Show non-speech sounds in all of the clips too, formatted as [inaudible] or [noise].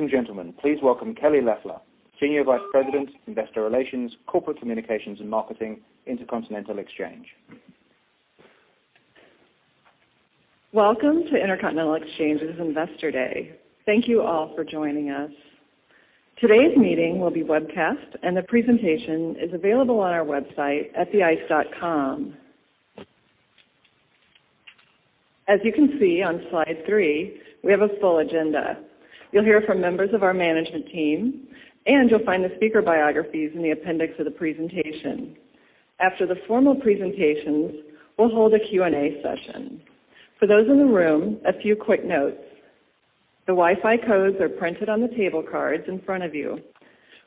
Ladies and gentlemen, please welcome Kelly Loeffler, Senior Vice President, Investor Relations, Corporate Communications and Marketing, Intercontinental Exchange. Welcome to Intercontinental Exchange's Investor Day. Thank you all for joining us. Today's meeting will be webcast, and the presentation is available on our website at theice.com. As you can see on slide three, we have a full agenda. You'll hear from members of our management team, and you'll find the speaker biographies in the appendix of the presentation. After the formal presentations, we'll hold a Q&A session. For those in the room, a few quick notes. The Wi-Fi codes are printed on the table cards in front of you.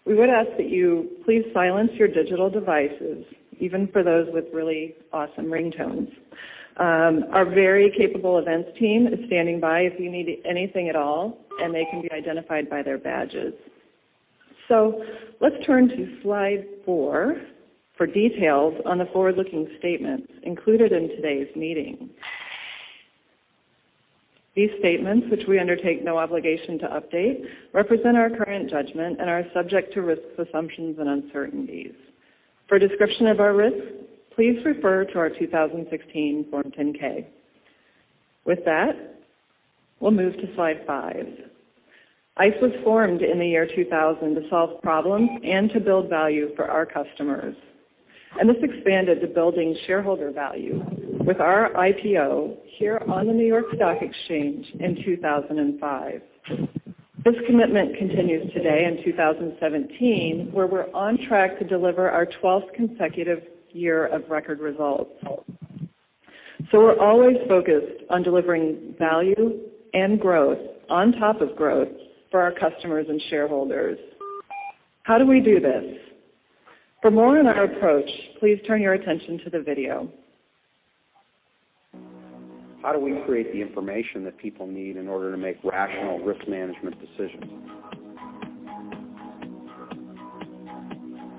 We would ask that you please silence your digital devices, even for those with really awesome ringtones. Our very capable events team is standing by if you need anything at all, and they can be identified by their badges. Let's turn to slide four for details on the forward-looking statements included in today's meeting. These statements, which we undertake no obligation to update, represent our current judgment and are subject to risks, assumptions, and uncertainties. For a description of our risks, please refer to our 2016 Form 10-K. With that, we'll move to slide five. ICE was formed in the year 2000 to solve problems and to build value for our customers. This expanded to building shareholder value with our IPO here on the New York Stock Exchange in 2005. This commitment continues today in 2017, where we're on track to deliver our 12th consecutive year of record results. We're always focused on delivering value and growth on top of growth for our customers and shareholders. How do we do this? For more on our approach, please turn your attention to the video. How do we create the information that people need in order to make rational risk management decisions?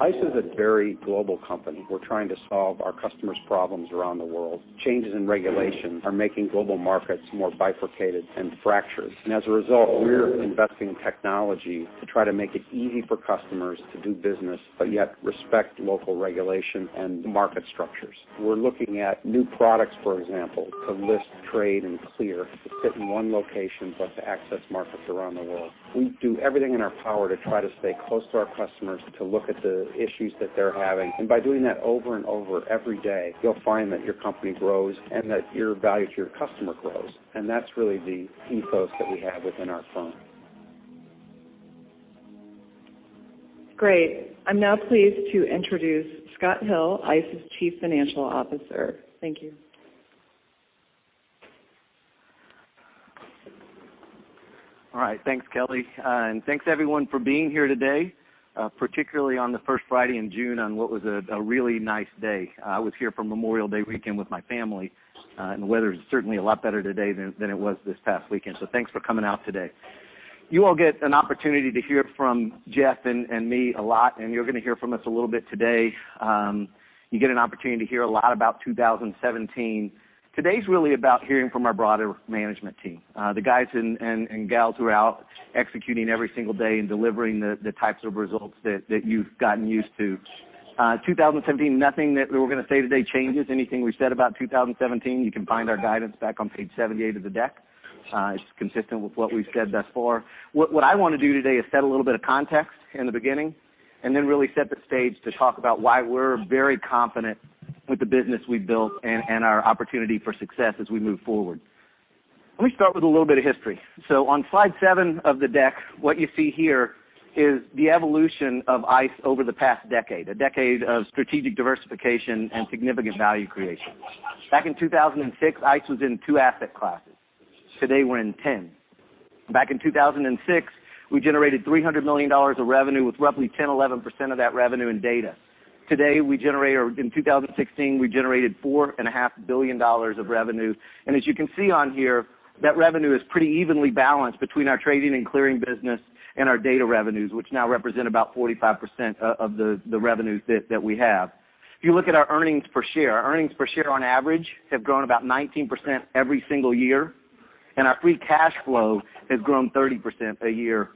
ICE is a very global company. We're trying to solve our customers' problems around the world. Changes in regulation are making global markets more bifurcated and fractured. As a result, we're investing in technology to try to make it easy for customers to do business, but yet respect local regulation and market structures. We're looking at new products, for example, to list, trade, and clear, to sit in one location, but to access markets around the world. We do everything in our power to try to stay close to our customers, to look at the issues that they're having. By doing that over and over every day, you'll find that your company grows and that your value to your customer grows. That's really the ethos that we have within our firm. Great. I'm now pleased to introduce Scott Hill, ICE's Chief Financial Officer. Thank you. All right. Thanks, Kelly. Thanks everyone for being here today, particularly on the first Friday in June on what was a really nice day. I was here for Memorial Day weekend with my family, the weather is certainly a lot better today than it was this past weekend. Thanks for coming out today. You all get an opportunity to hear from Jeff and me a lot, and you're going to hear from us a little bit today. You get an opportunity to hear a lot about 2017. Today's really about hearing from our broader management team. The guys and gals who are out executing every single day and delivering the types of results that you've gotten used to. 2017, nothing that we're going to say today changes anything we've said about 2017. You can find our guidance back on page 78 of the deck. It's consistent with what we've said thus far. What I want to do today is set a little bit of context in the beginning, and then really set the stage to talk about why we're very confident with the business we've built and our opportunity for success as we move forward. Let me start with a little bit of history. On slide seven of the deck, what you see here is the evolution of ICE over the past decade, a decade of strategic diversification and significant value creation. Back in 2006, ICE was in two asset classes. Today, we're in 10. Back in 2006, we generated $300 million of revenue, with roughly 10, 11% of that revenue in data. Today, in 2016, we generated $4.5 billion of revenue. As you can see on here, that revenue is pretty evenly balanced between our trading and clearing business and our data revenues, which now represent about 45% of the revenues that we have. If you look at our earnings per share, our earnings per share on average have grown about 19% every single year, and our free cash flow has grown 30% a year on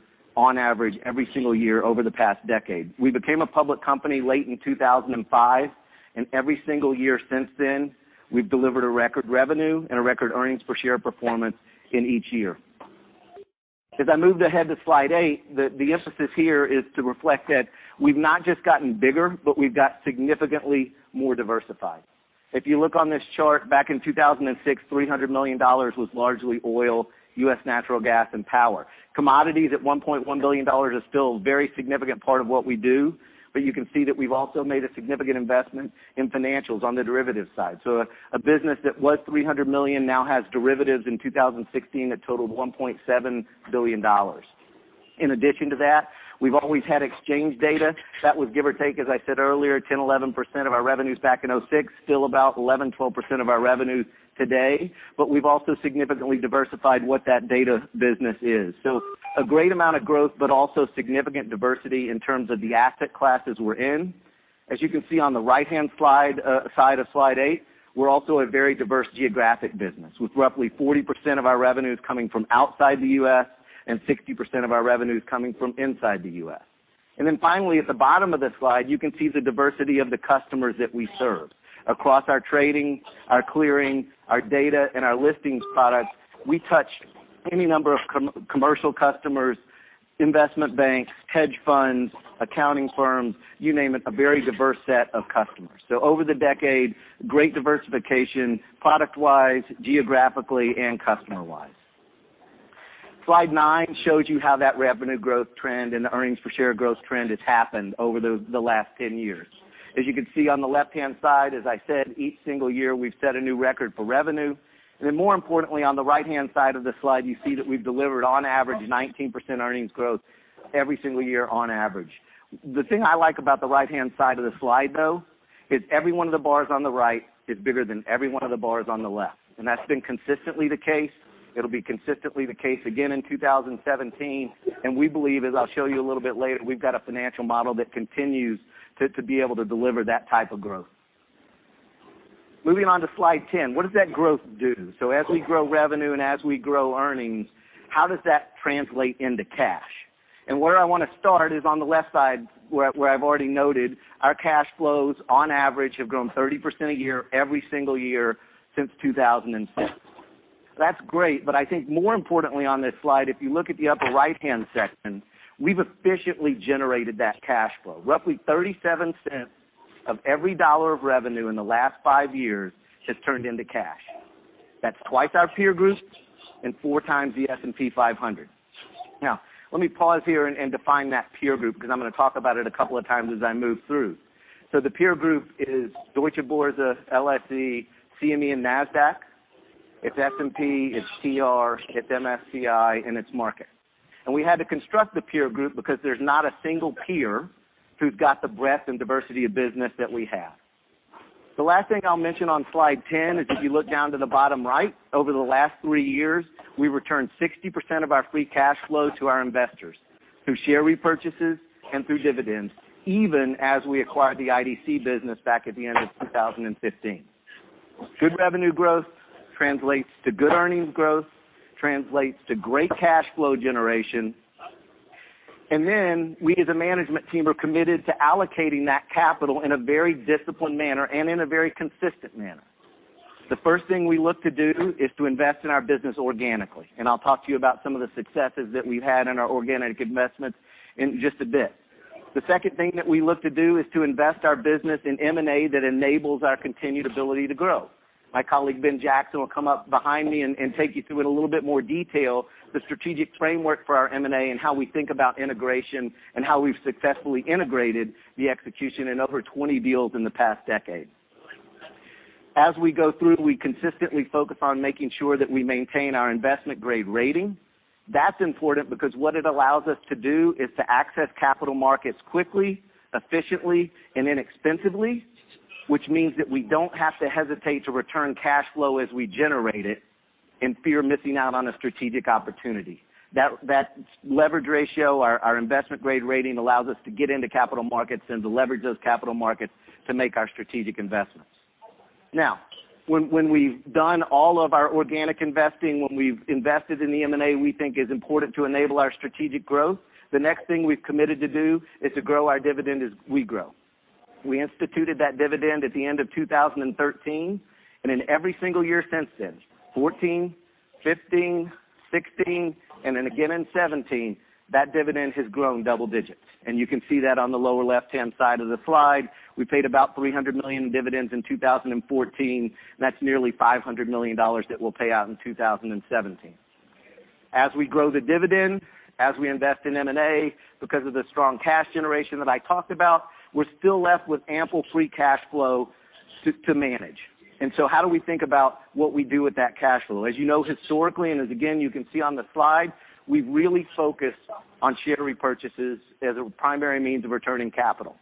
average every single year over the past decade. We became a public company late in 2005, every single year since then, we've delivered a record revenue and a record earnings per share performance in each year. As I move ahead to slide eight, the emphasis here is to reflect that we've not just gotten bigger, but we've got significantly more diversified. If you look on this chart, back in 2006, $300 million was largely oil, U.S. natural gas, and power. Commodities at $1.1 billion is still a very significant part of what we do, you can see that we've also made a significant investment in financials on the derivatives side. A business that was $300 million now has derivatives in 2016 that totaled $1.7 billion. In addition to that, we've always had exchange data. That was give or take, as I said earlier, 10%, 11% of our revenues back in 2006, still about 11%, 12% of our revenue today. We've also significantly diversified what that data business is. A great amount of growth, but also significant diversity in terms of the asset classes we're in. As you can see on the right-hand side of Slide 8, we're also a very diverse geographic business, with roughly 40% of our revenues coming from outside the U.S. and 60% of our revenues coming from inside the U.S. Finally, at the bottom of the slide, you can see the diversity of the customers that we serve. Across our trading, our clearing, our data, and our listings products, we touch any number of commercial customers, investment banks, hedge funds, accounting firms, you name it, a very diverse set of customers. Over the decade, great diversification product-wise, geographically, and customer-wise. Slide 9 shows you how that revenue growth trend and the earnings per share growth trend has happened over the last 10 years. As you can see on the left-hand side, as I said, each single year we've set a new record for revenue. More importantly, on the right-hand side of the slide, you see that we've delivered on average 19% earnings growth every single year on average. The thing I like about the right-hand side of the slide, though, is every one of the bars on the right is bigger than every one of the bars on the left. That's been consistently the case. It'll be consistently the case again in 2017. We believe, as I'll show you a little bit later, we've got a financial model that continues to be able to deliver that type of growth. Moving on to Slide 10, what does that growth do? As we grow revenue and as we grow earnings, how does that translate into cash? Where I want to start is on the left side, where I've already noted our cash flows, on average, have grown 30% a year every single year since 2006. I think more importantly on this slide, if you look at the upper right-hand section, we've efficiently generated that cash flow. Roughly $0.37 of every dollar of revenue in the last five years has turned into cash. That's 2 times our peer group and 4 times the S&P 500. Let me pause here and define that peer group, because I'm going to talk about it a couple of times as I move through. The peer group is Deutsche Börse, LSE, CME, and Nasdaq. It's S&P, it's TR, it's MSCI, and it's Markit. We had to construct the peer group because there's not a single peer who's got the breadth and diversity of business that we have. The last thing I'll mention on Slide 10 is if you look down to the bottom right, over the last three years, we returned 60% of our free cash flow to our investors through share repurchases and through dividends, even as we acquired the IDC business back at the end of 2015. Good revenue growth translates to good earnings growth, translates to great cash flow generation. We as a management team are committed to allocating that capital in a very disciplined manner and in a very consistent manner. The first thing we look to do is to invest in our business organically, I'll talk to you about some of the successes that we've had in our organic investments in just a bit. The second thing that we look to do is to invest our business in M&A that enables our continued ability to grow. My colleague, Ben Jackson, will come up behind me and take you through in a little bit more detail the strategic framework for our M&A and how we think about integration and how we've successfully integrated the execution in over 20 deals in the past decade. As we go through, we consistently focus on making sure that we maintain our investment-grade rating. That's important because what it allows us to do is to access capital markets quickly, efficiently, and inexpensively, which means that we don't have to hesitate to return cash flow as we generate it in fear of missing out on a strategic opportunity. That leverage ratio, our investment-grade rating, allows us to get into capital markets and to leverage those capital markets to make our strategic investments. When we've done all of our organic investing, when we've invested in the M&A we think is important to enable our strategic growth, the next thing we've committed to do is to grow our dividend as we grow. We instituted that dividend at the end of 2013, in every single year since then, 2014, 2015, 2016, and then again in 2017, that dividend has grown double digits. You can see that on the lower left-hand side of the slide. We paid about $300 million in dividends in 2014, that's nearly $500 million that we'll pay out in 2017. As we grow the dividend, as we invest in M&A, because of the strong cash generation that I talked about, we're still left with ample free cash flow to manage. How do we think about what we do with that cash flow? As you know, historically, and as again you can see on the slide, we've really focused on share repurchases as a primary means of returning capital.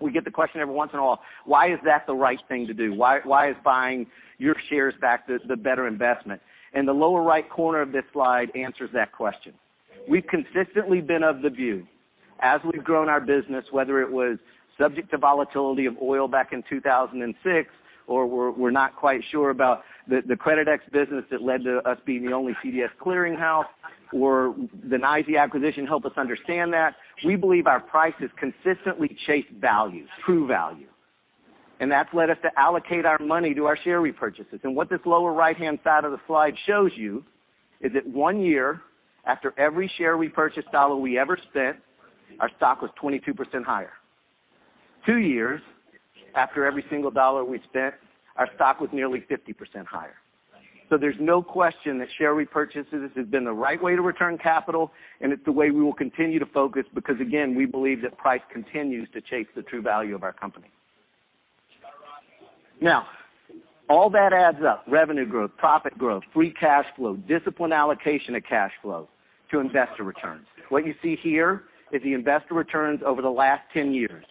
We get the question every once in a while, why is that the right thing to do? Why is buying your shares back the better investment? The lower right corner of this slide answers that question. We've consistently been of the view, as we've grown our business, whether it was subject to volatility of oil back in 2006, or we're not quite sure about the Creditex business that led to us being the only CDS clearing house, or the NYSE acquisition helped us understand that, we believe our prices consistently chase values, true value. That's led us to allocate our money to our share repurchases. What this lower right-hand side of the slide shows you is that one year after every share repurchase dollar we ever spent, our stock was 22% higher. Two years after every single dollar we've spent, our stock was nearly 50% higher. There's no question that share repurchases has been the right way to return capital, and it's the way we will continue to focus because, again, we believe that price continues to chase the true value of our company. All that adds up, revenue growth, profit growth, free cash flow, disciplined allocation of cash flow to investor returns. What you see here is the investor returns over the last 10 years.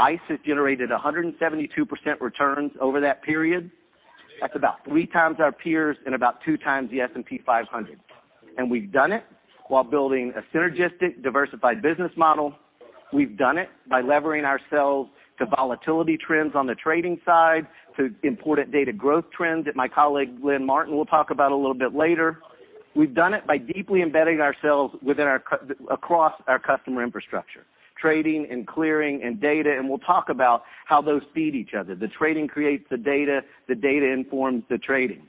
ICE has generated 172% returns over that period. That's about three times our peers and about two times the S&P 500. We've done it while building a synergistic, diversified business model. We've done it by levering ourselves to volatility trends on the trading side, to important data growth trends that my colleague Lynn Martin will talk about a little bit later. We've done it by deeply embedding ourselves across our customer infrastructure, trading and clearing and data, and we'll talk about how those feed each other. The trading creates the data, the data informs the trading.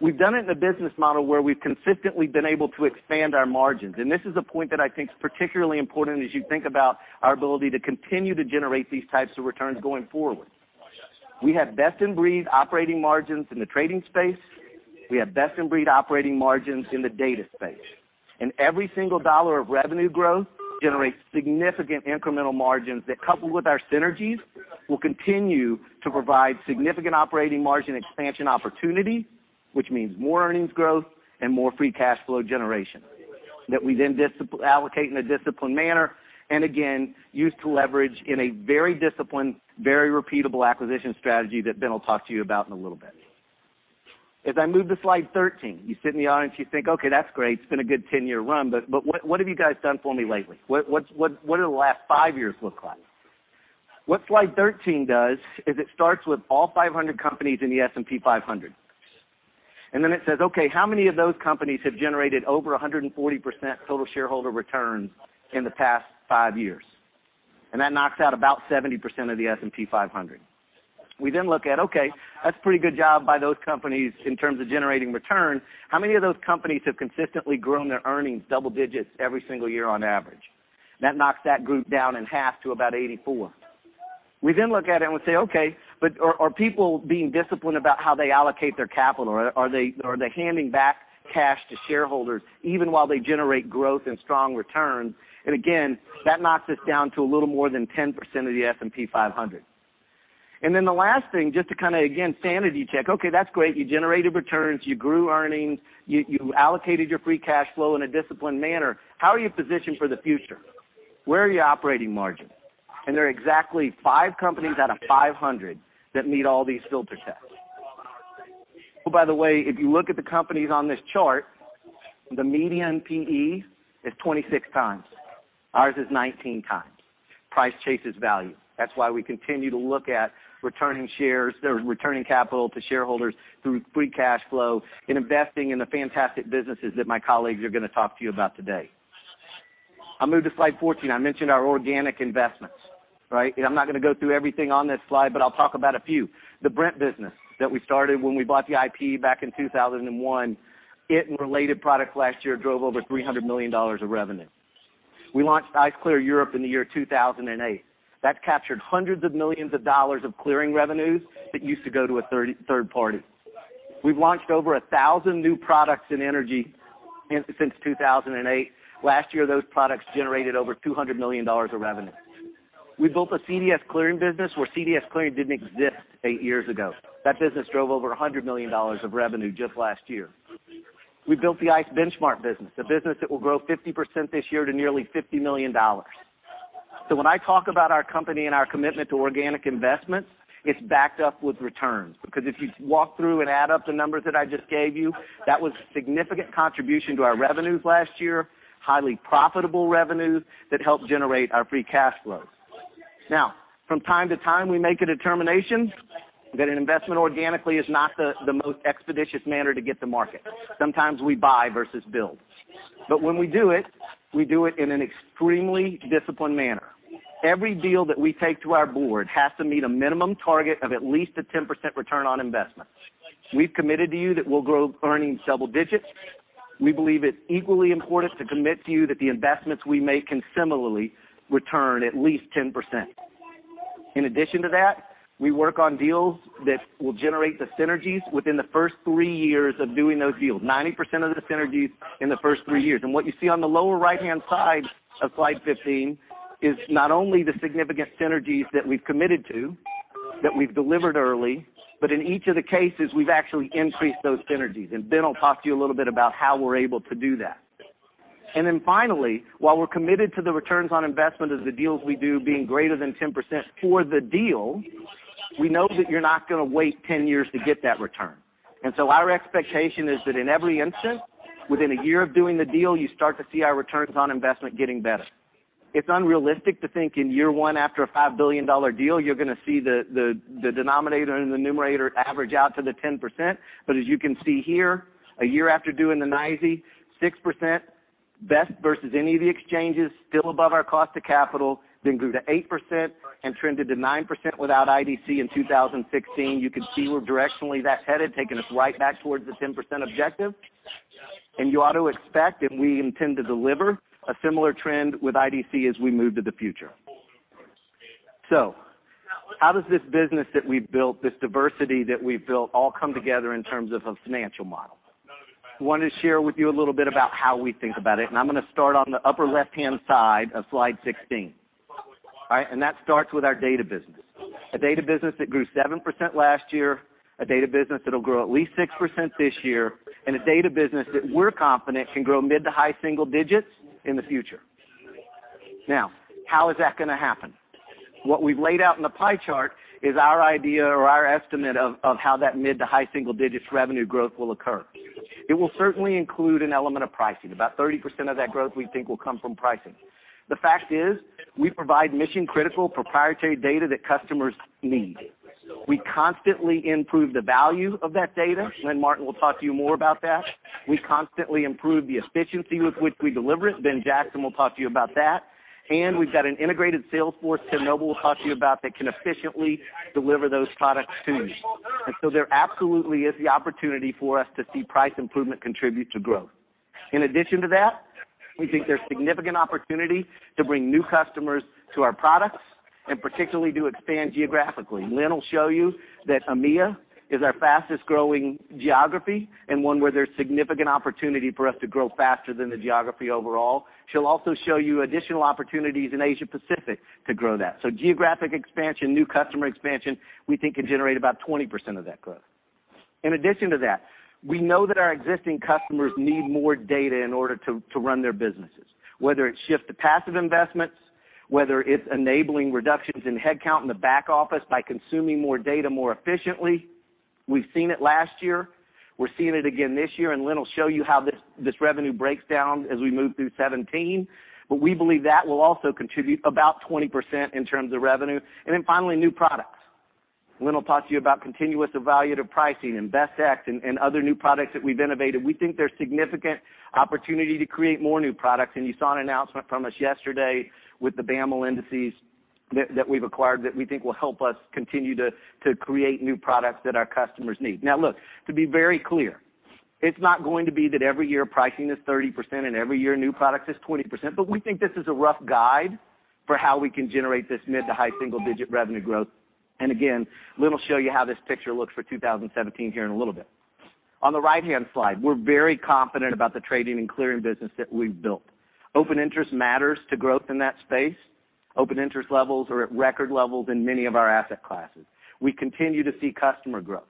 We've done it in a business model where we've consistently been able to expand our margins, and this is a point that I think is particularly important as you think about our ability to continue to generate these types of returns going forward. We have best-in-breed operating margins in the trading space. We have best-in-breed operating margins in the data space. Every single dollar of revenue growth generates significant incremental margins that, coupled with our synergies, will continue to provide significant operating margin expansion opportunity, which means more earnings growth and more free cash flow generation, that we then allocate in a disciplined manner, and again, use to leverage in a very disciplined, very repeatable acquisition strategy that Ben will talk to you about in a little bit. As I move to slide 13, you sit in the audience, you think, "Okay, that's great. It's been a good 10-year run, but what have you guys done for me lately? What do the last five years look like?" What slide 13 does is it starts with all 500 companies in the S&P 500. Then it says, okay, how many of those companies have generated over 140% total shareholder returns in the past five years? That knocks out about 70% of the S&P 500. We then look at. That's a pretty good job by those companies in terms of generating return. How many of those companies have consistently grown their earnings double digits every single year on average? That knocks that group down in half to about 84. We then look at it. Are people being disciplined about how they allocate their capital? Are they handing back cash to shareholders even while they generate growth and strong returns? Again, that knocks us down to a little more than 10% of the S&P 500. The last thing, just to kind of, again, sanity check, that's great. You generated returns, you grew earnings, you allocated your free cash flow in a disciplined manner. How are you positioned for the future? Where are your operating margins? There are exactly five companies out of 500 that meet all these filter tests. Oh, by the way, if you look at the companies on this chart, the median PE is 26 times. Ours is 19 times. Price chases value. That's why we continue to look at returning capital to shareholders through free cash flow and investing in the fantastic businesses that my colleagues are going to talk to you about today. I move to slide 14. I mentioned our organic investments. Right? I'm not going to go through everything on this slide, but I'll talk about a few. The Brent business that we started when we bought the Liffe back in 2001, it and related products last year drove over $300 million of revenue. We launched ICE Clear Europe in the year 2008. That captured hundreds of millions of dollars of clearing revenues that used to go to a third party. We've launched over 1,000 new products in energy since 2008. Last year, those products generated over $200 million of revenue. We built a CDS clearing business where CDS clearing didn't exist eight years ago. That business drove over $100 million of revenue just last year. We built the ICE benchmark business, a business that will grow 50% this year to nearly $50 million. When I talk about our company and our commitment to organic investments, it's backed up with returns, because if you walk through and add up the numbers that I just gave you, that was significant contribution to our revenues last year, highly profitable revenues that helped generate our free cash flow. From time to time, we make a determination that an investment organically is not the most expeditious manner to get to market. Sometimes we buy versus build. When we do it, we do it in an extremely disciplined manner. Every deal that we take to our board has to meet a minimum target of at least a 10% return on investment. We've committed to you that we'll grow earnings double digits. We believe it's equally important to commit to you that the investments we make can similarly return at least 10%. In addition to that, we work on deals that will generate the synergies within the first three years of doing those deals, 90% of the synergies in the first three years. What you see on the lower right-hand side of slide 15 is not only the significant synergies that we've committed to, that we've delivered early, but in each of the cases, we've actually increased those synergies. Ben will talk to you a little bit about how we're able to do that. Finally, while we're committed to the returns on investment of the deals we do being greater than 10% for the deal, we know that you're not going to wait 10 years to get that return. Our expectation is that in every instance, within a year of doing the deal, you start to see our returns on investment getting better. It's unrealistic to think in year one after a $5 billion deal, you're going to see the denominator and the numerator average out to the 10%. As you can see here, a year after doing the NYSE, 6%, best versus any of the exchanges, still above our cost of capital, then grew to 8% and trended to 9% without IDC in 2016. You can see where directionally that's headed, taking us right back towards the 10% objective. You ought to expect, and we intend to deliver, a similar trend with IDC as we move to the future. How does this business that we've built, this diversity that we've built, all come together in terms of a financial model? I want to share with you a little bit about how we think about it, and I'm going to start on the upper left-hand side of slide 16. All right? That starts with our data business, a data business that grew 7% last year, a data business that'll grow at least 6% this year, and a data business that we're confident can grow mid to high single digits in the future. Now, how is that going to happen? What we've laid out in the pie chart is our idea or our estimate of how that mid to high single digits revenue growth will occur. It will certainly include an element of pricing. About 30% of that growth, we think, will come from pricing. The fact is, we provide mission-critical proprietary data that customers need. We constantly improve the value of that data. Lynn Martin will talk to you more about that. We constantly improve the efficiency with which we deliver it. Ben Jackson will talk to you about that. We've got an integrated sales force Tim Noble will talk to you about that can efficiently deliver those products to you. There absolutely is the opportunity for us to see price improvement contribute to growth. In addition to that, we think there's significant opportunity to bring new customers to our products and particularly to expand geographically. Lynn will show you that EMEA is our fastest-growing geography and one where there's significant opportunity for us to grow faster than the geography overall. She'll also show you additional opportunities in Asia Pacific to grow that. Geographic expansion, new customer expansion, we think can generate about 20% of that growth. In addition to that, we know that our existing customers need more data in order to run their businesses, whether it's shift to passive investments, whether it's enabling reductions in headcount in the back office by consuming more data more efficiently. We've seen it last year. We're seeing it again this year. Lynn will show you how this revenue breaks down as we move through 2017. We believe that will also contribute about 20% in terms of revenue. Finally, new products. Lynn will talk to you about Continuous Evaluated Pricing, [InvestX], and other new products that we've innovated. We think there's significant opportunity to create more new products. You saw an announcement from us yesterday with the ICE BofAML Indices that we've acquired that we think will help us continue to create new products that our customers need. Look, to be very clear, it's not going to be that every year pricing is 30% and every year new products is 20%, we think this is a rough guide for how we can generate this mid to high single-digit revenue growth. Again, Lynn will show you how this picture looks for 2017 here in a little bit. On the right-hand slide, we're very confident about the trading and clearing business that we've built. Open interest matters to growth in that space. Open interest levels are at record levels in many of our asset classes. We continue to see customer growth,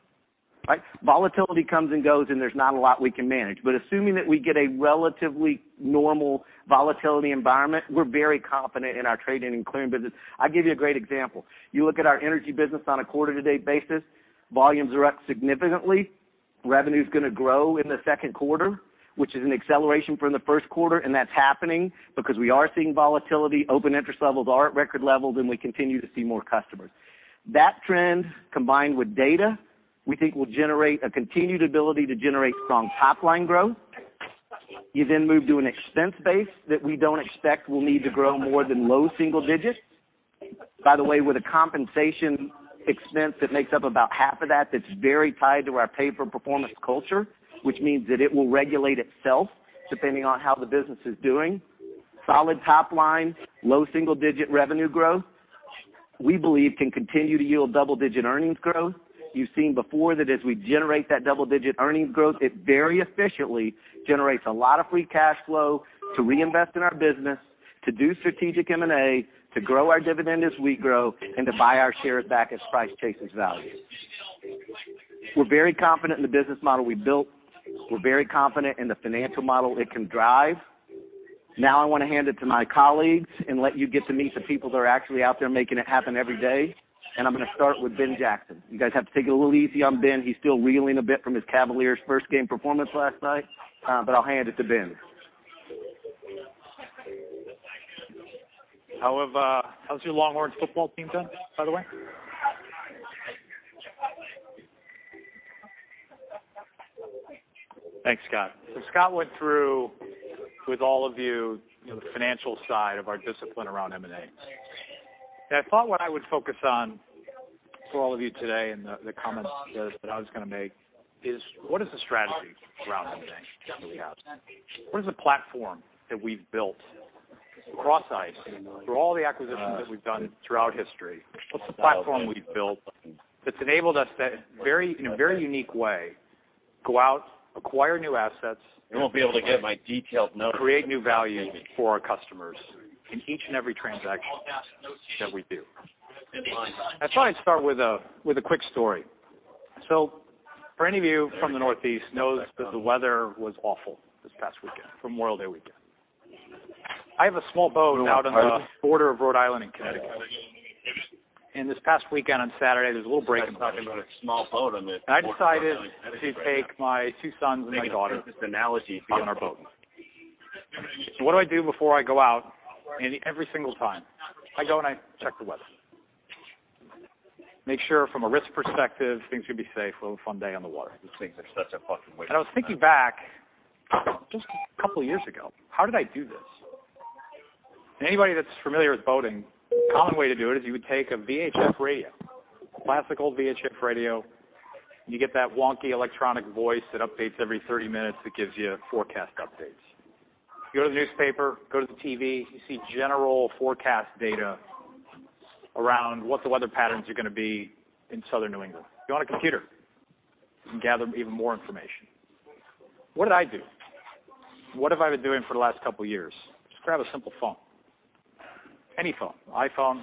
right? Volatility comes and goes, and there's not a lot we can manage. Assuming that we get a relatively normal volatility environment, we're very confident in our trading and clearing business. I'll give you a great example. You look at our energy business on a quarter-to-date basis, volumes are up significantly. Revenue's going to grow in the second quarter, which is an acceleration from the first quarter, and that's happening because we are seeing volatility. Open interest levels are at record levels, and we continue to see more customers. That trend, combined with data, we think will generate a continued ability to generate strong top-line growth. You then move to an expense base that we don't expect will need to grow more than low single digits. By the way, with a compensation expense that makes up about half of that's very tied to our pay-for-performance culture, which means that it will regulate itself depending on how the business is doing. Solid top line, low single-digit revenue growth, we believe can continue to yield double-digit earnings growth. You've seen before that as we generate that double-digit earnings growth, it very efficiently generates a lot of free cash flow to reinvest in our business, to do strategic M&A, to grow our dividend as we grow, and to buy our shares back as price chases value. We're very confident in the business model we built. We're very confident in the financial model it can drive. I want to hand it to my colleagues and let you get to meet the people that are actually out there making it happen every day. I'm going to start with Ben Jackson. You guys have to take it a little easy on Ben. He's still reeling a bit from his Cavaliers' first-game performance last night. I'll hand it to Ben. How have your Longhorns football team done, by the way? Thanks, Scott. Scott went through with all of you the financial side of our discipline around M&A. I thought what I would focus on for all of you today and the comments that I was going to make is what is the strategy around M&A that we have? What is the platform that we've built across ICE through all the acquisitions that we've done throughout history? What's the platform we've built that's enabled us that very unique way, go out, acquire new assets- You won't be able to get my detailed notes create new value for our customers in each and every transaction that we do. I thought I'd start with a quick story. For any of you from the Northeast knows that the weather was awful this past weekend, for Memorial Day weekend. I have a small boat out on the border of Rhode Island and Connecticut. This past weekend on Saturday, there was a little break in the weather. Scott's talking about a small boat on the border of Rhode Island and Connecticut right now. I decided to take my two sons and my daughter. Making a business analogy here. Out on our boat. What do I do before I go out, Andy, every single time? I go and I check the weather. Make sure from a risk perspective, things are going to be safe. We'll have a fun day on the water. These things are such a fucking waste of time. I was thinking back just a couple years ago, how did I do this? Anybody that's familiar with boating, common way to do it is you would take a VHF radio, classical VHF radio, you get that wonky electronic voice that updates every 30 minutes that gives you forecast updates. You go to the newspaper, go to the TV, you see general forecast data around what the weather patterns are going to be in Southern New England. You go on a computer, you can gather even more information. What did I do? What have I been doing for the last couple years? Just grab a simple phone. Any phone. iPhone,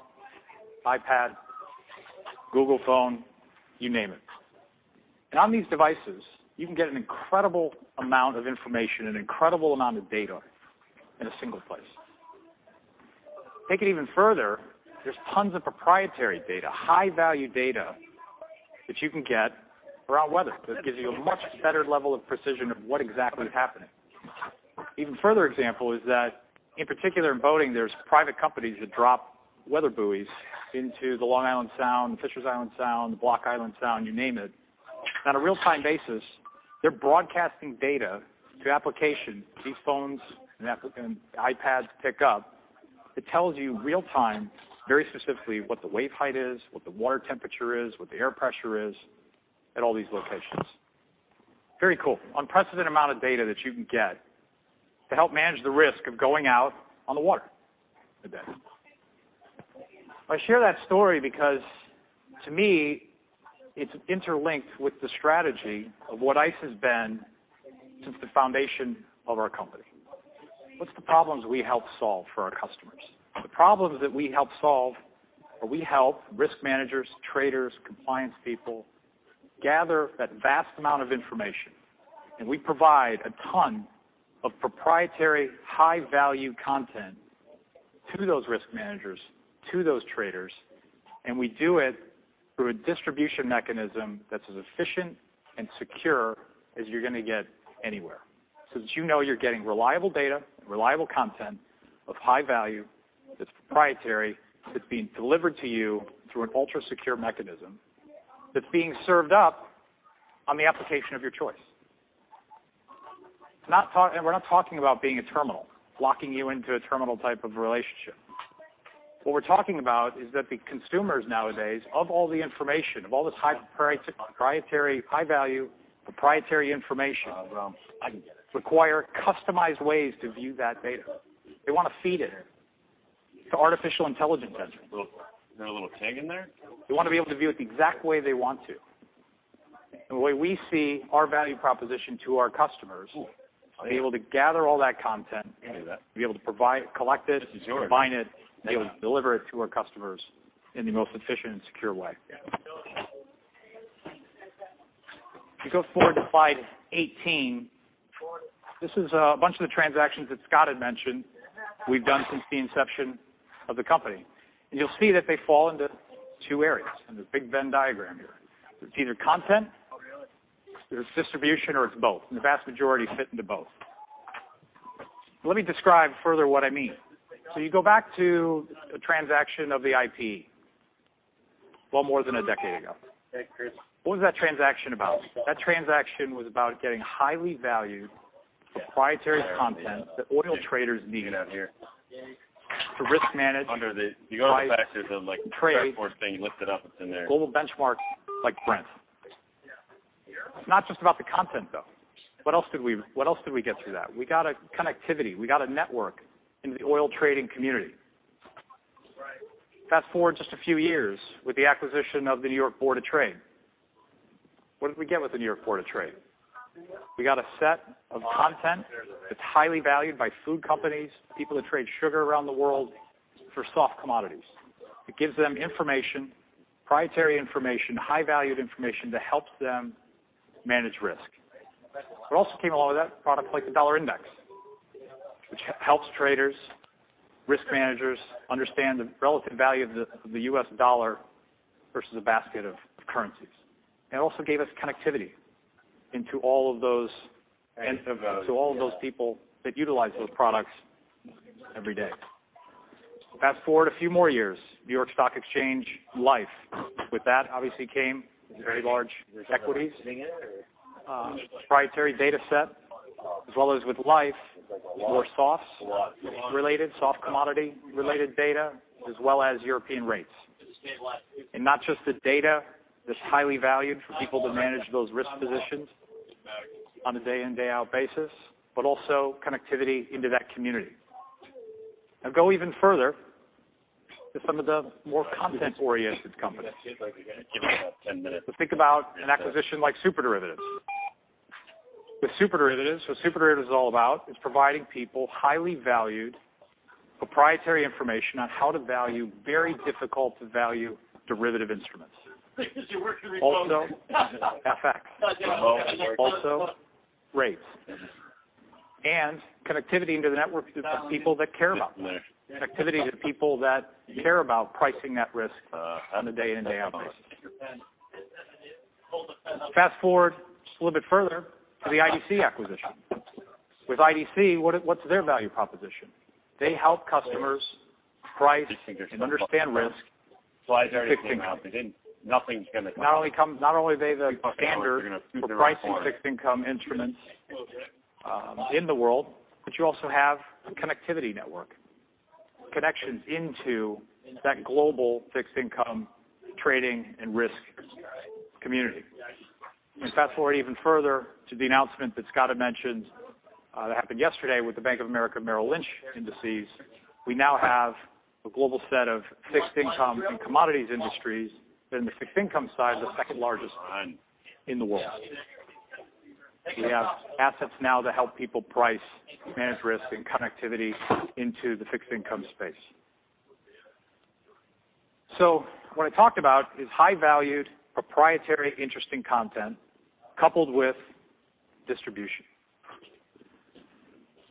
iPad. Google phone, you name it. On these devices, you can get an incredible amount of information, an incredible amount of data in a single place. Take it even further, there's tons of proprietary data, high-value data that you can get for our weather, that gives you a much better level of precision of what exactly is happening. Even further example is that in particular in boating, there's private companies that drop weather buoys into the Long Island Sound, the Fishers Island Sound, the Block Island Sound, you name it. On a real-time basis, they're broadcasting data to applications these phones and iPads pick up that tells you real time, very specifically, what the wave height is, what the water temperature is, what the air pressure is at all these locations. Very cool. Unprecedented amount of data that you can get to help manage the risk of going out on the water. I share that story because to me, it's interlinked with the strategy of what ICE has been since the foundation of our company. What's the problems we help solve for our customers? The problems that we help solve are we help risk managers, traders, compliance people gather that vast amount of information, we provide a ton of proprietary high-value content to those risk managers, to those traders, and we do it through a distribution mechanism that's as efficient and secure as you're going to get anywhere. That you know you're getting reliable data, reliable content of high value that's proprietary, that's being delivered to you through an ultra-secure mechanism, that's being served up on the application of your choice. We're not talking about being a terminal, locking you into a terminal type of relationship. What we're talking about is that the consumers nowadays, of all the information, of all this high-value proprietary information, require customized ways to view that data. They want to feed it to artificial intelligence. Is there a little tag in there? They want to be able to view it the exact way they want to. The way we see our value proposition to our customers, to be able to gather all that content, to be able to collect it, combine it, and be able to deliver it to our customers in the most efficient and secure way. If you go forward to slide 18, this is a bunch of the transactions that Scott had mentioned we've done since the inception of the company. You'll see that they fall into two areas, in the big Venn diagram here. They're either content, they're distribution, or it's both, and the vast majority fit into both. Let me describe further what I mean. You go back to the transaction of the IPE, well more than a decade ago. What was that transaction about? That transaction was about getting highly valued proprietary content that oil traders needed, for risk management- Under the, if you go to the back, -by trade- spread board thing, you lift it up, it's in there global benchmarks like Brent. It's not just about the content, though. What else did we get through that? We got a connectivity. We got a network in the oil trading community. Fast-forward just a few years with the acquisition of the New York Board of Trade. What did we get with the New York Board of Trade? We got a set of content that's highly valued by food companies, people that trade sugar around the world, for soft commodities. It gives them information, proprietary information, high-valued information that helps them manage risk. What also came along with that, products like the Dollar Index, which helps traders, risk managers understand the relative value of the U.S. dollar versus a basket of currencies. It also gave us connectivity into all of those people that utilize those products every day. Fast-forward a few more years, New York Stock Exchange Liffe. With that, obviously, came very large equities, proprietary data set, as well as with Liffe, more softs, soft commodity-related data, as well as European rates. Not just the data that's highly valued for people to manage those risk positions on a day in, day out basis, but also connectivity into that community. Now go even further to some of the more content-oriented companies. You have 10 minutes. think about an acquisition like SuperDerivatives. What's SuperDerivatives all about, is providing people highly valued proprietary information on how to value very difficult to value derivative instruments. you're working remote. Also, FX. Also, rates. Connectivity into the networks through people that care about them. Connectivity to people that care about pricing that risk on a day in, day out basis. Fast-forward just a little bit further to the IDC acquisition. With IDC, what's their value proposition? They help customers price and understand risk of fixed income. Not only are they the standard for pricing fixed income instruments in the world, but you also have a connectivity network, connections into that global fixed income trading and risk community. Fast-forward even further to the announcement that Scott had mentioned that happened yesterday with the Bank of America Merrill Lynch indices. We now have a global set of fixed income and commodities indices that, in the fixed income side, is the second largest one in the world. We have assets now to help people price, manage risk, and connectivity into the fixed income space. what I talked about is high-valued, proprietary, interesting content coupled with distribution.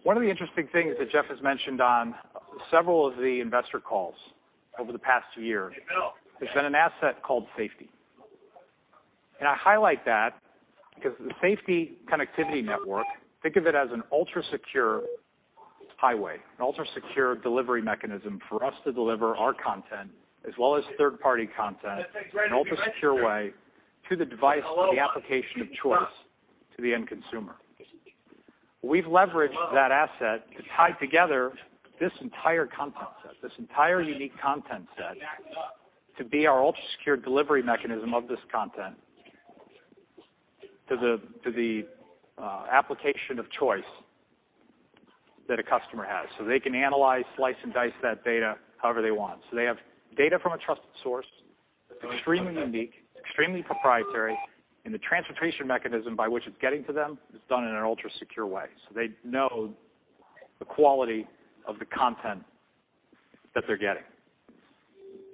One of the interesting things that Jeff has mentioned on several of the investor calls over the past year has been an asset called SFTI. I highlight that because the SFTI Connectivity Network, think of it as an ultra-secure highway, an ultra-secure delivery mechanism for us to deliver our content as well as third-party content in an ultra-secure way to the device, to the application of choice to the end consumer. We've leveraged that asset to tie together this entire content set, this entire unique content set, to be our ultra-secure delivery mechanism of this content to the application of choice that a customer has. they can analyze, slice and dice that data however they want. They have data from a trusted source, extremely unique, extremely proprietary, and the transportation mechanism by which it's getting to them is done in an ultra-secure way. They know the quality of the content that they're getting.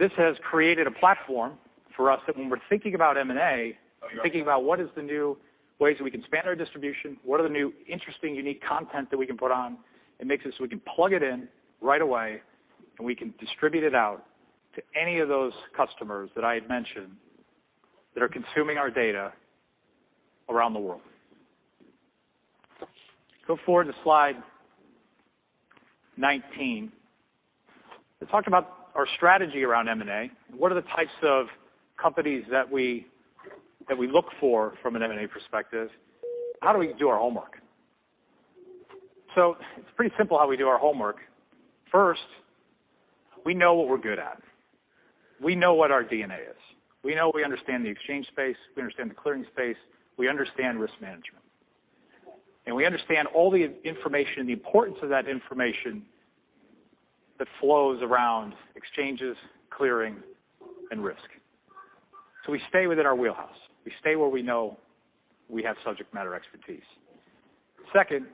This has created a platform for us that when we're thinking about M&A, we're thinking about what is the new ways that we can expand our distribution, what are the new, interesting, unique content that we can put on and mix it so we can plug it in right away, and we can distribute it out to any of those customers that I had mentioned that are consuming our data around the world. Go forward to slide 19. Let's talk about our strategy around M&A, what are the types of companies that we look for from an M&A perspective. How do we do our homework? It's pretty simple how we do our homework. First, we know what we're good at. We know what our DNA is. We understand the exchange space, we understand the clearing space, we understand risk management. We understand all the information and the importance of that information that flows around exchanges, clearing, and risk. We stay within our wheelhouse. We stay where we know we have subject matter expertise. Second,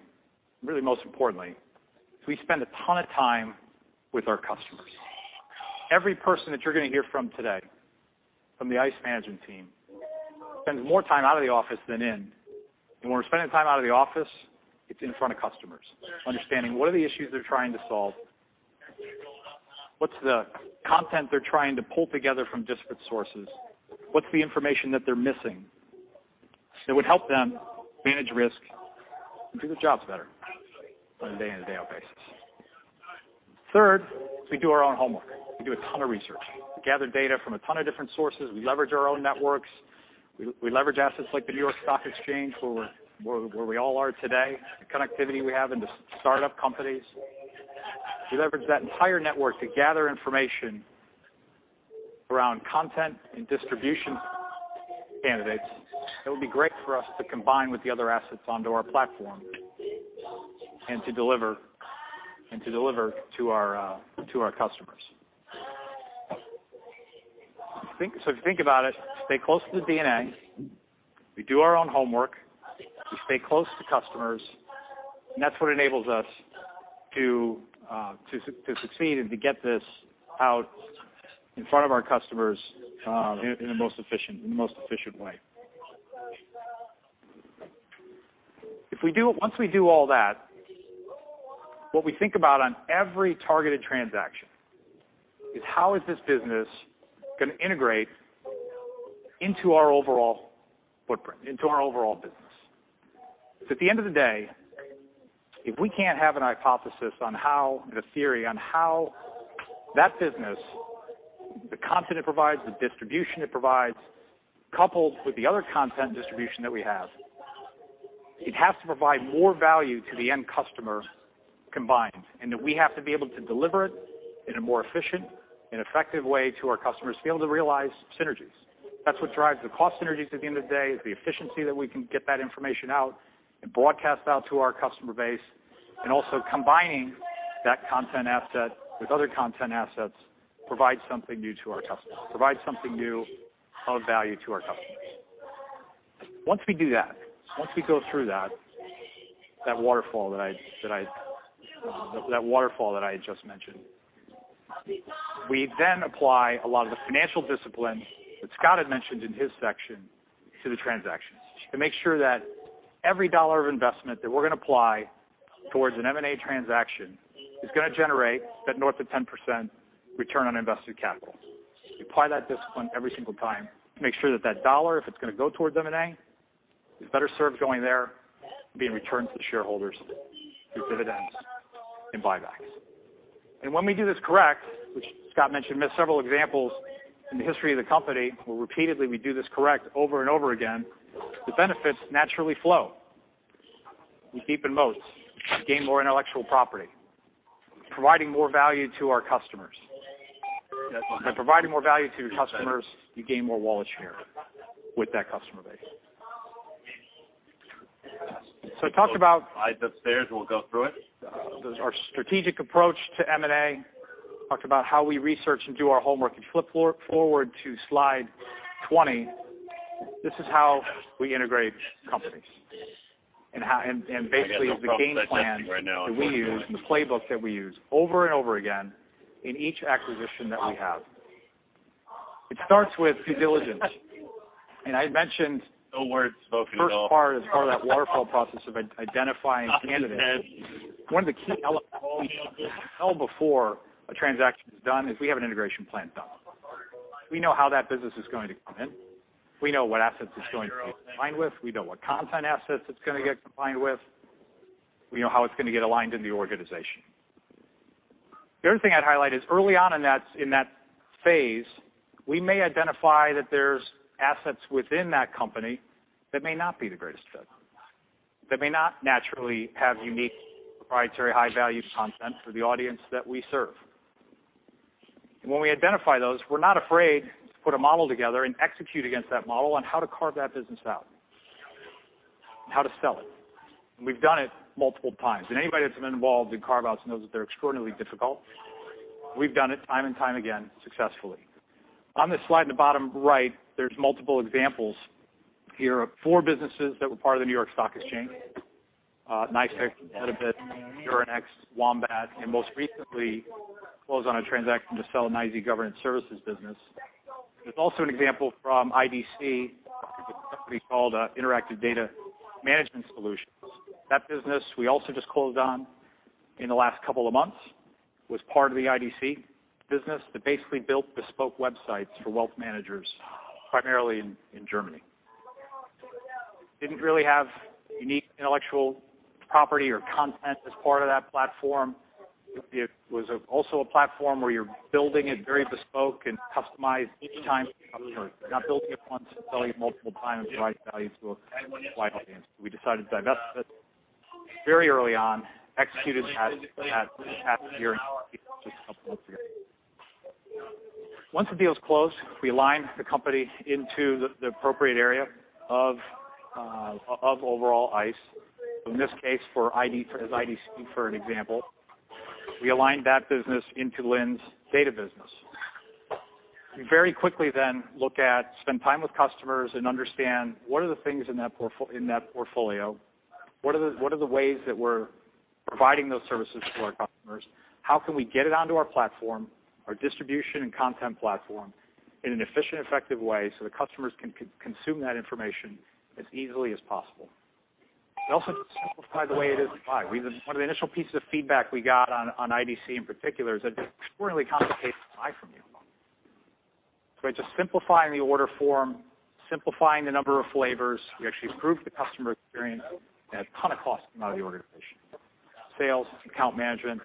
really most importantly, is we spend a ton of time with our customers. Every person that you're going to hear from today, from the ICE management team, spends more time out of the office than in. When we're spending time out of the office, it's in front of customers. Understanding what are the issues they're trying to solve, what's the content they're trying to pull together from disparate sources, what's the information that they're missing that would help them manage risk and do their jobs better on a day-in and day-out basis. Third, we do our own homework. We do a ton of research. We gather data from a ton of different sources. We leverage our own networks. We leverage assets like the New York Stock Exchange, where we all are today, the connectivity we have into startup companies. We leverage that entire network to gather information around content and distribution candidates that would be great for us to combine with the other assets onto our platform and to deliver to our customers. If you think about it, stay close to the DNA. We do our own homework. We stay close to customers. That's what enables us to succeed and to get this out in front of our customers in the most efficient way. Once we do all that, what we think about on every targeted transaction is how is this business going to integrate into our overall footprint, into our overall business? At the end of the day, if we can't have a hypothesis and a theory on how that business, the content it provides, the distribution it provides, coupled with the other content distribution that we have, it has to provide more value to the end customer combined, and that we have to be able to deliver it in a more efficient and effective way to our customers to be able to realize synergies. That's what drives the cost synergies at the end of the day, is the efficiency that we can get that information out and broadcast out to our customer base. Also combining that content asset with other content assets provides something new to our customers, provides something new of value to our customers. Once we do that, once we go through that waterfall that I just mentioned, we then apply a lot of the financial discipline that Scott had mentioned in his section to the transactions to make sure that every dollar of investment that we're going to apply towards an M&A transaction is going to generate that north of 10% return on invested capital. We apply that discipline every single time to make sure that that dollar, if it's going to go towards M&A, is better served going there than being returned to the shareholders through dividends and buybacks. When we do this correct, which Scott mentioned several examples in the history of the company, where repeatedly we do this correct over and over again, the benefits naturally flow. We deepen moats. We gain more intellectual property, providing more value to our customers. By providing more value to your customers, you gain more wallet share with that customer base. [inaudible] we'll go through it. There's our strategic approach to M&A. Talked about how we research and do our homework. If you flip forward to slide 20, this is how we integrate companies. Basically, the game plan that we use and the playbook that we use over and over again in each acquisition that we have. It starts with due diligence. No words spoken at all the first part, as part of that waterfall process of identifying candidates. One of the key elements, well before a transaction is done, is we have an integration plan done. We know how that business is going to come in. We know what assets it's going to be combined with. We know what content assets it's going to get combined with. We know how it's going to get aligned in the organization. The other thing I'd highlight is early on in that phase, we may identify that there's assets within that company that may not be the greatest fit, that may not naturally have unique, proprietary, high-value content for the audience that we serve. When we identify those, we're not afraid to put a model together and execute against that model on how to carve that business out, and how to sell it. We've done it multiple times. Anybody that's been involved in carve-outs knows that they're extraordinarily difficult. We've done it time and time again successfully. On this slide in the bottom right, there's multiple examples here of 4 businesses that were part of the New York Stock Exchange. NYFIX, [inaudible] [inaudible] Wombat, and most recently, closed on a transaction to sell an [inaudible] governance services business. There's also an example from IDC, a company called Interactive Data Management Solutions. That business, we also just closed on in the last couple of months. Was part of the IDC business that basically built bespoke websites for wealth managers, primarily in Germany. Didn't really have unique intellectual property or content as part of that platform. It was also a platform where you're building it very bespoke and customized each time for a customer. You're not building it once and selling it multiple times to provide value to a wide audience. We decided to divest it very early on, executed the past year and completed it just a couple of months ago. Once the deal is closed, we align the company into the appropriate area of overall ICE. In this case, as IDC for an example, we aligned that business into Lynn's data business. We very quickly then look at, spend time with customers and understand what are the things in that portfolio, what are the ways that we're providing those services to our customers, how can we get it onto our platform, our distribution and content platform, in an efficient, effective way so the customers can consume that information as easily as possible. It also simplified the way it is to buy. One of the initial pieces of feedback we got on IDC in particular is that it's extraordinarily complicated to buy from you. By just simplifying the order form, simplifying the number of flavors, we actually improved the customer experience and a ton of cost came out of the organization. Sales, account management,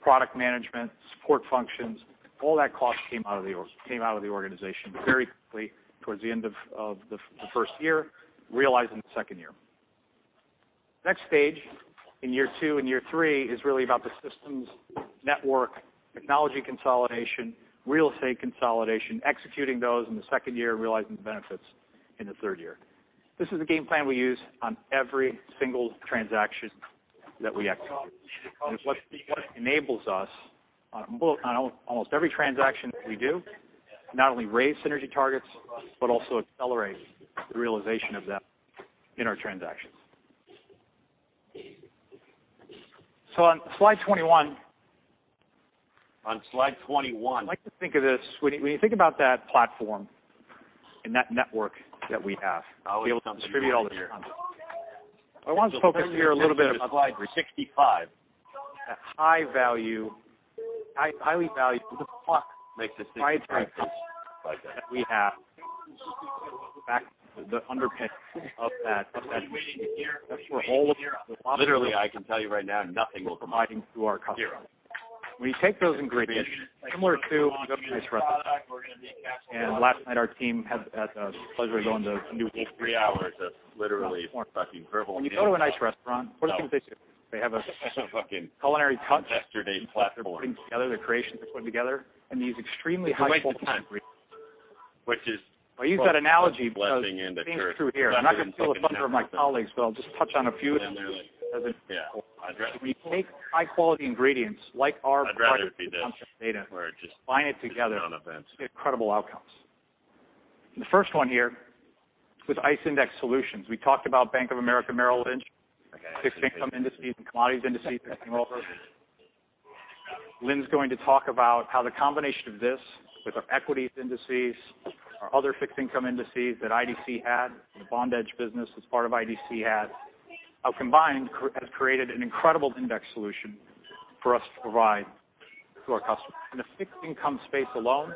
product management, support functions, all that cost came out of the organization very quickly towards the end of the first year, realized in the second year. Next stage, in year two and year three, is really about the systems, network, technology consolidation, real estate consolidation, executing those in the second year, realizing the benefits in the third year. This is the game plan we use on every single transaction that we execute. It's what enables us, on almost every transaction that we do, to not only raise synergy targets, but also accelerate the realization of them in our transactions. On slide 21. On slide 21. I like to think of this, when you think about that platform and that network that we have. I'll leave something here. to be able to distribute all this content. I want to focus here a little bit. Slide 65. at highly valued What the fuck makes a 65? that we have. In fact, the underpinning of that. Are you waiting to hear? Literally, I can tell you right now, nothing will come out. Zero. Providing to our customers. When you take those ingredients, similar to. We're going to make a product. We're going to make absolutely. Last night, our team had the pleasure of going to a new. Three hours of literally fucking verbal abuse. When you go to a nice restaurant, what are the things they do? They have a. Fucking- culinary touch. yesterday's platform as they're putting together, the creations they're putting together, and these extremely high-quality ingredients. Which is- I use that analogy because- blessing in the church. Things through here. I'm not going to steal a thunder from my colleagues, but I'll just touch on a few of them. When you take high-quality ingredients like our- I'd rather it be this. Where it just- combine it together- on events. you get incredible outcomes. The first one here is ICE Index Solutions. We talked about Bank of America Merrill Lynch. Okay. Fixed income indices and commodities indices, testing well. Lynn's going to talk about how the combination of this with our equities indices, our other fixed income indices that IDC had, the BondEdge business as part of IDC had, how combined has created an incredible index solution for us to provide to our customers. In the fixed income space alone,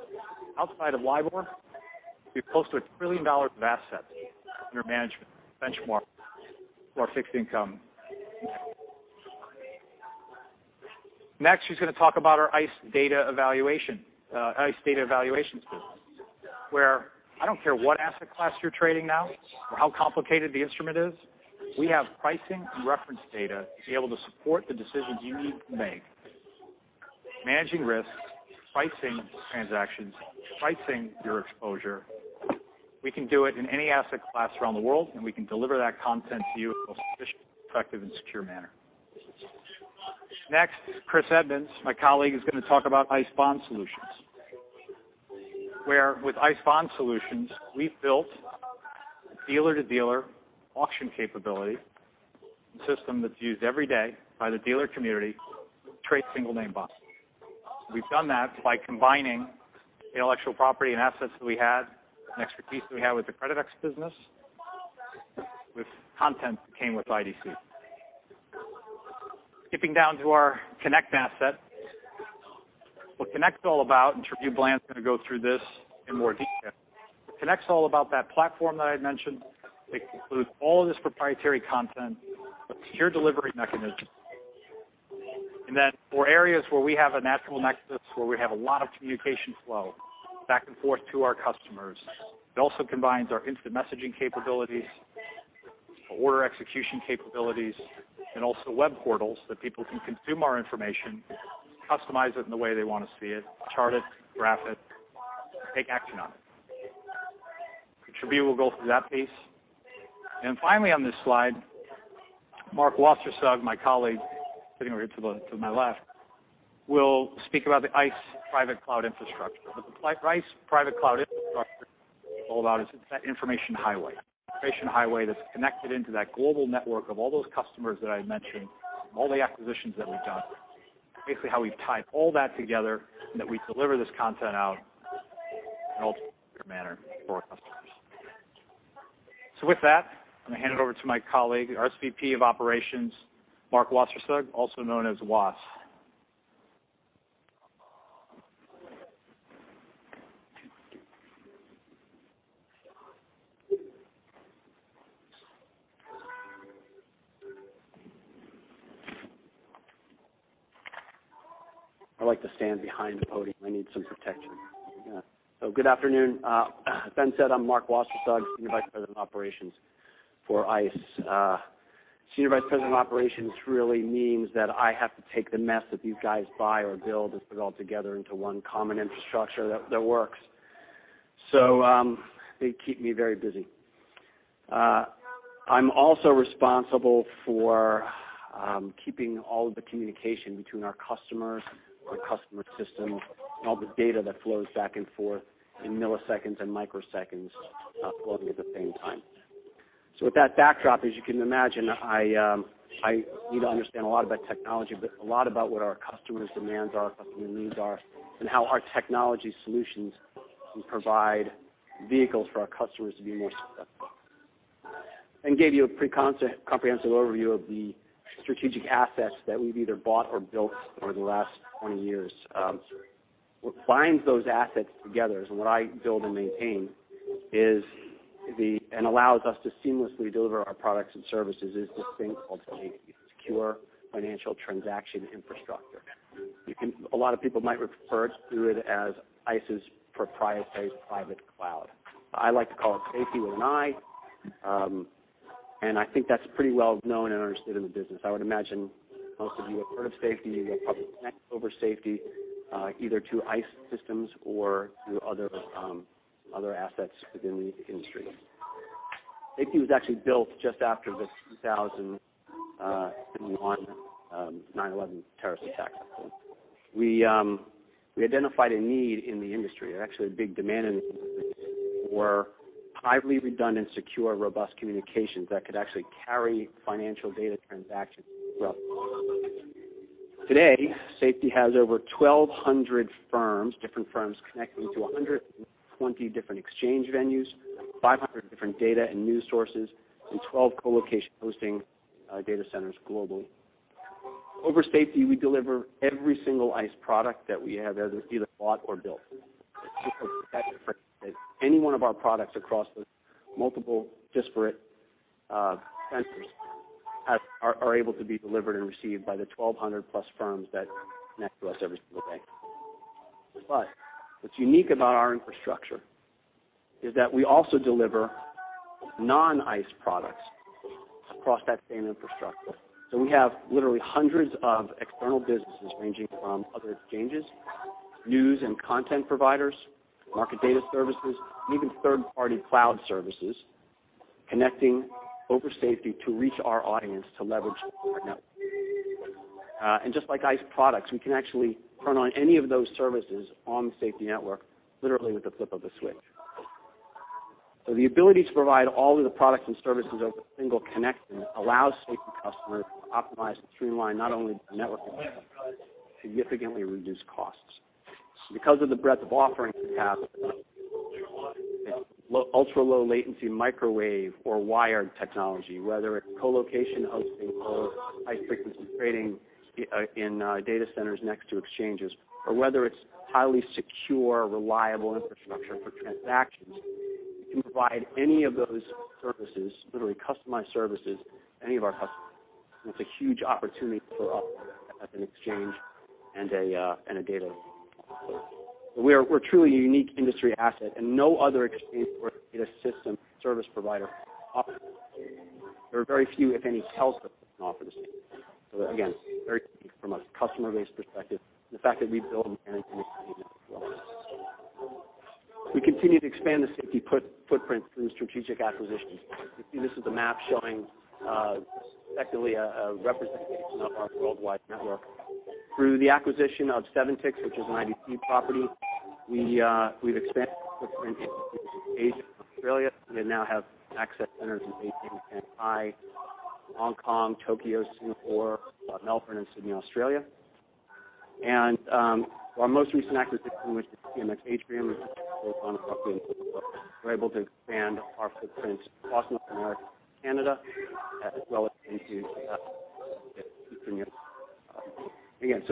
outside of LIBOR, we've posted $1 trillion of assets under management benchmark for our fixed income. Next, she's going to talk about our ICE data evaluations business, where I don't care what asset class you're trading now or how complicated the instrument is, we have pricing and reference data to be able to support the decisions you need to make. Managing risks, pricing transactions, pricing your exposure. We can do it in any asset class around the world, and we can deliver that content to you in an efficient, effective, and secure manner. Next, Chris Edmonds, my colleague, is going to talk about ICE Bond Solutions. Where with ICE Bond Solutions, we've built dealer-to-dealer auction capability, a system that's used every day by the dealer community to trade single name bonds. We've done that by combining intellectual property and assets that we had, and expertise that we had with the Creditex business, with content that came with IDC. Skipping down to our Connect asset. What Connect's all about, and Trabue Bland's going to go through this in more detail. Connect's all about that platform that I had mentioned that includes all of this proprietary content with secure delivery mechanisms. For areas where we have a natural nexus, where we have a lot of communication flow back and forth to our customers, it also combines our instant messaging capabilities, our order execution capabilities, and also web portals that people can consume our information, customize it in the way they want to see it, chart it, graph it, take action on it. Trabue will go through that piece. Finally on this slide, Mark Wassersug, my colleague sitting over here to my left, will speak about the ICE private cloud infrastructure. What the ICE private cloud infrastructure is all about is that information highway. Information highway that's connected into that global network of all those customers that I mentioned, from all the acquisitions that we've done. Basically how we've tied all that together and that we deliver this content out in an ultimate secure manner for our customers. With that, I'm going to hand it over to my colleague, our SVP of Operations, Mark Wassersug, also known as Wass. I like to stand behind the podium. I need some protection. Good afternoon. As Ben said, I'm Mark Wassersug, Senior Vice President of Operations for ICE. Senior Vice President of Operations really means that I have to take the mess that you guys buy or build and put it all together into one common infrastructure that works. They keep me very busy. I'm also responsible for keeping all of the communication between our customers, our customer systems, and all the data that flows back and forth in milliseconds and microseconds, flowing at the same time. With that backdrop, as you can imagine, I need to understand a lot about technology, but a lot about what our customers' demands are, customers' needs are, and how our technology solutions can provide vehicles for our customers to be more successful. Ben gave you a pretty comprehensive overview of the strategic assets that we've either bought or built over the last 20 years. What binds those assets together is what I build and maintain, and allows us to seamlessly deliver our products and services, is this thing called SFTI, a secure financial transaction infrastructure. A lot of people might refer to it as ICE's proprietary private cloud. I like to call it SFTI with an I, and I think that's pretty well known and understood in the business. I would imagine most of you have heard of SFTI. You have probably connected over SFTI, either to ICE systems or through other assets within the industry. SFTI was actually built just after the 2001 9/11 terrorist attacks. We identified a need in the industry. Actually, a big demand in the industry for highly redundant, secure, robust communications that could actually carry financial data transactions well. Today, SFTI has over 1,200 firms, different firms connecting to 120 different exchange venues, 500 different data and news sources, and 12 co-location hosting data centers globally. Over SFTI, we deliver every single ICE product that we have, that was either bought or built. That's different because any one of our products across the multiple disparate centers are able to be delivered and received by the 1,200-plus firms that connect to us every single day. What's unique about our infrastructure is that we also deliver non-ICE products across that same infrastructure. We have literally hundreds of external businesses ranging from other exchanges, news and content providers, market data services, and even third-party cloud services, connecting over SFTI to reach our audience to leverage our network. Just like ICE products, we can actually turn on any of those services on the SFTI network, literally with the flip of a switch. The ability to provide all of the products and services over a single connection allows SFTI customers to optimize and streamline not only the network but significantly reduce costs. Because of the breadth of offerings we have, ultra-low latency microwave or wired technology, whether it's co-location hosting or high-frequency trading in data centers next to exchanges, or whether it's highly secure, reliable infrastructure for transactions, we can provide any of those services, literally customized services, to any of our customers. It's a huge opportunity for us as an exchange and a data provider. We're a truly unique industry asset and no other exchange or data system service provider offers this. There are very few, if any, telcos that offer the same thing. Again, very key from a customer base perspective, the fact that we build end-to-end. We continue to expand the SFTI footprint through strategic acquisitions. You see this is a map showing effectively a representation of our worldwide network. Through the acquisition of 7ticks, which is an IDC property, we've expanded our footprint into Asia and Australia. We now have access centers in Beijing, Shanghai, Hong Kong, Tokyo, Singapore, Melbourne, and Sydney, Australia. Our most recent acquisition, TMX Atrium. We're able to expand our footprint across North America and Canada, as well as into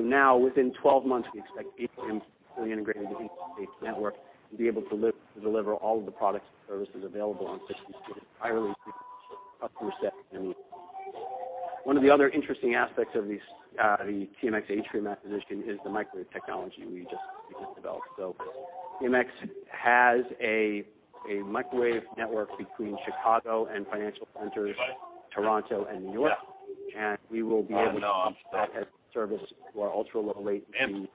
now within 12 months, we expect Atrium to be fully integrated into the ICE network and be able to deliver all of the products and services available on 62 entirely through customer set. One of the other interesting aspects of the TMX Atrium acquisition is the microwave technology we just developed. TMX has a microwave network between Chicago and financial centers, Toronto and New York, and we will be able to add that service to our ultra-low-latency.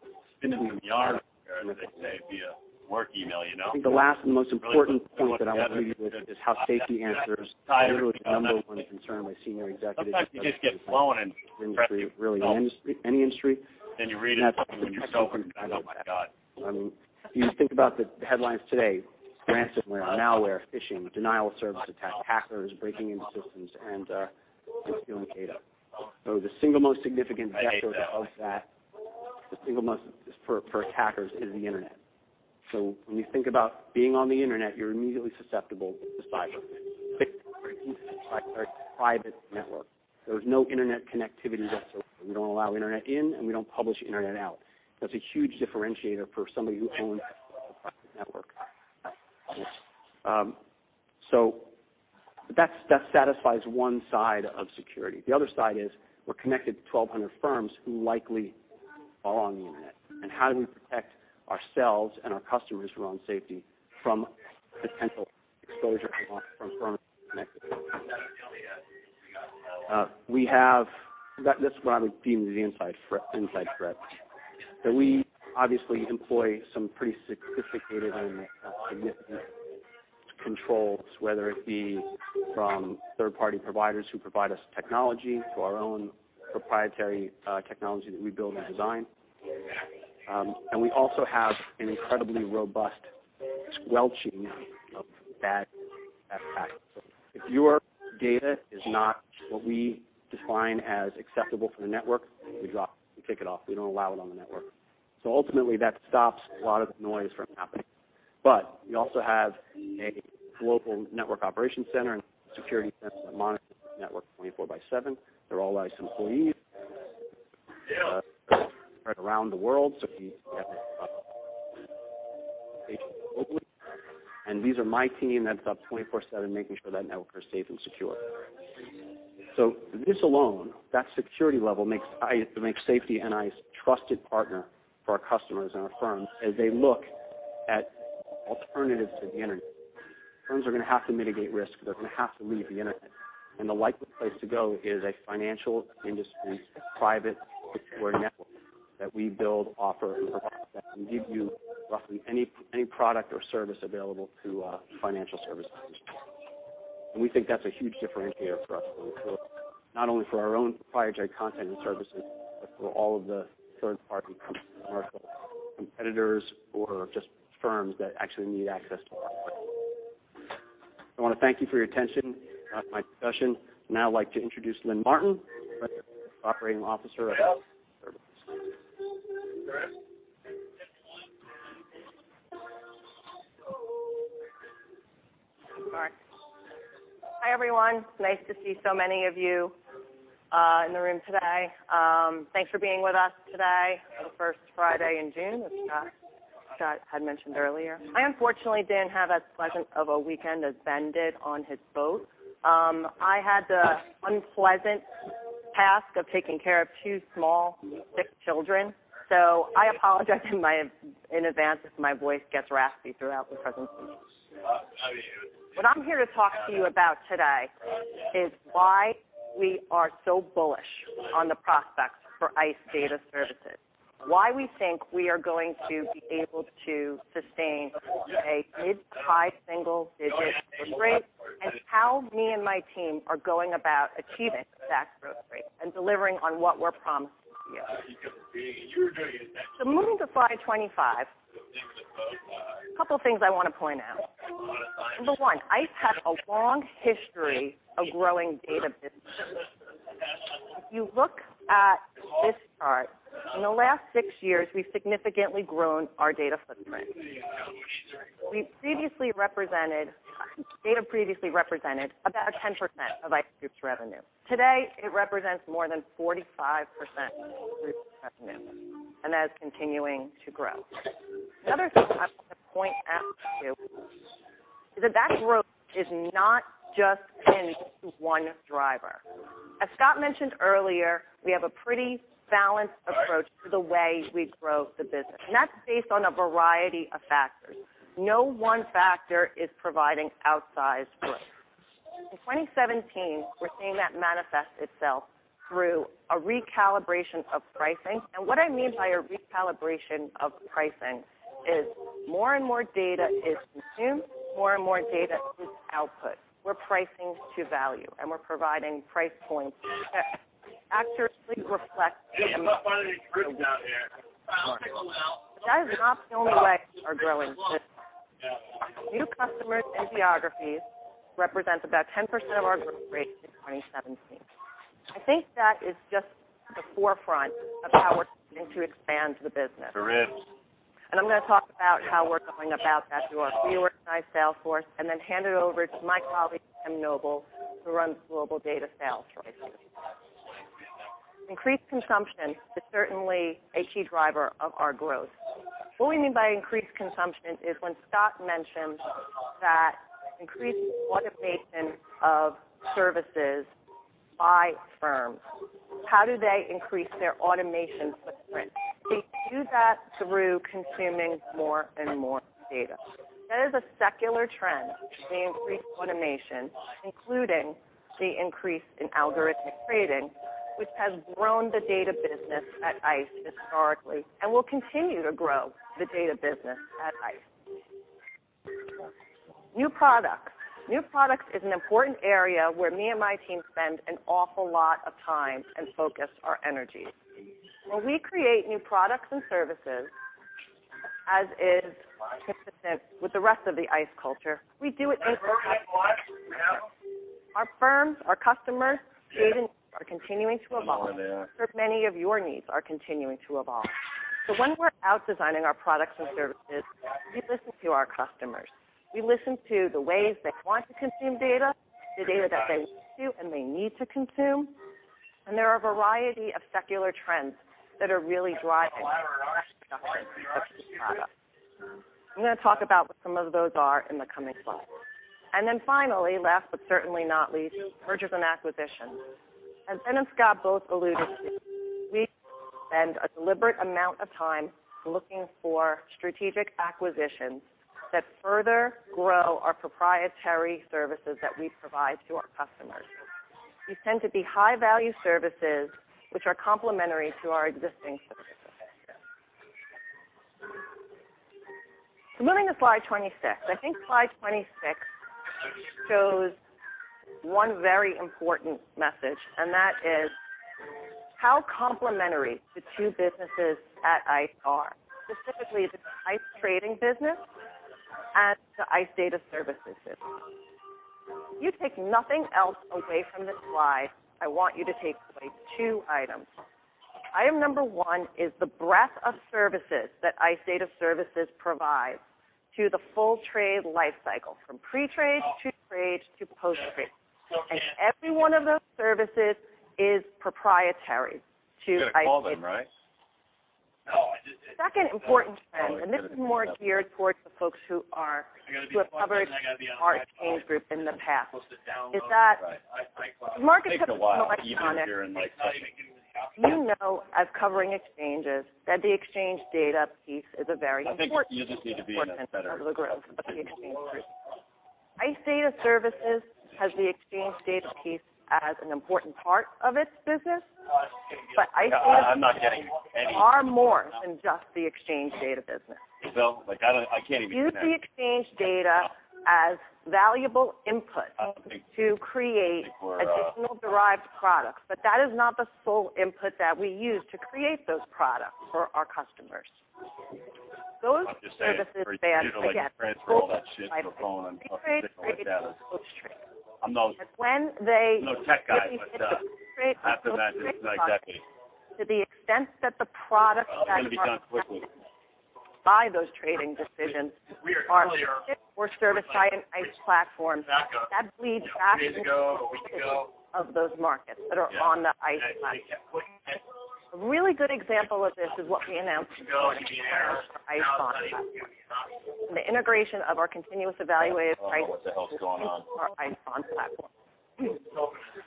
I think the last and the most important point that I will leave you with is how SFTI answers truly the number 1 concern by senior executives really in any industry, and that's protection from cyber threat. You think about the headlines today, ransomware, malware, phishing, denial of service attack, hackers breaking into systems, and stealing data. The single most significant vector of all of that, the single most for attackers is the internet. When you think about being on the internet, you're immediately susceptible to cyber threats. SFTI is a very private network. There's no internet connectivity whatsoever. We don't allow internet in, and we don't publish internet out. That's a huge differentiator for somebody who owns a private network. That satisfies one side of security. The other side is we're connected to 1,200 firms who likely are on the internet, and how do we protect ourselves and our customers who are on SFTI from potential exposure from firms we connect with? This would be the inside threat. We obviously employ some pretty sophisticated and significant controls, whether it be from third-party providers who provide us technology to our own proprietary technology that we build and design. We also have an incredibly robust squelching of bad traffic. If your data is not what we define as acceptable for the network, we drop it, we take it off, we don't allow it on the network. Ultimately, that stops a lot of the noise from happening. We also have a global network operations center and security center that monitors the network 24 by 7. They're all ICE employees spread around the world. If you have a patient globally, and these are my team that's up 24/7 making sure that network is safe and secure. This alone, that security level, makes Safety an ICE trusted partner for our customers and our firms as they look at alternatives to the internet. Firms are going to have to mitigate risk. They're going to have to leave the internet. The likely place to go is a financial industry private security network that we build, offer, and provide that can give you roughly any product or service available through a financial services firm. We think that's a huge differentiator for us, not only for our own proprietary content and services, but for all of the third-party firms, whether competitors or just firms that actually need access to our platform. I want to thank you for your attention throughout my discussion. Now I'd like to introduce Lynn Martin, Vice President and Operating Officer of ICE Data Services. Hi, everyone. Nice to see so many of you in the room today. Thanks for being with us today, the first Friday in June, as Scott had mentioned earlier. I unfortunately didn't have as pleasant of a weekend as Ben did on his boat. I had the unpleasant task of taking care of two small sick children, so I apologize in advance if my voice gets raspy throughout the presentation. What I'm here to talk to you about today is why we are so bullish on the prospects for ICE Data Services, why we think we are going to be able to sustain a mid-to-high single-digit growth rate, and how me and my team are going about achieving that growth rate and delivering on what we're promising to you. Moving to slide 25. A couple of things I want to point out. Number one, ICE has a long history of growing data businesses. If you look at this chart, in the last six years, we've significantly grown our data footprint. Data previously represented about 10% of ICE group's revenue. Today, it represents more than 45% of the group's revenue, and that is continuing to grow. Another thing I want to point out to you is that that growth is not just pinned to one driver. As Scott mentioned earlier, we have a pretty balanced approach to the way we grow the business, and that's based on a variety of factors. No one factor is providing outsized growth. In 2017, we're seeing that manifest itself through a recalibration of pricing. What I mean by a recalibration of pricing is more and more data is consumed, more and more data is output. We're pricing to value, and we're providing price points that accurately. Hey, I'm up one of these groups out here. I'll take them out. That is not the only way we are growing. New customers and geographies represent about 10% of our growth rate in 2017. I think that is just the forefront of how we're looking to expand the business. The ribs. I'm going to talk about how we're going about that through our reorganized sales force, then hand it over to my colleague, Tim Noble, who runs Global Data Sales for ICE. Increased consumption is certainly a key driver of our growth. What we mean by increased consumption is when Scott mentioned that increased automation of services by firms. How do they increase their automation footprint? They do that through consuming more and more data. That is a secular trend, the increased automation, including the increase in algorithmic trading, which has grown the data business at ICE historically and will continue to grow the data business at ICE. New products. New products is an important area where me and my team spend an awful lot of time and focus our energy. When we create new products and services, as is consistent with the rest of the ICE culture, we do it. Is it burning alive right now? Our firms, our customers, trading are continuing to evolve, just as many of your needs are continuing to evolve. When we're out designing our products and services, we listen to our customers. We listen to the ways they want to consume data, the data that they used to and they need to consume, and there are a variety of secular trends that are really driving the direction of new products. I'm going to talk about what some of those are in the coming slides. Finally, last but certainly not least, mergers and acquisitions. As Ben and Scott both alluded to, we spend a deliberate amount of time looking for strategic acquisitions that further grow our proprietary services that we provide to our customers. These tend to be high-value services, which are complementary to our existing services. Moving to slide 26. I think slide 26 shows one very important message, and that is how complementary the two businesses at ICE are, specifically the ICE360 trading business and the ICE Data Services business. If you take nothing else away from this slide, I want you to take away two items. Item number one is the breadth of services that ICE Data Services provides to the full trade life cycle, from pre-trade to trade to post-trade. Every one of those services is proprietary to ICE- You're going to call them, right? No The second important trend, this is more geared towards the folks who have covered our exchange group in the past, is that the market has become electronic. You know as covering exchanges that the exchange data piece is a very important portion of the growth of the exchange group. ICE Data Services has the exchange data piece as an important part of its business, ICE Data Services- I'm not getting any. Are more than just the exchange data business. Bill, I can't even connect. We use the exchange data as valuable input to create additional derived products. That is not the sole input that we use to create those products for our customers. Those services span, again, the full trade life cycle. Pre-trade, trade, and post-trade. When they. I'm no tech guy, half of that is not exactly. To the extent that the products that our customers use to make those trading decisions are shipped or serviced by an ICE platform, that bleeds back into the prices of those markets that are on the ICE platform. A really good example of this is what we announced in [inaudible] for ICE Bond platform, the integration of our Continuous Evaluated Pricing into our ICE Bond platform.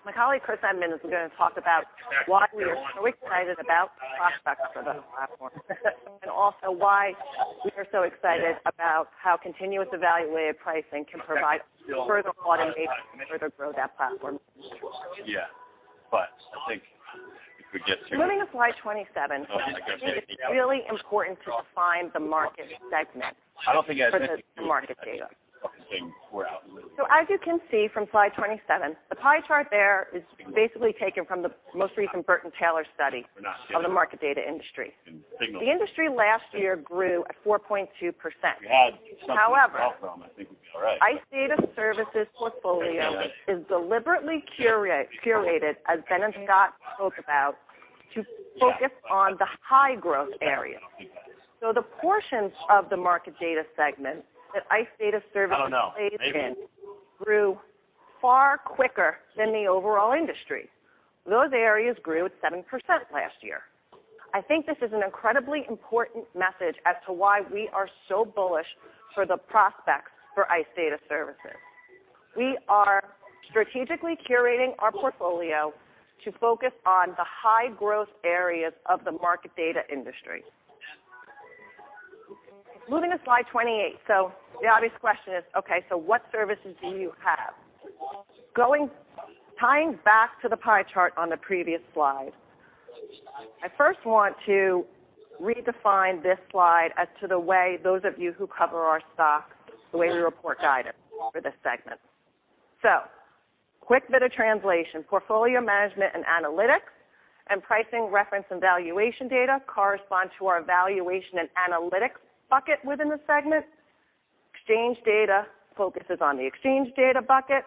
My colleague, Chris Edmonds, is going to talk about why we are so excited about the prospects for the platform and also why we are so excited about how Continuous Evaluated Pricing can provide further automation and further grow that platform. Yeah, I think if we get to. Moving to slide 27. I think it's really important to define the market segment for the market data. Fucking thing wore out literally. As you can see from slide 27, the pie chart there is basically taken from the most recent Burton-Taylor study on the market data industry. The industry last year grew at 4.2%. However, ICE Data Services' portfolio is deliberately curated, as Ben and Scott spoke about, to focus on the high-growth areas. The portions of the market data segment that ICE Data Services plays in grew far quicker than the overall industry. Those areas grew at 7% last year. I think this is an incredibly important message as to why we are so bullish for the prospects for ICE Data Services. We are strategically curating our portfolio to focus on the high-growth areas of the market data industry. Moving to slide 28. The obvious question is, okay, what services do you have? Tying back to the pie chart on the previous slide, I first want to redefine this slide as to the way those of you who cover our stock, the way we report guidance for this segment. Quick bit of translation. Portfolio management and analytics and pricing reference and valuation data correspond to our valuation and analytics bucket within the segment. Exchange data focuses on the exchange data bucket,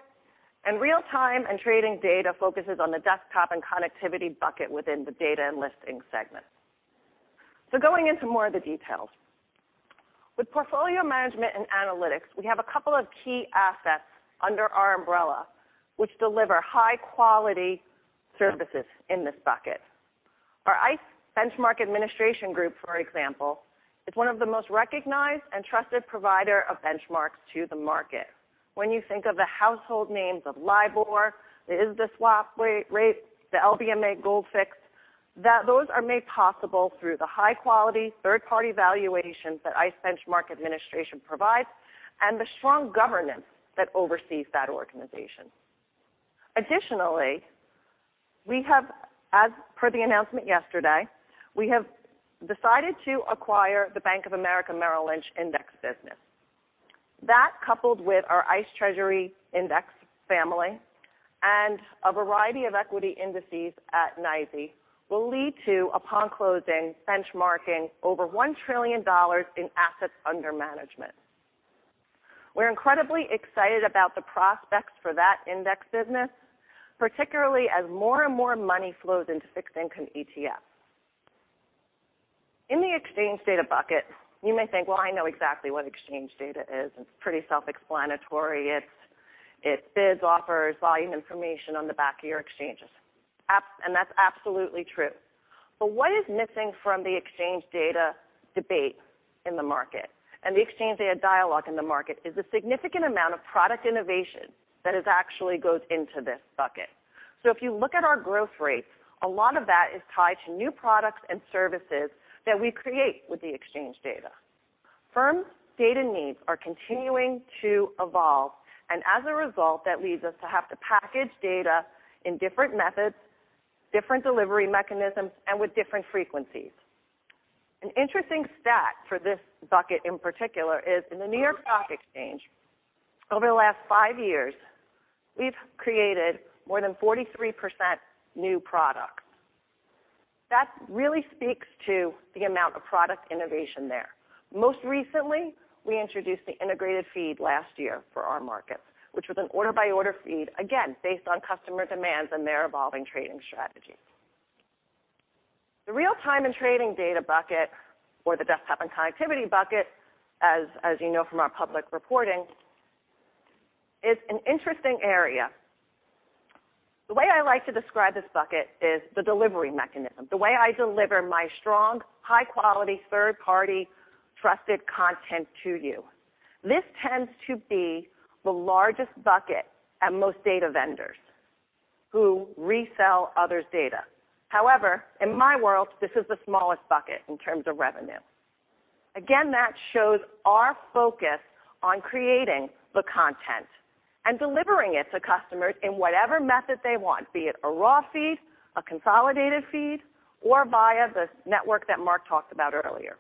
and real-time and trading data focuses on the desktop and connectivity bucket within the data and listing segment. Going into more of the details. With portfolio management and analytics, we have a couple of key assets under our umbrella, which deliver high-quality services in this bucket. Our ICE Benchmark Administration group, for example, is one of the most recognized and trusted provider of benchmarks to the market. When you think of the household names of LIBOR, the ISDA swap rate, the LBMA gold fix, those are made possible through the high-quality third-party valuations that ICE Benchmark Administration provides and the strong governance that oversees that organization. Additionally, as per the announcement yesterday, we have decided to acquire the Bank of America Merrill Lynch index business. That, coupled with our ICE Treasury Index Family and a variety of equity indices at NYSE, will lead to, upon closing, benchmarking over $1 trillion in assets under management. We're incredibly excited about the prospects for that index business, particularly as more and more money flows into fixed-income ETFs. In the exchange data bucket, you may think, well, I know exactly what exchange data is. It's pretty self-explanatory. It's bids, offers, volume information on the back of your exchanges. That's absolutely true. What is missing from the exchange data debate in the market and the exchange data dialogue in the market is the significant amount of product innovation that actually goes into this bucket. If you look at our growth rates, a lot of that is tied to new products and services that we create with the exchange data. Firms' data needs are continuing to evolve, and as a result, that leads us to have to package data in different methods, different delivery mechanisms, and with different frequencies. An interesting stat for this bucket in particular is in the New York Stock Exchange, over the last five years, we've created more than 43% new products. That really speaks to the amount of product innovation there. Most recently, we introduced the Integrated Feed last year for our markets, which was an order-by-order feed, again, based on customer demands and their evolving trading strategies. The real-time and trading data bucket, or the desktop and connectivity bucket, as you know from our public reporting, is an interesting area. The way I like to describe this bucket is the delivery mechanism. The way I deliver my strong, high-quality, third-party, trusted content to you. This tends to be the largest bucket at most data vendors who resell others' data. However, in my world, this is the smallest bucket in terms of revenue. Again, that shows our focus on creating the content and delivering it to customers in whatever method they want, be it a raw feed, a consolidated feed, or via the network that Mark talked about earlier.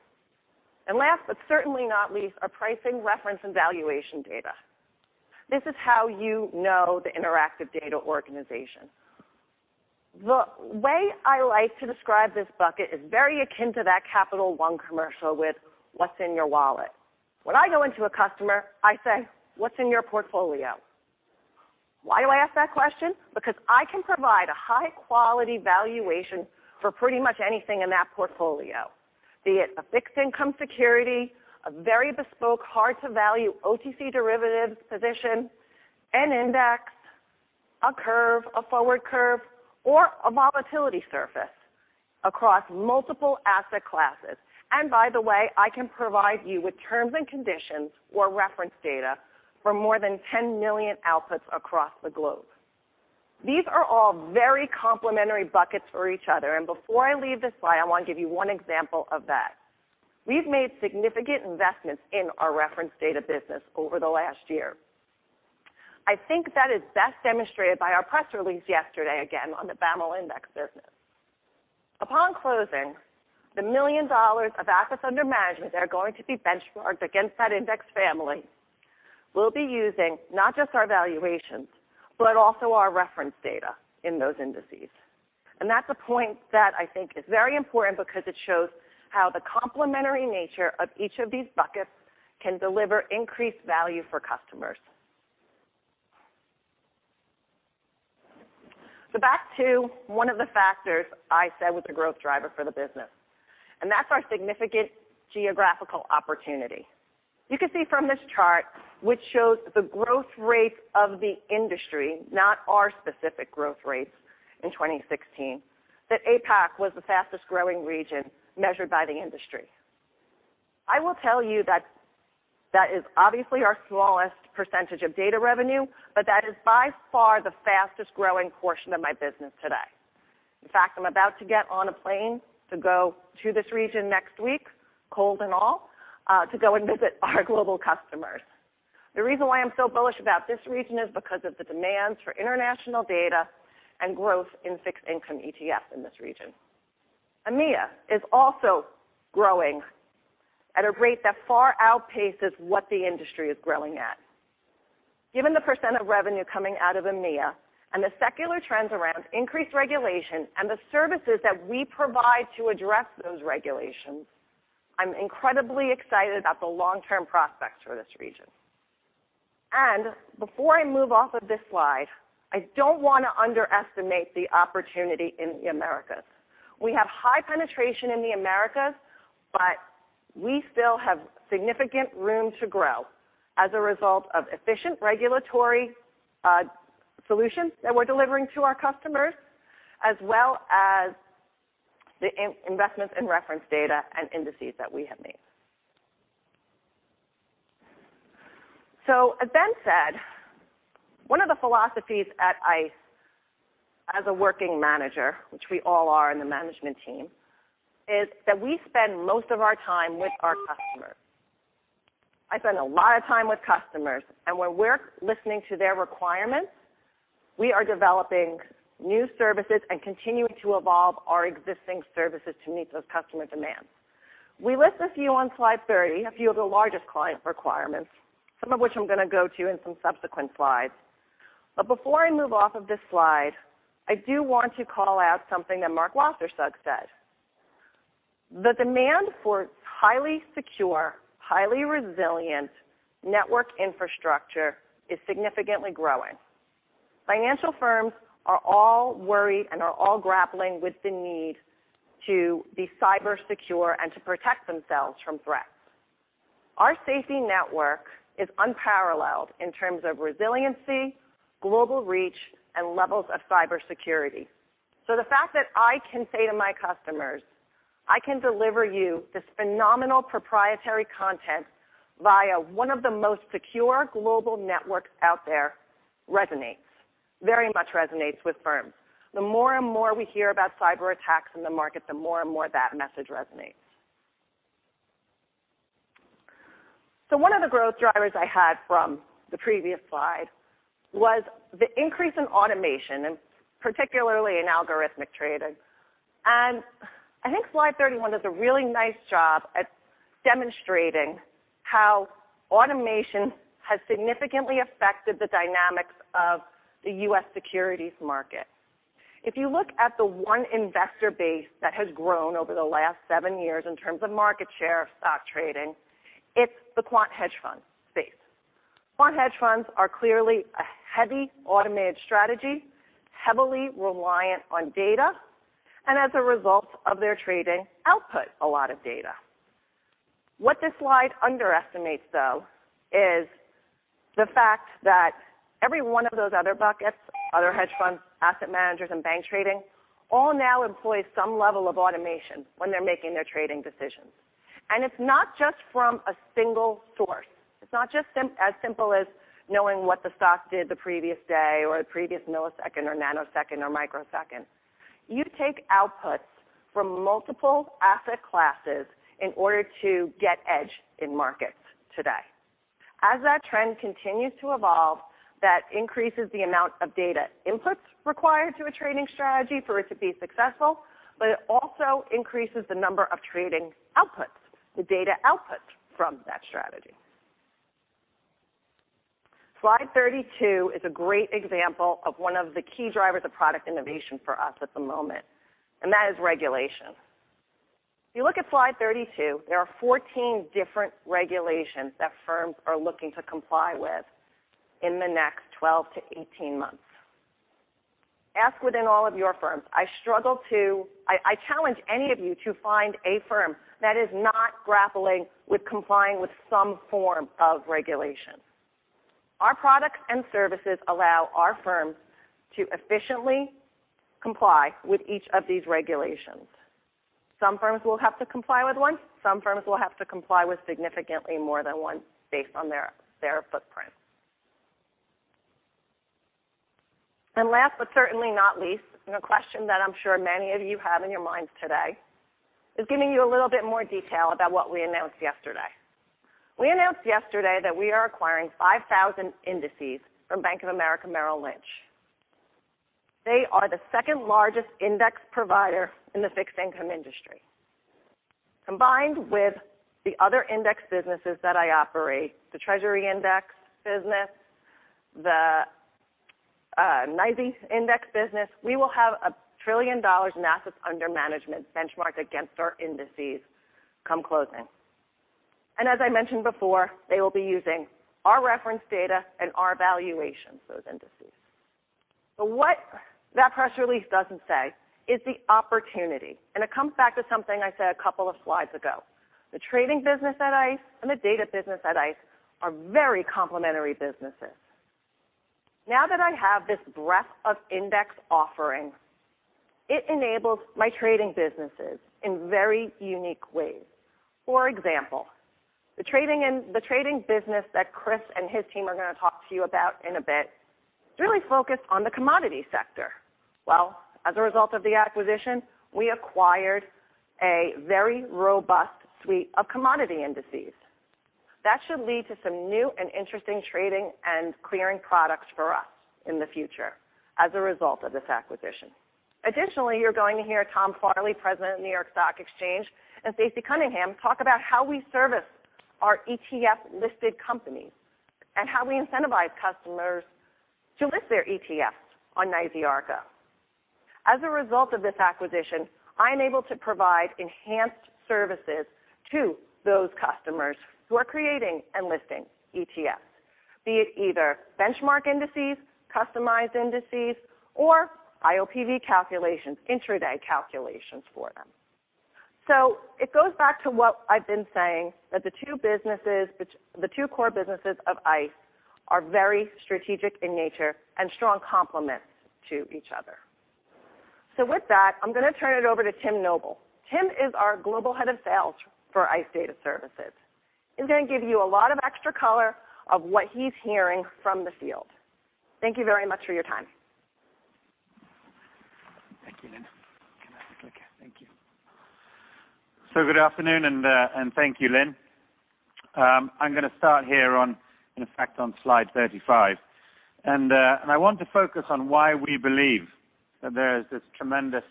Last but certainly not least, our pricing reference and valuation data. This is how you know the Interactive Data organization. The way I like to describe this bucket is very akin to that Capital One commercial with, "What's in your wallet?" When I go into a customer, I say, "What's in your portfolio?" Why do I ask that question? Because I can provide a high-quality valuation for pretty much anything in that portfolio, be it a fixed income security, a very bespoke, hard-to-value OTC derivative position, an index, a curve, a forward curve, or a volatility surface across multiple asset classes. By the way, I can provide you with terms and conditions or reference data for more than 10 million outputs across the globe. These are all very complementary buckets for each other, and before I leave this slide, I want to give you one example of that. We've made significant investments in our reference data business over the last year. I think that is best demonstrated by our press release yesterday, again, on the BofAML index business. Upon closing, the $1 trillion of assets under management that are going to be benchmarked against that index family will be using not just our valuations, but also our reference data in those indices. That's a point that I think is very important because it shows how the complementary nature of each of these buckets can deliver increased value for customers. Back to one of the factors I said was a growth driver for the business, and that's our significant geographical opportunity. You can see from this chart, which shows the growth rates of the industry, not our specific growth rates in 2016, that APAC was the fastest-growing region measured by the industry. I will tell you that That is obviously our smallest % of data revenue, but that is by far the fastest-growing portion of my business today. In fact, I am about to get on a plane to go to this region next week, cold and all, to go and visit our global customers. The reason why I am so bullish about this region is because of the demands for international data and growth in fixed income ETFs in this region. EMEA is also growing at a rate that far outpaces what the industry is growing at. Given the % of revenue coming out of EMEA and the secular trends around increased regulation and the services that we provide to address those regulations, I am incredibly excited about the long-term prospects for this region. Before I move off of this slide, I do not want to underestimate the opportunity in the Americas. We have high penetration in the Americas, but we still have significant room to grow as a result of efficient regulatory solutions that we're delivering to our customers as well as the investments in reference data and indices that we have made. As Ben said, one of the philosophies at ICE as a working manager, which we all are in the management team, is that we spend most of our time with our customers. I spend a lot of time with customers, and when we're listening to their requirements, we are developing new services and continuing to evolve our existing services to meet those customer demands. We list a few on slide 30, a few of the largest client requirements, some of which I'm going to go to in some subsequent slides. Before I move off of this slide, I do want to call out something that Mark Wassersug suggested. The demand for highly secure, highly resilient network infrastructure is significantly growing. Financial firms are all worried and are all grappling with the need to be cyber secure and to protect themselves from threats. Our SFTI network is unparalleled in terms of resiliency, global reach, and levels of cybersecurity. The fact that I can say to my customers, "I can deliver you this phenomenal proprietary content via one of the most secure global networks out there" resonates, very much resonates with firms. The more and more we hear about cyber attacks in the market, the more and more that message resonates. One of the growth drivers I had from the previous slide was the increase in automation, and particularly in algorithmic trading. I think slide 31 does a really nice job at demonstrating how automation has significantly affected the dynamics of the U.S. securities market. If you look at the one investor base that has grown over the last seven years in terms of market share of stock trading, it's the quant hedge fund space. Quant hedge funds are clearly a heavy automated strategy, heavily reliant on data, and as a result of their trading, output a lot of data. What this slide underestimates, though, is the fact that every one of those other buckets, other hedge funds, asset managers, and bank trading, all now employ some level of automation when they're making their trading decisions. It's not just from a single source. It's not just as simple as knowing what the stock did the previous day or the previous millisecond or nanosecond or microsecond. You take outputs from multiple asset classes in order to get edge in markets today. As that trend continues to evolve, that increases the amount of data inputs required to a trading strategy for it to be successful, but it also increases the number of trading outputs, the data output from that strategy. Slide 32 is a great example of one of the key drivers of product innovation for us at the moment, and that is regulation. If you look at slide 32, there are 14 different regulations that firms are looking to comply with in the next 12 to 18 months. Ask within all of your firms. I challenge any of you to find a firm that is not grappling with complying with some form of regulation. Our products and services allow our firms to efficiently comply with each of these regulations. Some firms will have to comply with one, some firms will have to comply with significantly more than one based on their footprint. Last but certainly not least, a question that I'm sure many of you have in your minds today, is giving you a little bit more detail about what we announced yesterday. We announced yesterday that we are acquiring 5,000 indices from Bank of America Merrill Lynch. They are the second-largest index provider in the fixed income industry. Combined with the other index businesses that I operate, the Treasury Index business, the NYSE Index business, we will have $1 trillion assets under management benchmarked against our indices come closing. As I mentioned before, they will be using our reference data and our valuations, those indices. What that press release doesn't say is the opportunity, and it comes back to something I said a couple of slides ago. The trading business at ICE and the data business at ICE are very complementary businesses. Now that I have this breadth of index offering, it enables my trading businesses in very unique ways. For example, the trading business that Chris and his team are going to talk to you about in a bit is really focused on the commodity sector. As a result of the acquisition, we acquired a very robust suite of commodity indices. That should lead to some new and interesting trading and clearing products for us in the future as a result of this acquisition. Additionally, you're going to hear Tom Farley, President of New York Stock Exchange, and Stacey Cunningham talk about how we service our ETF-listed companies and how we incentivize customers to list their ETFs on NYSE Arca. As a result of this acquisition, I am able to provide enhanced services to those customers who are creating and listing ETFs, be it either benchmark indices, customized indices, or IOPV calculations, intraday calculations for them. It goes back to what I've been saying, that the two core businesses of ICE are very strategic in nature and strong complements to each other. With that, I'm going to turn it over to Tim Noble. Tim is our Global Head of Sales for ICE Data Services. He's going to give you a lot of extra color of what he's hearing from the field. Thank you very much for your time. Thank you, Lynn. Can I have the clicker? Thank you. Good afternoon, and thank you, Lynn. I'm going to start here, in fact, on slide 35. I want to focus on why we believe that there is this tremendous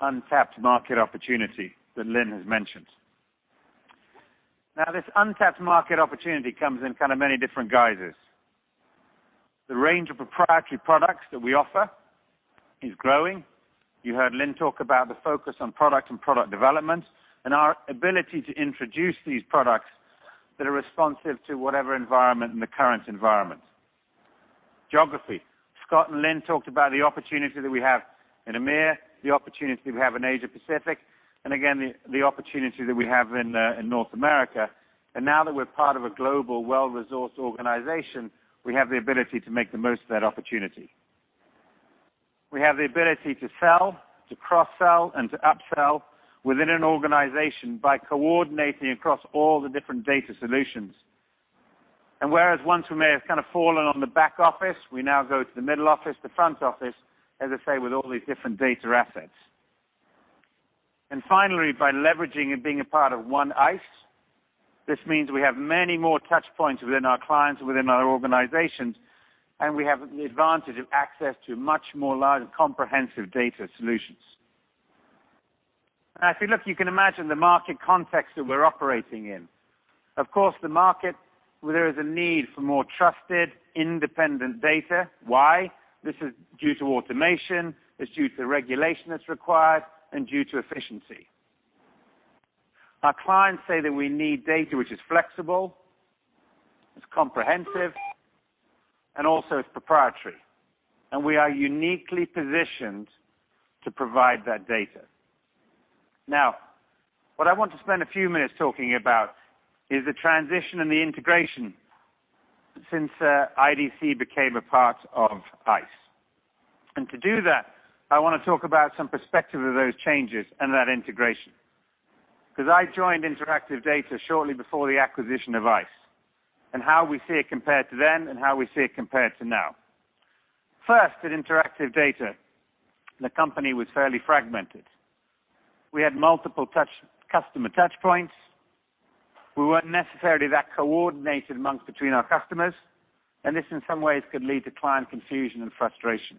untapped market opportunity that Lynn has mentioned. This untapped market opportunity comes in kind of many different guises. The range of proprietary products that we offer is growing. You heard Lynn talk about the focus on product and product development and our ability to introduce these products that are responsive to whatever environment in the current environment. Geography. Scott and Lynn talked about the opportunity that we have in EMEA, the opportunity we have in Asia-Pacific, and again, the opportunity that we have in North America. Now that we're part of a global, well-resourced organization, we have the ability to make the most of that opportunity. We have the ability to sell, to cross-sell, and to up-sell within an organization by coordinating across all the different data solutions. Whereas once we may have kind of fallen on the back office, we now go to the middle office, the front office, as I say, with all these different data assets. Finally, by leveraging and being a part of one ICE, this means we have many more touch points within our clients, within our organizations, and we have the advantage of access to much more large, comprehensive data solutions. If you look, you can imagine the market context that we're operating in. Of course, the market where there is a need for more trusted, independent data. Why? This is due to automation, it's due to the regulation that's required, and due to efficiency. Our clients say that we need data which is flexible, it's comprehensive, and also it's proprietary. We are uniquely positioned to provide that data. What I want to spend a few minutes talking about is the transition and the integration since IDC became a part of ICE. To do that, I want to talk about some perspective of those changes and that integration. Because I joined Interactive Data shortly before the acquisition of ICE, and how we see it compared to then and how we see it compared to now. First, at Interactive Data, the company was fairly fragmented. We had multiple customer touchpoints. We weren't necessarily that coordinated between our customers, and this, in some ways, could lead to client confusion and frustration.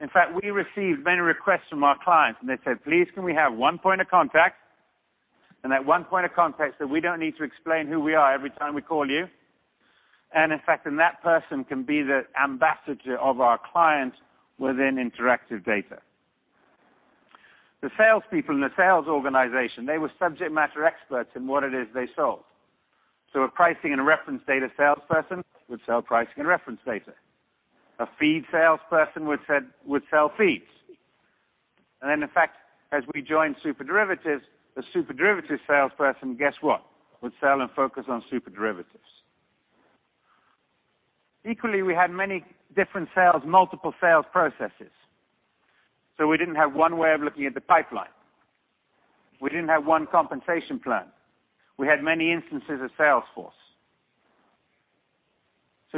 In fact, we received many requests from our clients, and they said, "Please, can we have one point of contact? That one point of contact, so we don't need to explain who we are every time we call you. In fact, that person can be the ambassador of our client within Interactive Data." The salespeople in the sales organization, they were subject matter experts in what it is they sold. A pricing and reference data salesperson would sell pricing and reference data. A feed salesperson would sell feeds. Then, in fact, as we joined SuperDerivatives, the SuperDerivatives salesperson, guess what? Would sell and focus on SuperDerivatives. Equally, we had many different sales, multiple sales processes. We didn't have one way of looking at the pipeline. We didn't have one compensation plan. We had many instances of Salesforce.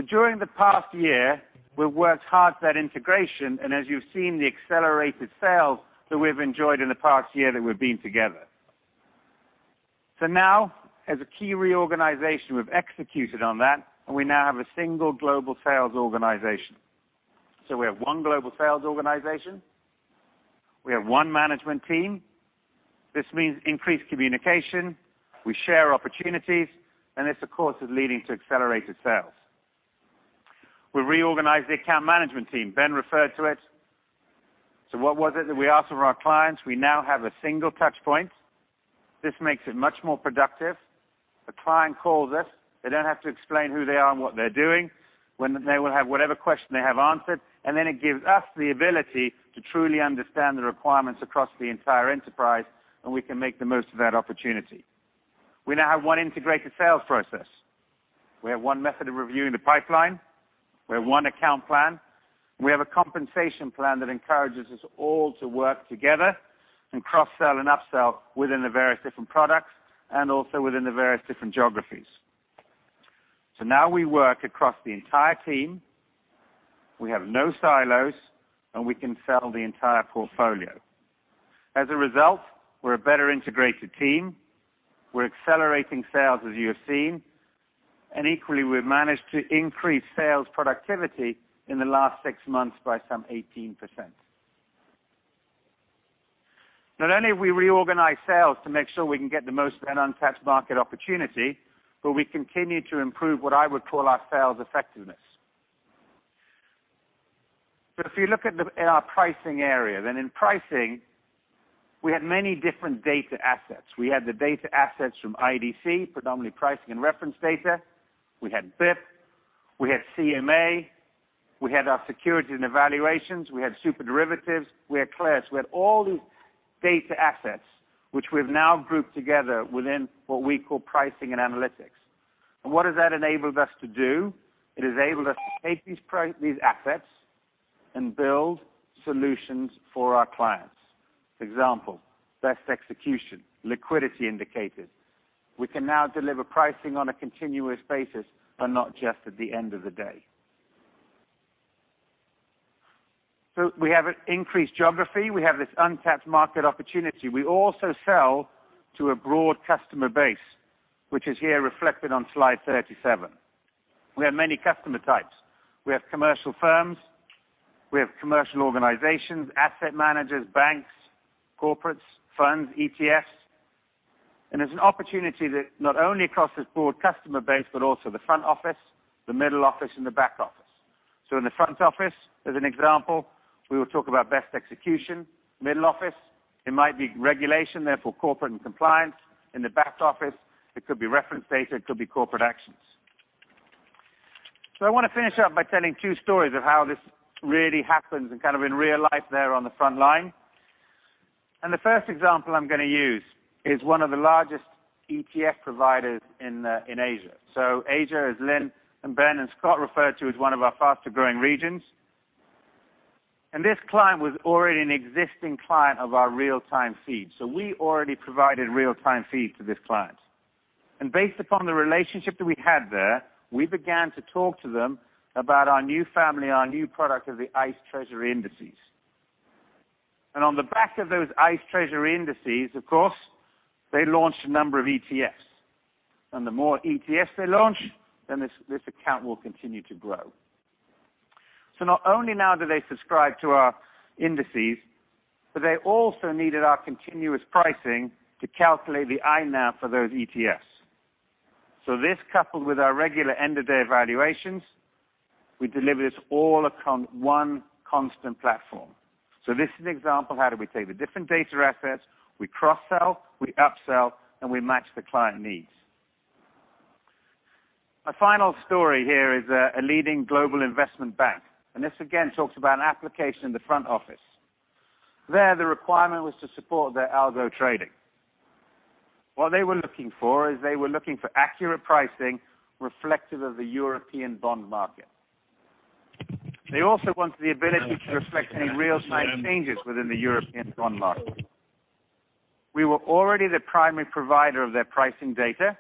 During the past year, we've worked hard for that integration. As you've seen, the accelerated sales that we've enjoyed in the past year that we've been together. Now, as a key reorganization, we've executed on that, and we now have a single global sales organization. We have one global sales organization. We have one management team. This means increased communication. We share opportunities. This, of course, is leading to accelerated sales. We reorganized the account management team. Ben referred to it. What was it that we asked from our clients? We now have a single touch point. This makes it much more productive. The client calls us. They don't have to explain who they are and what they're doing. They will have whatever question they have answered. Then it gives us the ability to truly understand the requirements across the entire enterprise, and we can make the most of that opportunity. We now have one integrated sales process. We have one method of reviewing the pipeline. We have one account plan. We have a compensation plan that encourages us all to work together and cross-sell and up-sell within the various different products, and also within the various different geographies. Now we work across the entire team, we have no silos, and we can sell the entire portfolio. As a result, we're a better-integrated team. We're accelerating sales, as you have seen. Equally, we've managed to increase sales productivity in the last six months by some 18%. Not only have we reorganized sales to make sure we can get the most of an untapped market opportunity, we continue to improve what I would call our sales effectiveness. If you look at our pricing area, then in pricing, we had many different data assets. We had the data assets from IDC, predominantly pricing and reference data. We had BIP. We had CMA. We had our securities and evaluations. We had SuperDerivatives. We had CLARA. We had all these data assets, which we've now grouped together within what we call pricing and analytics. What has that enabled us to do? It has enabled us to take these assets and build solutions for our clients. For example, best execution, liquidity indicators. We can now deliver pricing on a continuous basis, but not just at the end of the day. We have an increased geography. We have this untapped market opportunity. We also sell to a broad customer base, which is here reflected on slide 37. We have many customer types. We have commercial firms. We have commercial organizations, asset managers, banks, corporates, funds, ETFs. There's an opportunity that not only across this broad customer base, but also the front office, the middle office, and the back office. In the front office, as an example, we will talk about best execution. Middle office, it might be regulation, therefore corporate and compliance. In the back office, it could be reference data, it could be corporate actions. I want to finish up by telling two stories of how this really happens and kind of in real life there on the front line. The first example I'm going to use is one of the largest ETF providers in Asia. Asia, as Lynn and Ben and Scott referred to, as one of our faster-growing regions. This client was already an existing client of our real-time feed. We already provided real-time feed to this client. Based upon the relationship that we had there, we began to talk to them about our new family, our new product of the ICE Treasury Indices. On the back of those ICE Treasury Indices, of course, they launched a number of ETFs. The more ETFs they launch, then this account will continue to grow. Not only now do they subscribe to our indices, but they also needed our continuous pricing to calculate the INAV for those ETFs. This, coupled with our regular end-of-day valuations, we deliver this all from one constant platform. This is an example of how do we take the different data assets, we cross-sell, we up-sell, we match the client needs. My final story here is a leading global investment bank, this again talks about an application in the front office. There, the requirement was to support their algo trading. What they were looking for is they were looking for accurate pricing reflective of the European bond market. They also wanted the ability to reflect any real-time changes within the European bond market. We were already the primary provider of their pricing data.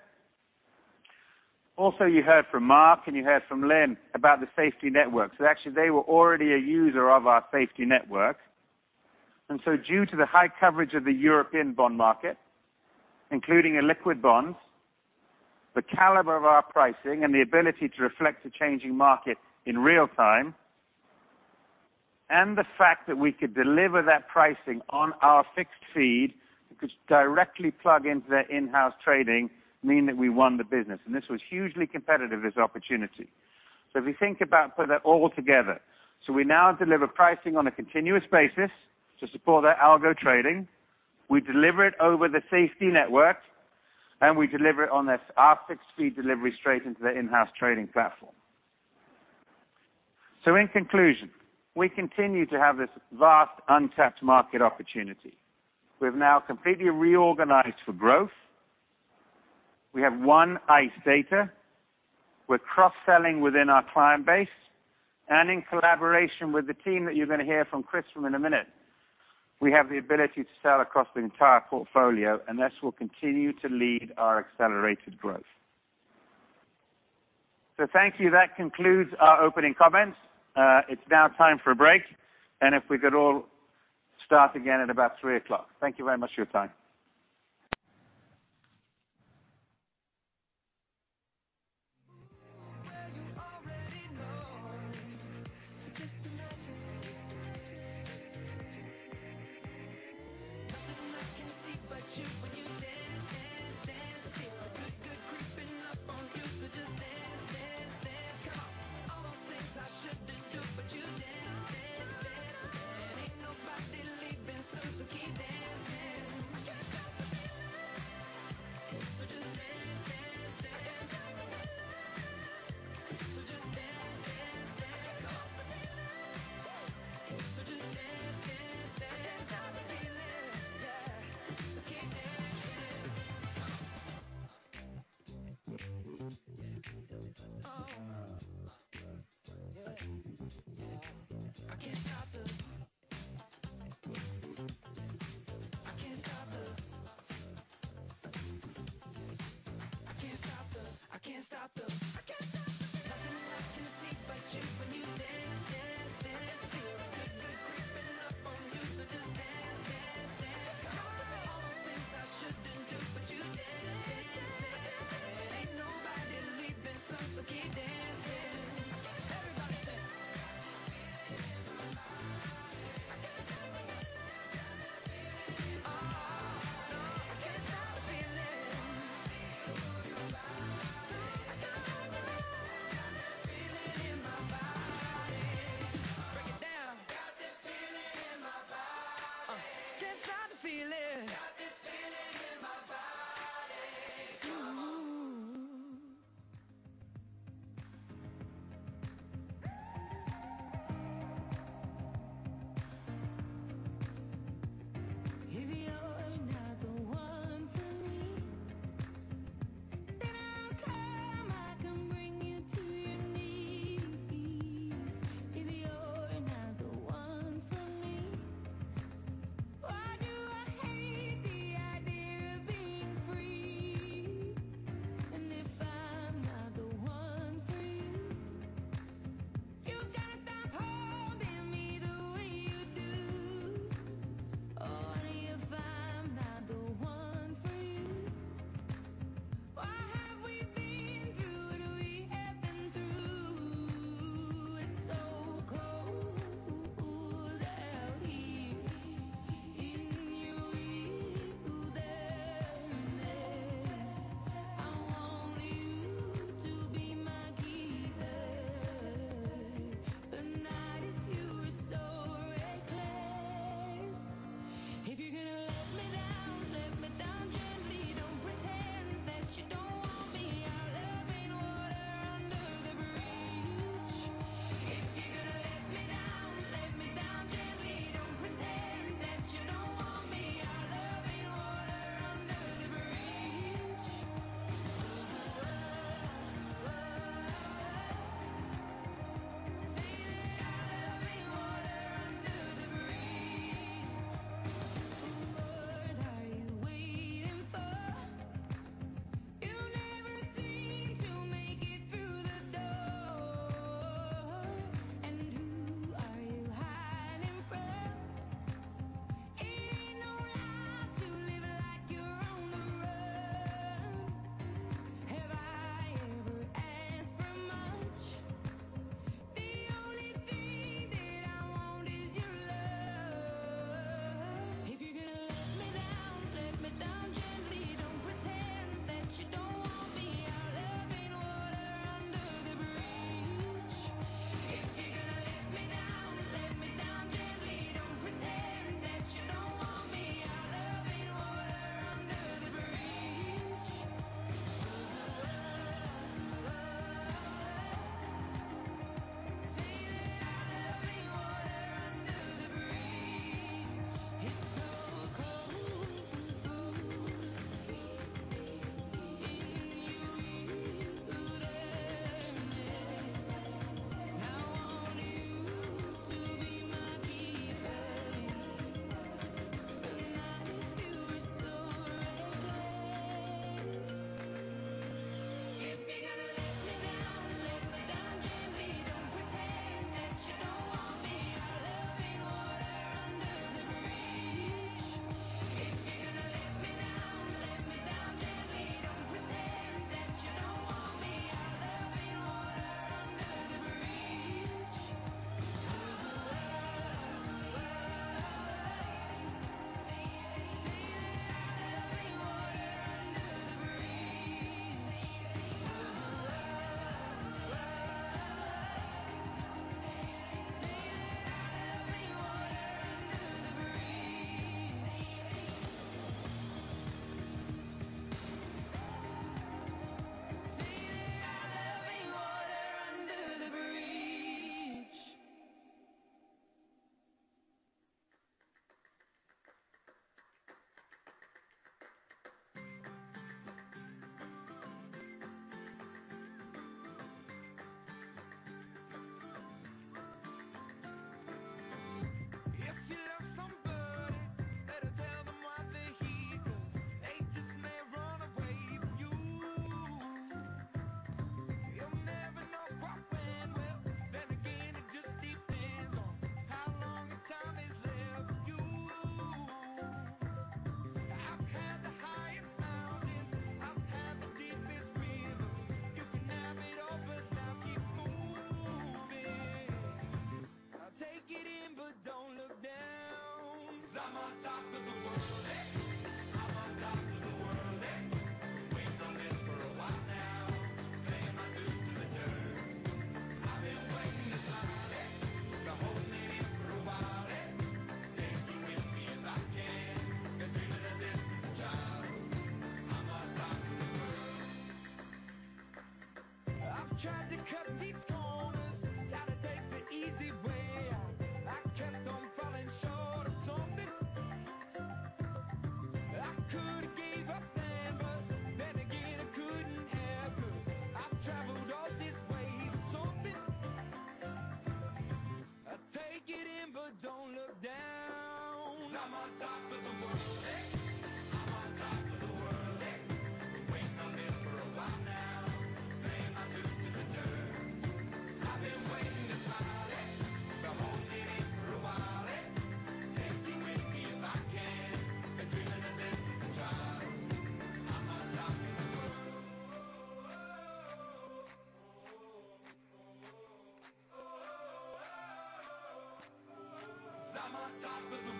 Also, you heard from Mark and you heard from Lynn about the SF network. Actually, they were already a user of our SFTI network. Due to the high coverage of the European bond market, including illiquid bonds, the caliber of our pricing, the ability to reflect a changing market in real-time, the fact that we could deliver that pricing on our FIX feed, it could directly plug into their in-house trading, mean that we won the business. This was hugely competitive, this opportunity. If we think about putting that all together. We now deliver pricing on a continuous basis to support their algo trading. We deliver it over the SFTI network, we deliver it on our fixed-fee delivery straight into their in-house trading platform. In conclusion, we continue to have this vast untapped market opportunity. We've now completely reorganized for growth. We have one ICE Data. We're cross-selling within our client base. In collaboration with the team that you're going to hear from Chris in a minute, we have the ability to sell across the entire portfolio, this will continue to lead our accelerated growth. Thank you. That concludes our opening comments. It's now time for a break, if we could all start again at about 3:00. Thank you very much for your time.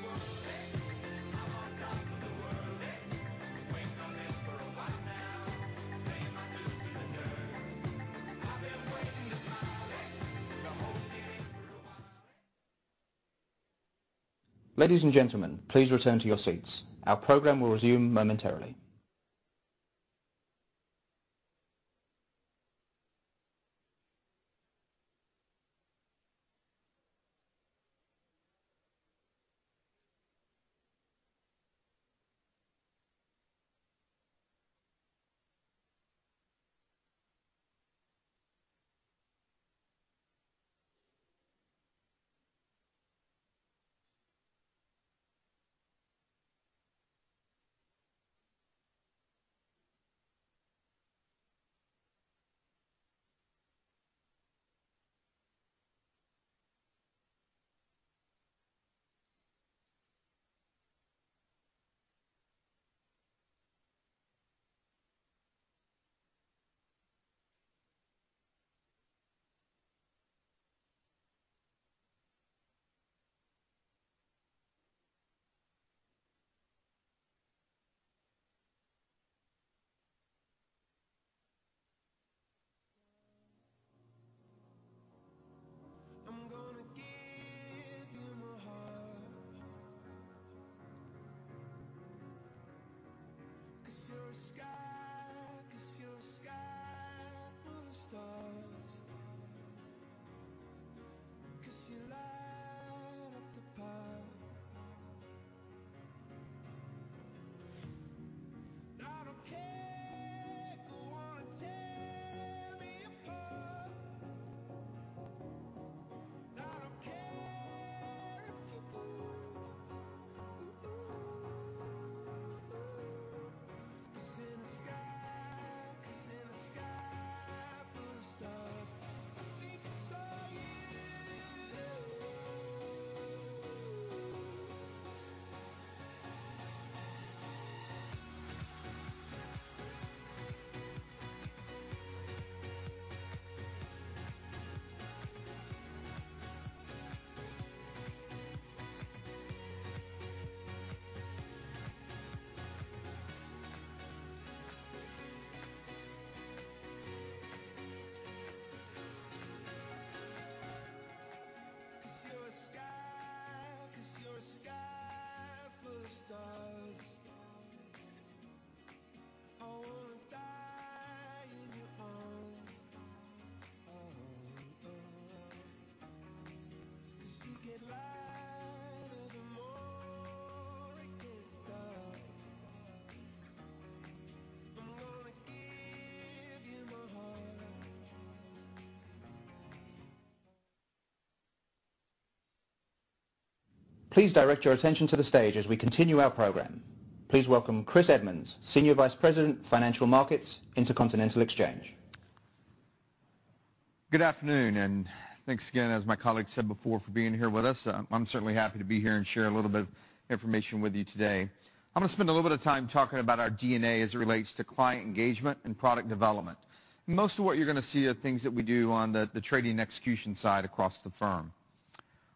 world, ay. I'm on top of the world, ay. Been waiting on this for a while now. Paying my dues to the dirt. I've been waiting to smile, ay. Been holding it in for a while, ay. Take you with me if I can. Been dreaming of this since a child. I'm on top of the world. Oh, oh. Oh, oh. Oh, oh. Oh, oh. 'Cause I'm on top of the world, ay. I'm on top of the world, ay. Been waiting on this for a while now. Paying my dues to the dirt. I've been waiting to smile, ay. Been holding it in for a while, ay. Ladies and gentlemen, please return to your seats. Our program will resume momentarily.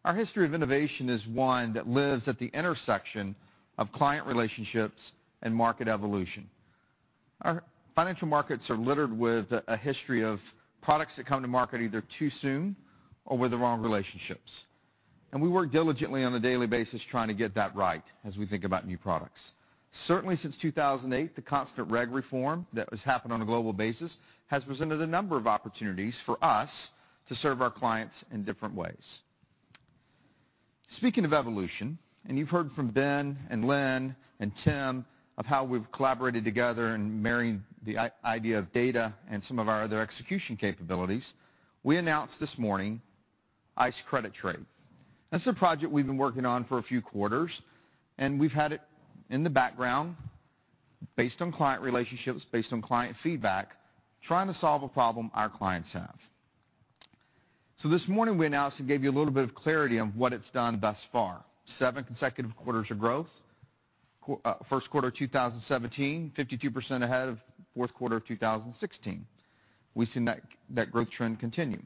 Our history of innovation is one that lives at the intersection of client relationships and market evolution. Our financial markets are littered with a history of products that come to market either too soon or with the wrong relationships, and we work diligently on a daily basis trying to get that right as we think about new products. Certainly, since 2008, the constant reg reform that has happened on a global basis has presented a number of opportunities for us to serve our clients in different ways. Speaking of evolution, you've heard from Ben and Lynn and Tim of how we've collaborated together and marrying the idea of data and some of our other execution capabilities, we announced this morning ICE Credit Trade. That's a project we've been working on for a few quarters, and we've had it in the background based on client relationships, based on client feedback, trying to solve a problem our clients have. This morning, we announced and gave you a little bit of clarity on what it's done thus far. Seven consecutive quarters of growth. First quarter 2017, 52% ahead of fourth quarter of 2016. We've seen that growth trend continue.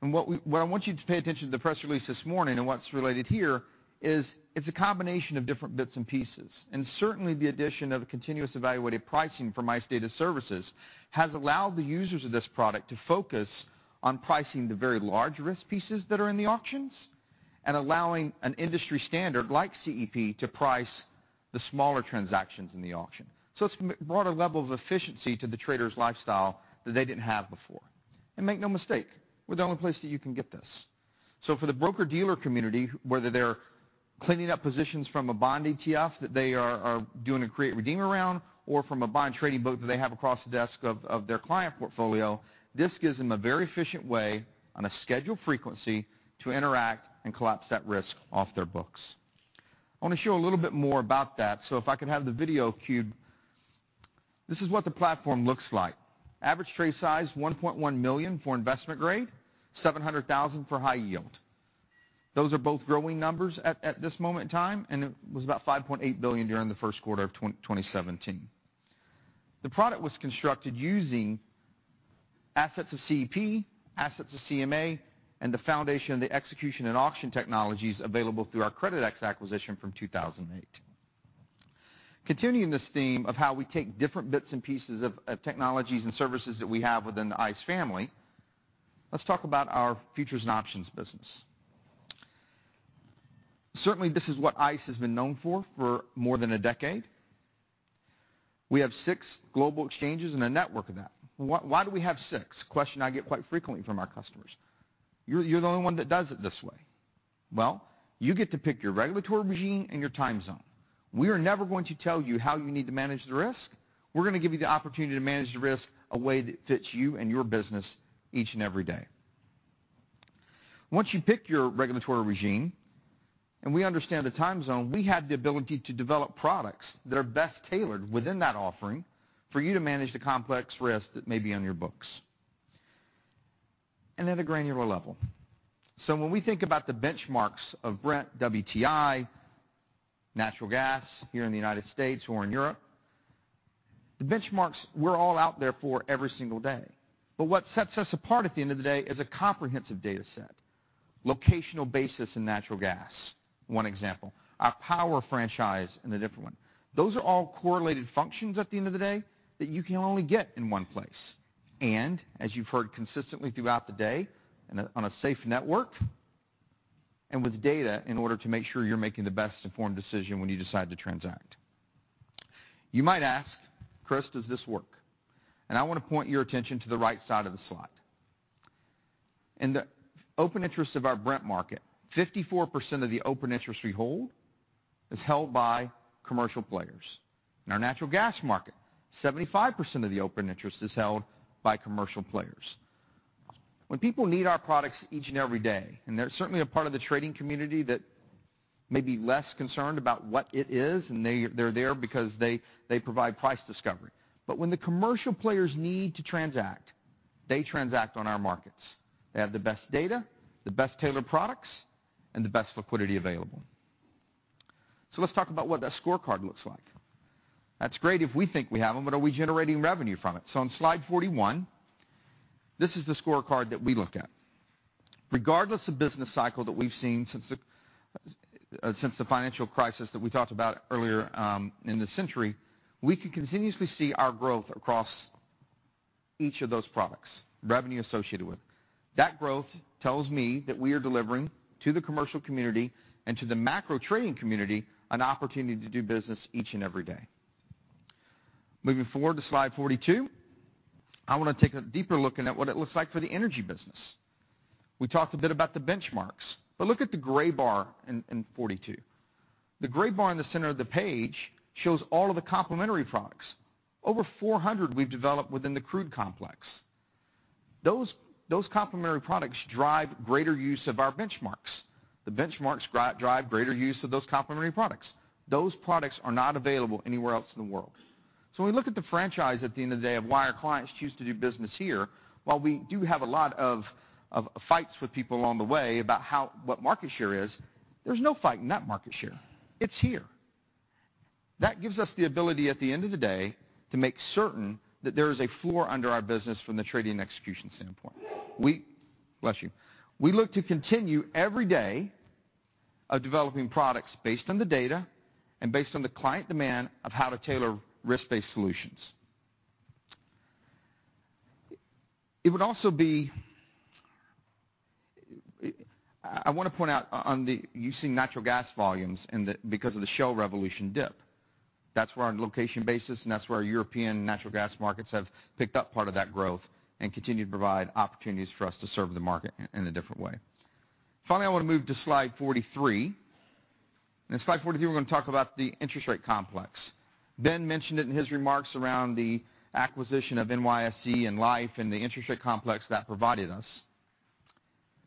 What I want you to pay attention to the press release this morning and what's related here is it's a combination of different bits and pieces, certainly the addition of Continuous Evaluated Pricing from ICE Data Services has allowed the users of this product to focus on pricing the very large risk pieces that are in the auctions allowing an industry standard like CEP to price the smaller transactions in the auction. It's brought a level of efficiency to the trader's lifestyle that they didn't have before. Make no mistake, we're the only place that you can get this. For the broker-dealer community, whether they're cleaning up positions from a bond ETF that they are doing a create and redeem around, or from a bond trading book that they have across the desk of their client portfolio, this gives them a very efficient way, on a scheduled frequency, to interact and collapse that risk off their books. I want to show a little bit more about that, so if I could have the video cued. This is what the platform looks like. Average trade size, $1.1 million for investment grade, $700,000 for high yield. Those are both growing numbers at this moment in time, and it was about $5.8 billion during the first quarter of 2017. The product was constructed using assets of CEP, assets of CMA, and the foundation of the execution and auction technologies available through our Creditex acquisition from 2008. Continuing this theme of how we take different bits and pieces of technologies and services that we have within the ICE family, let's talk about our futures and options business. Certainly, this is what ICE has been known for more than a decade. We have six global exchanges and a network of that. Why do we have six? A question I get quite frequently from our customers. You're the only one that does it this way. You get to pick your regulatory regime and your time zone. We are never going to tell you how you need to manage the risk. We're going to give you the opportunity to manage the risk a way that fits you and your business each and every day. Once you pick your regulatory regime, we understand the time zone, we have the ability to develop products that are best tailored within that offering for you to manage the complex risk that may be on your books. At a granular level. When we think about the benchmarks of Brent, WTI, natural gas here in the U.S. or in Europe, the benchmarks we're all out there for every single day. What sets us apart at the end of the day is a comprehensive data set. Locational basis in natural gas, one example. Our power franchise in a different one. Those are all correlated functions at the end of the day that you can only get in one place. As you've heard consistently throughout the day, on a safe network, and with data in order to make sure you're making the best-informed decision when you decide to transact. You might ask, "Chris, does this work?" I want to point your attention to the right side of the slide. In the open interest of our Brent market, 54% of the open interest we hold is held by commercial players. In our natural gas market, 75% of the open interest is held by commercial players. When people need our products each and every day, and they're certainly a part of the trading community that may be less concerned about what it is, and they're there because they provide price discovery. When the commercial players need to transact, they transact on our markets. They have the best data, the best tailored products, and the best liquidity available. Let's talk about what that scorecard looks like. That's great if we think we have them, but are we generating revenue from it? On slide 41, this is the scorecard that we look at. Regardless of business cycle that we've seen since the financial crisis that we talked about earlier in the century, we could continuously see our growth across each of those products, revenue associated with. That growth tells me that we are delivering to the commercial community and to the macro trading community an opportunity to do business each and every day. Moving forward to slide 42, I want to take a deeper look into what it looks like for the energy business. We talked a bit about the benchmarks, but look at the gray bar in 42. The gray bar in the center of the page shows all of the complementary products. Over 400 we've developed within the crude complex. Those complementary products drive greater use of our benchmarks. The benchmarks drive greater use of those complementary products. Those products are not available anywhere else in the world. When we look at the franchise at the end of the day of why our clients choose to do business here, while we do have a lot of fights with people along the way about what market share is, there's no fight in that market share. It's here. That gives us the ability at the end of the day to make certain that there is a floor under our business from the trading and execution standpoint. Bless you. We look to continue every day of developing products based on the data and based on the client demand of how to tailor risk-based solutions. I want to point out, you see natural gas volumes because of the shale revolution dip. That's where our location basis and that's where our European natural gas markets have picked up part of that growth and continue to provide opportunities for us to serve the market in a different way. Finally, I want to move to slide 43. In slide 43, we're going to talk about the interest rate complex. Ben mentioned it in his remarks around the acquisition of NYSE Liffe and the interest rate complex that provided us.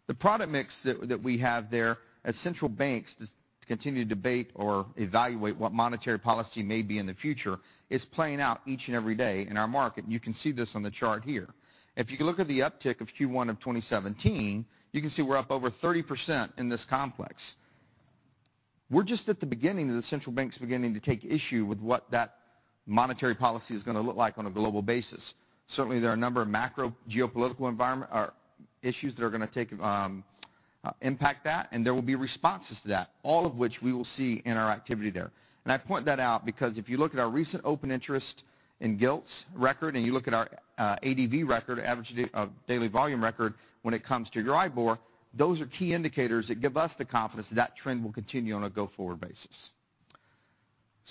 The product mix that we have there as central banks continue to debate or evaluate what monetary policy may be in the future is playing out each and every day in our market, and you can see this on the chart here. If you can look at the uptick of Q1 2017, you can see we're up over 30% in this complex. We're just at the beginning of the central banks beginning to take issue with what that monetary policy is going to look like on a global basis. Certainly, there are a number of macro geopolitical issues that are going to impact that, and there will be responses to that, all of which we will see in our activity there. I point that out because if you look at our recent open interest in gilts record, and you look at our ADV record, average daily volume record, when it comes to Euribor, those are key indicators that give us the confidence that trend will continue on a go-forward basis.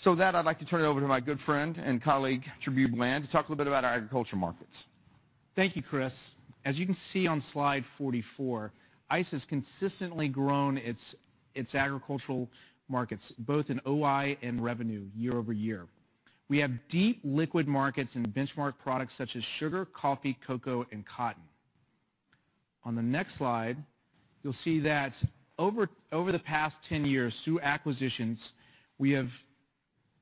With that, I'd like to turn it over to my good friend and colleague, Trabue Bland, to talk a little bit about our agriculture markets. Thank you, Chris. As you can see on slide 44, ICE has consistently grown its agricultural markets, both in OI and revenue year-over-year. We have deep liquid markets in benchmark products such as sugar, coffee, cocoa, and cotton. On the next slide, you'll see that over the past 10 years, through acquisitions, we have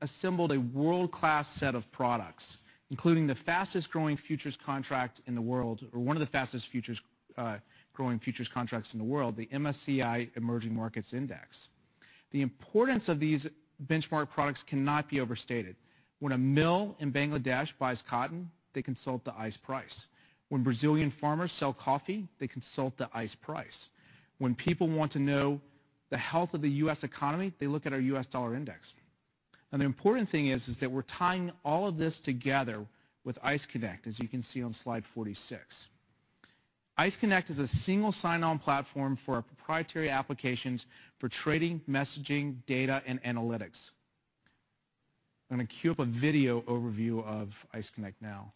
assembled a world-class set of products, including the fastest-growing futures contract in the world, or one of the fastest growing futures contracts in the world, the MSCI Emerging Markets Index. The importance of these benchmark products cannot be overstated. When a mill in Bangladesh buys cotton, they consult the ICE price. When Brazilian farmers sell coffee, they consult the ICE price. When people want to know the health of the U.S. economy, they look at our U.S. Dollar Index. The important thing is that we're tying all of this together with ICE Connect, as you can see on slide 46. ICE Connect is a single sign-on platform for our proprietary applications for trading, messaging, data, and analytics. I'm going to queue up a video overview of ICE Connect now.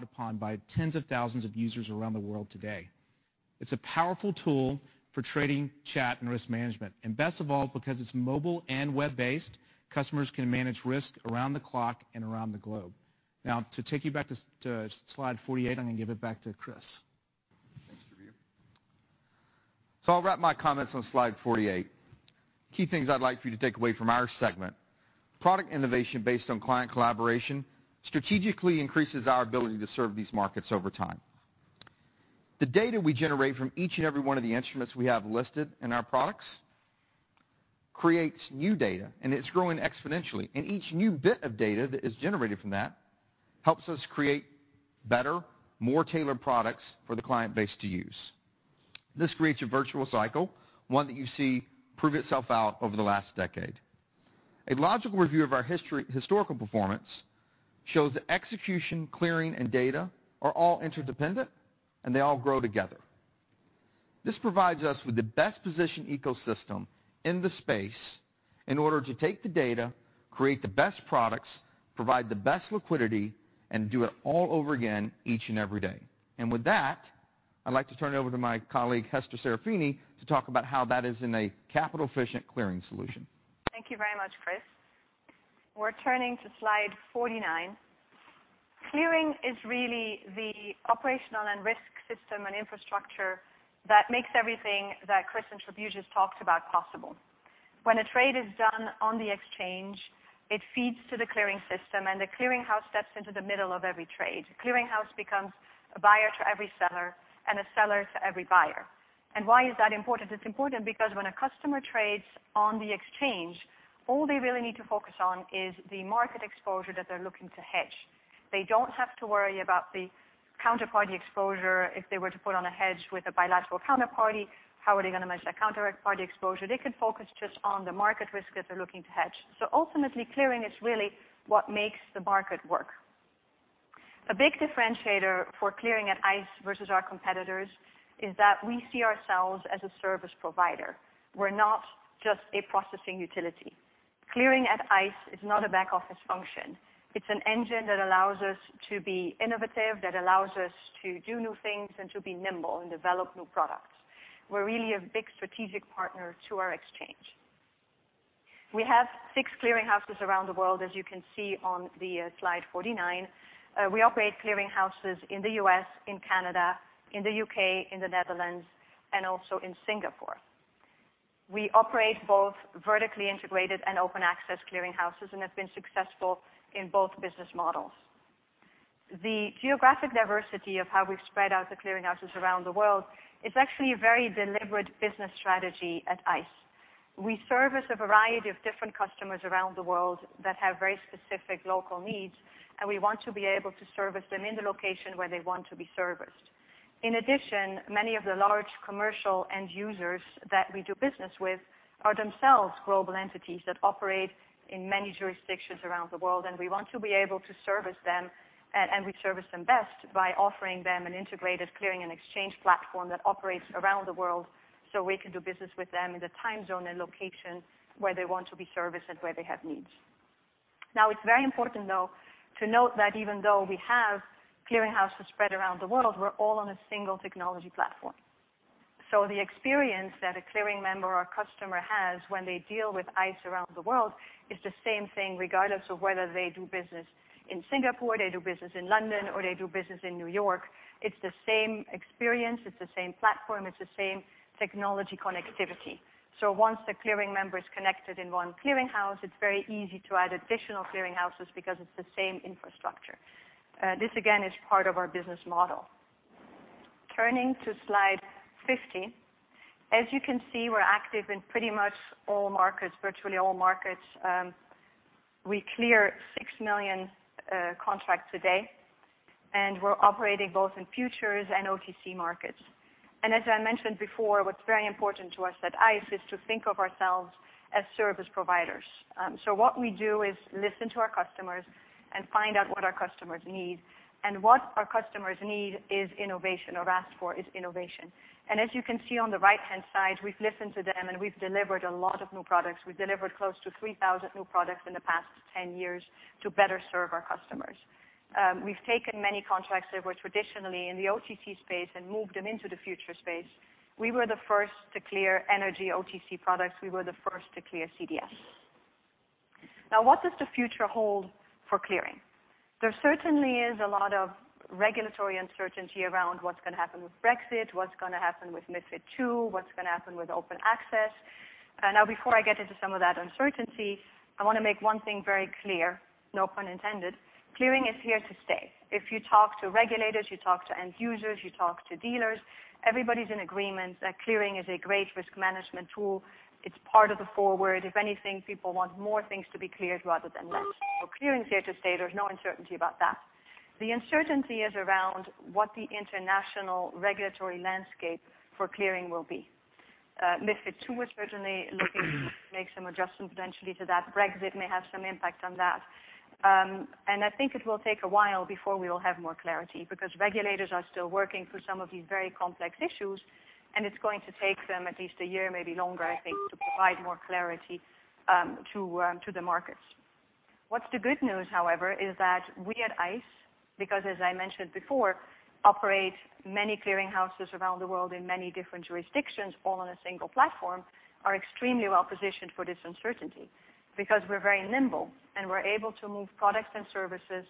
The cool thing is that these applications are already relied upon by tens of thousands of users around the world today. It's a powerful tool for trading, chat, and risk management. Best of all, because it's mobile and web-based, customers can manage risk around the clock and around the globe. To take you back to slide 48, I'm going to give it back to Chris. Thanks, Trabue. I'll wrap my comments on slide 48. Key things I'd like for you to take away from our segment. Product innovation based on client collaboration strategically increases our ability to serve these markets over time. The data we generate from each and every one of the instruments we have listed in our products creates new data, and it's growing exponentially. Each new bit of data that is generated from that helps us create better, more tailored products for the client base to use. This creates a virtuous cycle, one that you see prove itself out over the last decade. A logical review of our historical performance shows that execution, clearing, and data are all interdependent, and they all grow together. This provides us with the best position ecosystem in the space in order to take the data, create the best products, provide the best liquidity, and do it all over again each and every day. With that, I'd like to turn it over to my colleague, Hester Serafini, to talk about how that is in a capital-efficient clearing solution. Thank you very much, Chris. We're turning to slide 49. Clearing is really the operational and risk system and infrastructure that makes everything that Chris and Trabue just talked about possible. When a trade is done on the exchange, it feeds to the clearing system, and the clearing house steps into the middle of every trade. The clearing house becomes a buyer to every seller and a seller to every buyer. Why is that important? It's important because when a customer trades on the exchange, all they really need to focus on is the market exposure that they're looking to hedge. They don't have to worry about the counterparty exposure if they were to put on a hedge with a bilateral counterparty. How are they going to manage that counterparty exposure? They can focus just on the market risk that they're looking to hedge. Ultimately, clearing is really what makes the market work. A big differentiator for clearing at ICE versus our competitors is that we see ourselves as a service provider. We're not just a processing utility. Clearing at ICE is not a back-office function. It's an engine that allows us to be innovative, that allows us to do new things and to be nimble and develop new products. We're really a big strategic partner to our exchange. We have six clearing houses around the world, as you can see on slide 49. We operate clearing houses in the U.S., in Canada, in the U.K., in the Netherlands, and also in Singapore. We operate both vertically integrated and open-access clearing houses and have been successful in both business models. The geographic diversity of how we've spread out the clearing houses around the world is actually a very deliberate business strategy at ICE. We service a variety of different customers around the world that have very specific local needs, and we want to be able to service them in the location where they want to be serviced. In addition, many of the large commercial end users that we do business with are themselves global entities that operate in many jurisdictions around the world, and we want to be able to service them, and we service them best by offering them an integrated clearing and exchange platform that operates around the world, so we can do business with them in the time zone and location where they want to be serviced and where they have needs. It's very important, though, to note that even though we have clearing houses spread around the world, we're all on a single technology platform. The experience that a clearing member or customer has when they deal with ICE around the world is the same thing, regardless of whether they do business in Singapore, they do business in London, or they do business in New York. It's the same experience, it's the same platform, it's the same technology connectivity. Once the clearing member's connected in one clearing house, it's very easy to add additional clearing houses because it's the same infrastructure. This again is part of our business model. Turning to slide 50. As you can see, we're active in pretty much all markets, virtually all markets. We clear six million contracts a day, and we're operating both in futures and OTC markets. As I mentioned before, what's very important to us at ICE is to think of ourselves as service providers. What we do is listen to our customers and find out what our customers need. What our customers need is innovation, or ask for, is innovation. As you can see on the right-hand side, we've listened to them and we've delivered a lot of new products. We've delivered close to 3,000 new products in the past 10 years to better serve our customers. We've taken many contracts that were traditionally in the OTC space and moved them into the future space. We were the first to clear energy OTC products. We were the first to clear CDS. What does the future hold for clearing? There certainly is a lot of regulatory uncertainty around what's going to happen with Brexit, what's going to happen with MiFID II, what's going to happen with open access. Before I get into some of that uncertainty, I want to make one thing very clear, no pun intended. Clearing is here to stay. If you talk to regulators, you talk to end users, you talk to dealers, everybody's in agreement that clearing is a great risk management tool. It's part of the forward. If anything, people want more things to be cleared rather than less. Clearing is here to stay. There's no uncertainty about that. The uncertainty is around what the international regulatory landscape for clearing will be. MiFID II was certainly looking to make some adjustments potentially to that. Brexit may have some impact on that. I think it will take a while before we will have more clarity, because regulators are still working through some of these very complex issues, and it's going to take them at least a year, maybe longer, I think, to provide more clarity to the markets. What's the good news, however, is that we at ICE, because as I mentioned before, operate many clearing houses around the world in many different jurisdictions, all on a single platform, are extremely well-positioned for this uncertainty because we're very nimble and we're able to move products and services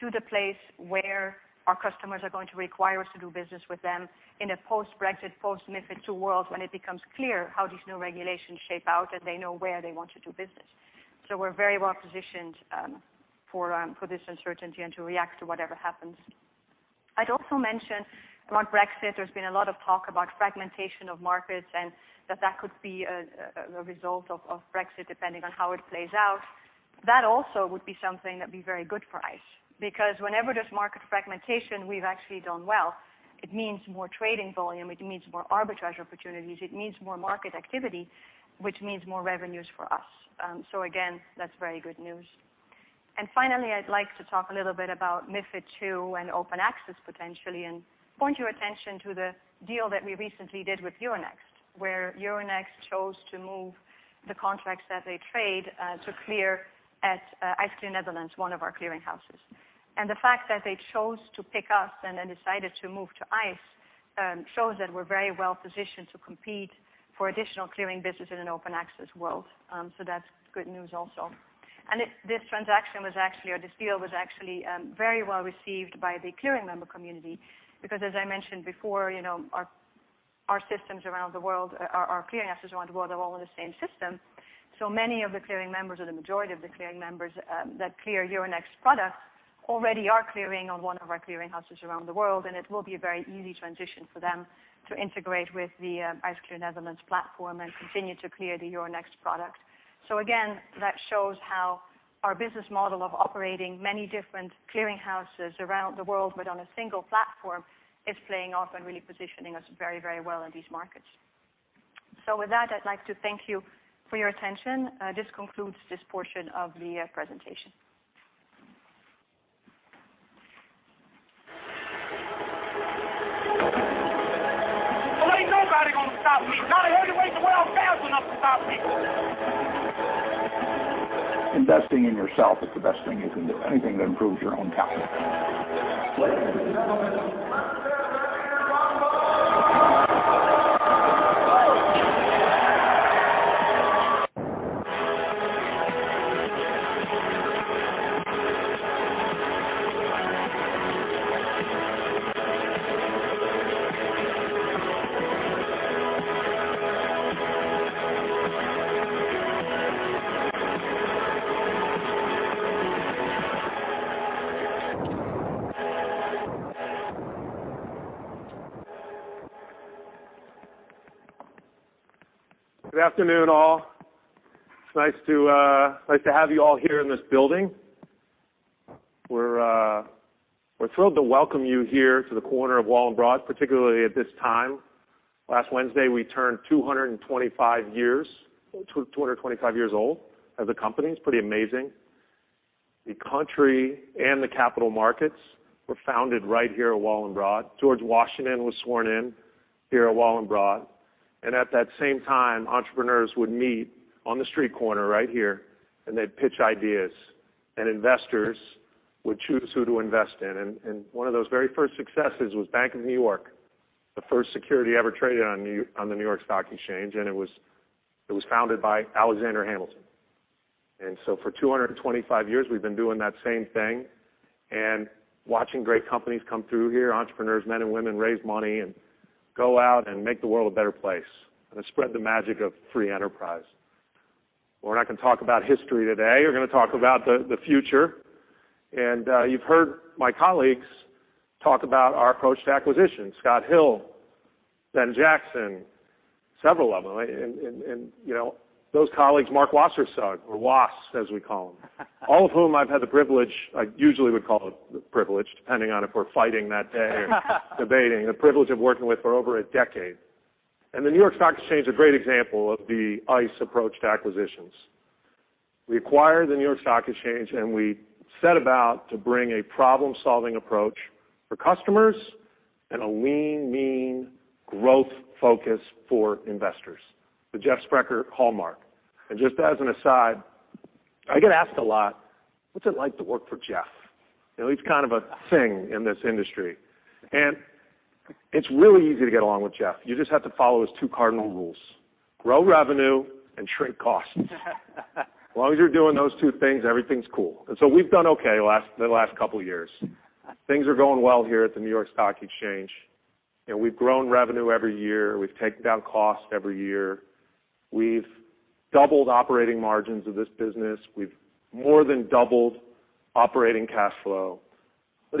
to the place where our customers are going to require us to do business with them in a post-Brexit, post-MiFID II world when it becomes clear how these new regulations shape out and they know where they want to do business. We're very well positioned for this uncertainty and to react to whatever happens. I'd also mention about Brexit, there's been a lot of talk about fragmentation of markets and that that could be a result of Brexit, depending on how it plays out. That also would be something that'd be very good for ICE, because whenever there's market fragmentation, we've actually done well. It means more trading volume, it means more arbitrage opportunities, it means more market activity, which means more revenues for us. And finally, I'd like to talk a little bit about MiFID II and open access potentially, and point your attention to the deal that we recently did with Euronext, where Euronext chose to move the contracts that they trade to clear at ICE Clear Netherlands, one of our clearing houses. The fact that they chose to pick us and then decided to move to ICE, shows that we're very well-positioned to compete for additional clearing business in an open access world. That's good news also. This transaction was actually, or this deal was actually very well received by the clearing member community because as I mentioned before, our clearing houses around the world are all on the same system. Many of the clearing members, or the majority of the clearing members that clear Euronext products already are clearing on one of our clearing houses around the world, and it will be a very easy transition for them to integrate with the ICE Clear Netherlands platform and continue to clear the Euronext product. Again, that shows how our business model of operating many different clearing houses around the world, but on a single platform, is playing off and really positioning us very well in these markets. With that, I'd like to thank you for your attention. This concludes this portion of the presentation. Well, ain't nobody gonna stop me. Not a hurricane or wild cats enough to stop me. Investing in yourself is the best thing you can do. Anything that improves your own talent. Ladies and gentlemen, let's hear it right here, Bob Dylan. Good afternoon, all. It's nice to have you all here in this building. We're thrilled to welcome you here to the corner of Wall and Broad, particularly at this time. Last Wednesday, we turned 225 years old as a company. It's pretty amazing. The country and the capital markets were founded right here at Wall and Broad. George Washington was sworn in here at Wall and Broad. At that same time, entrepreneurs would meet on the street corner right here, and they'd pitch ideas, and investors would choose who to invest in. One of those very first successes was Bank of New York, the first security ever traded on the New York Stock Exchange, and it was founded by Alexander Hamilton. For 225 years, we've been doing that same thing and watching great companies come through here, entrepreneurs, men and women, raise money and go out and make the world a better place and spread the magic of free enterprise. We're not going to talk about history today. We're going to talk about the future. You've heard my colleagues talk about our approach to acquisition, Scott Hill, Ben Jackson, several of them. Those colleagues, Mark Wassersug, or Wass, as we call him, all of whom I've had the privilege, I usually would call it the privilege, depending on if we're fighting that day or debating, the privilege of working with for over a decade. The New York Stock Exchange is a great example of the ICE approach to acquisitions. We acquired the New York Stock Exchange, and we set about to bring a problem-solving approach for customers and a lean, mean, growth focus for investors, the Jeff Sprecher hallmark. Just as an aside, I get asked a lot, "What's it like to work for Jeff?" It's kind of a thing in this industry. It's really easy to get along with Jeff. You just have to follow his two cardinal rules, grow revenue and shrink costs. As long as you're doing those two things, everything's cool. We've done okay the last couple of years. Things are going well here at the New York Stock Exchange. We've grown revenue every year. We've taken down costs every year. We've doubled operating margins of this business. We've more than doubled operating cash flow.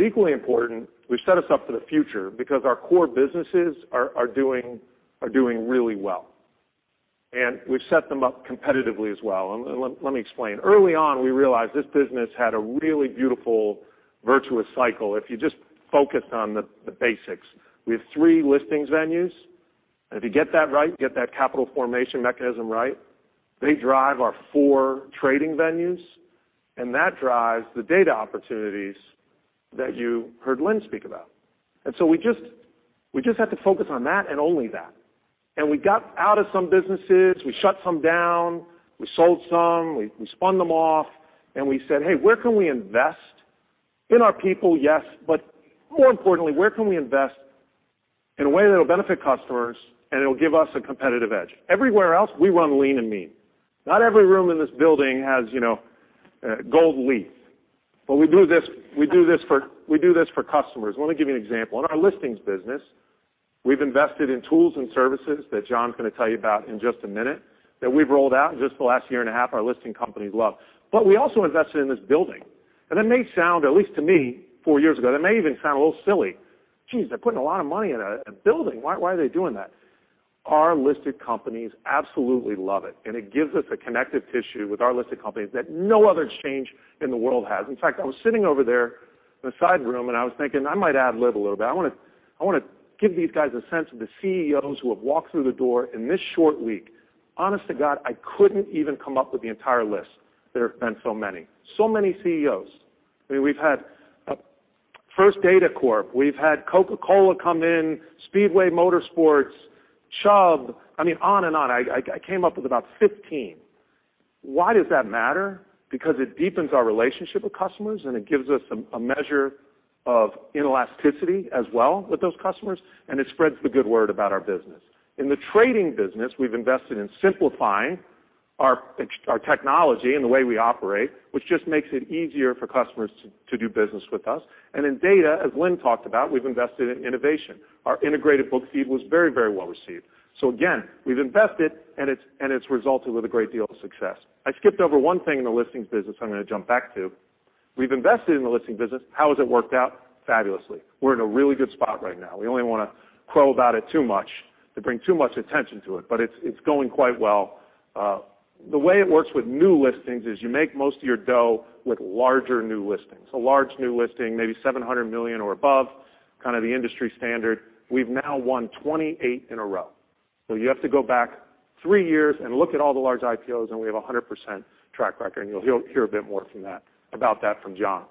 Equally important, we've set us up for the future because our core businesses are doing really well. We've set them up competitively as well. Let me explain. Early on, we realized this business had a really beautiful, virtuous cycle if you just focused on the basics. We have three listings venues. If you get that right, get that capital formation mechanism right, they drive our four trading venues, and that drives the data opportunities that you heard Lynn speak about. We just had to focus on that and only that. We got out of some businesses, we shut some down, we sold some, we spun them off. We said, "Hey, where can we invest in our people, yes, but more importantly, where can we invest in a way that will benefit customers, and it'll give us a competitive edge?" Everywhere else, we run lean and mean. Not every room in this building has gold leaf. We do this for customers. Let me give you an example. In our listings business, we've invested in tools and services that John's going to tell you about in just a minute, that we've rolled out in just the last year and a half, our listing companies love. We also invested in this building. That may sound, at least to me, four years ago, that may even sound a little silly. Geez, they're putting a lot of money in a building. Why are they doing that?" Our listed companies absolutely love it. It gives us a connective tissue with our listed companies that no other exchange in the world has. In fact, I was sitting over there in a side room. I was thinking, I might ad lib a little bit. I want to give these guys a sense of the CEOs who have walked through the door in this short week. Honest to God, I couldn't even come up with the entire list. There have been so many. So many CEOs. We've had First Data Corp. We've had Coca-Cola come in, Speedway Motorsports, Chubb, on and on. I came up with about 15. Why does that matter? It deepens our relationship with customers. It gives us a measure of inelasticity as well with those customers. It spreads the good word about our business. In the trading business, we've invested in simplifying our technology and the way we operate, which just makes it easier for customers to do business with us. In data, as Lynn talked about, we've invested in innovation. Our Integrated Feed was very well received. Again, we've invested. It's resulted with a great deal of success. I skipped over one thing in the listings business I'm going to jump back to. We've invested in the listing business. How has it worked out? Fabulously. We're in a really good spot right now. We don't want to crow about it too much, to bring too much attention to it. It's going quite well. The way it works with new listings is you make most of your dough with larger new listings. A large new listing, maybe $700 million or above, kind of the industry standard. We've now won 28 in a row. You have to go back three years and look at all the large IPOs. We have 100% track record. You'll hear a bit more about that from John.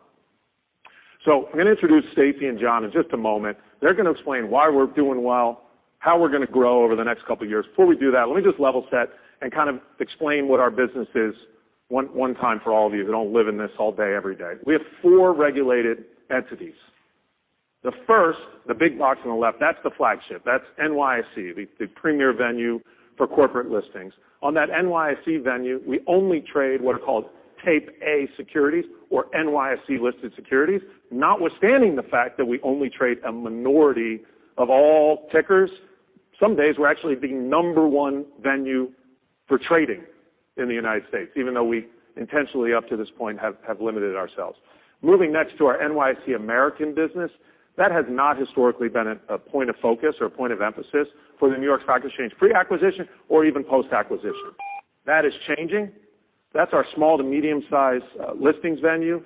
I'm going to introduce Stacey and John in just a moment. They're going to explain why we're doing well, how we're going to grow over the next couple of years. Before we do that, let me just level set and kind of explain what our business is one time for all of you that don't live in this all day, every day. We have four regulated entities. The first, the big box on the left, that's the flagship, that's NYSE, the premier venue for corporate listings. On that NYSE venue, we only trade what are called Tape A securities or NYSE-listed securities, notwithstanding the fact that we only trade a minority of all tickers. Some days, we're actually the number one venue for trading in the U.S., even though we intentionally, up to this point, have limited ourselves. Moving next to our NYSE American business, that has not historically been a point of focus or a point of emphasis for the New York Stock Exchange pre-acquisition or even post-acquisition. That is changing. That's our small to medium-size listings venue.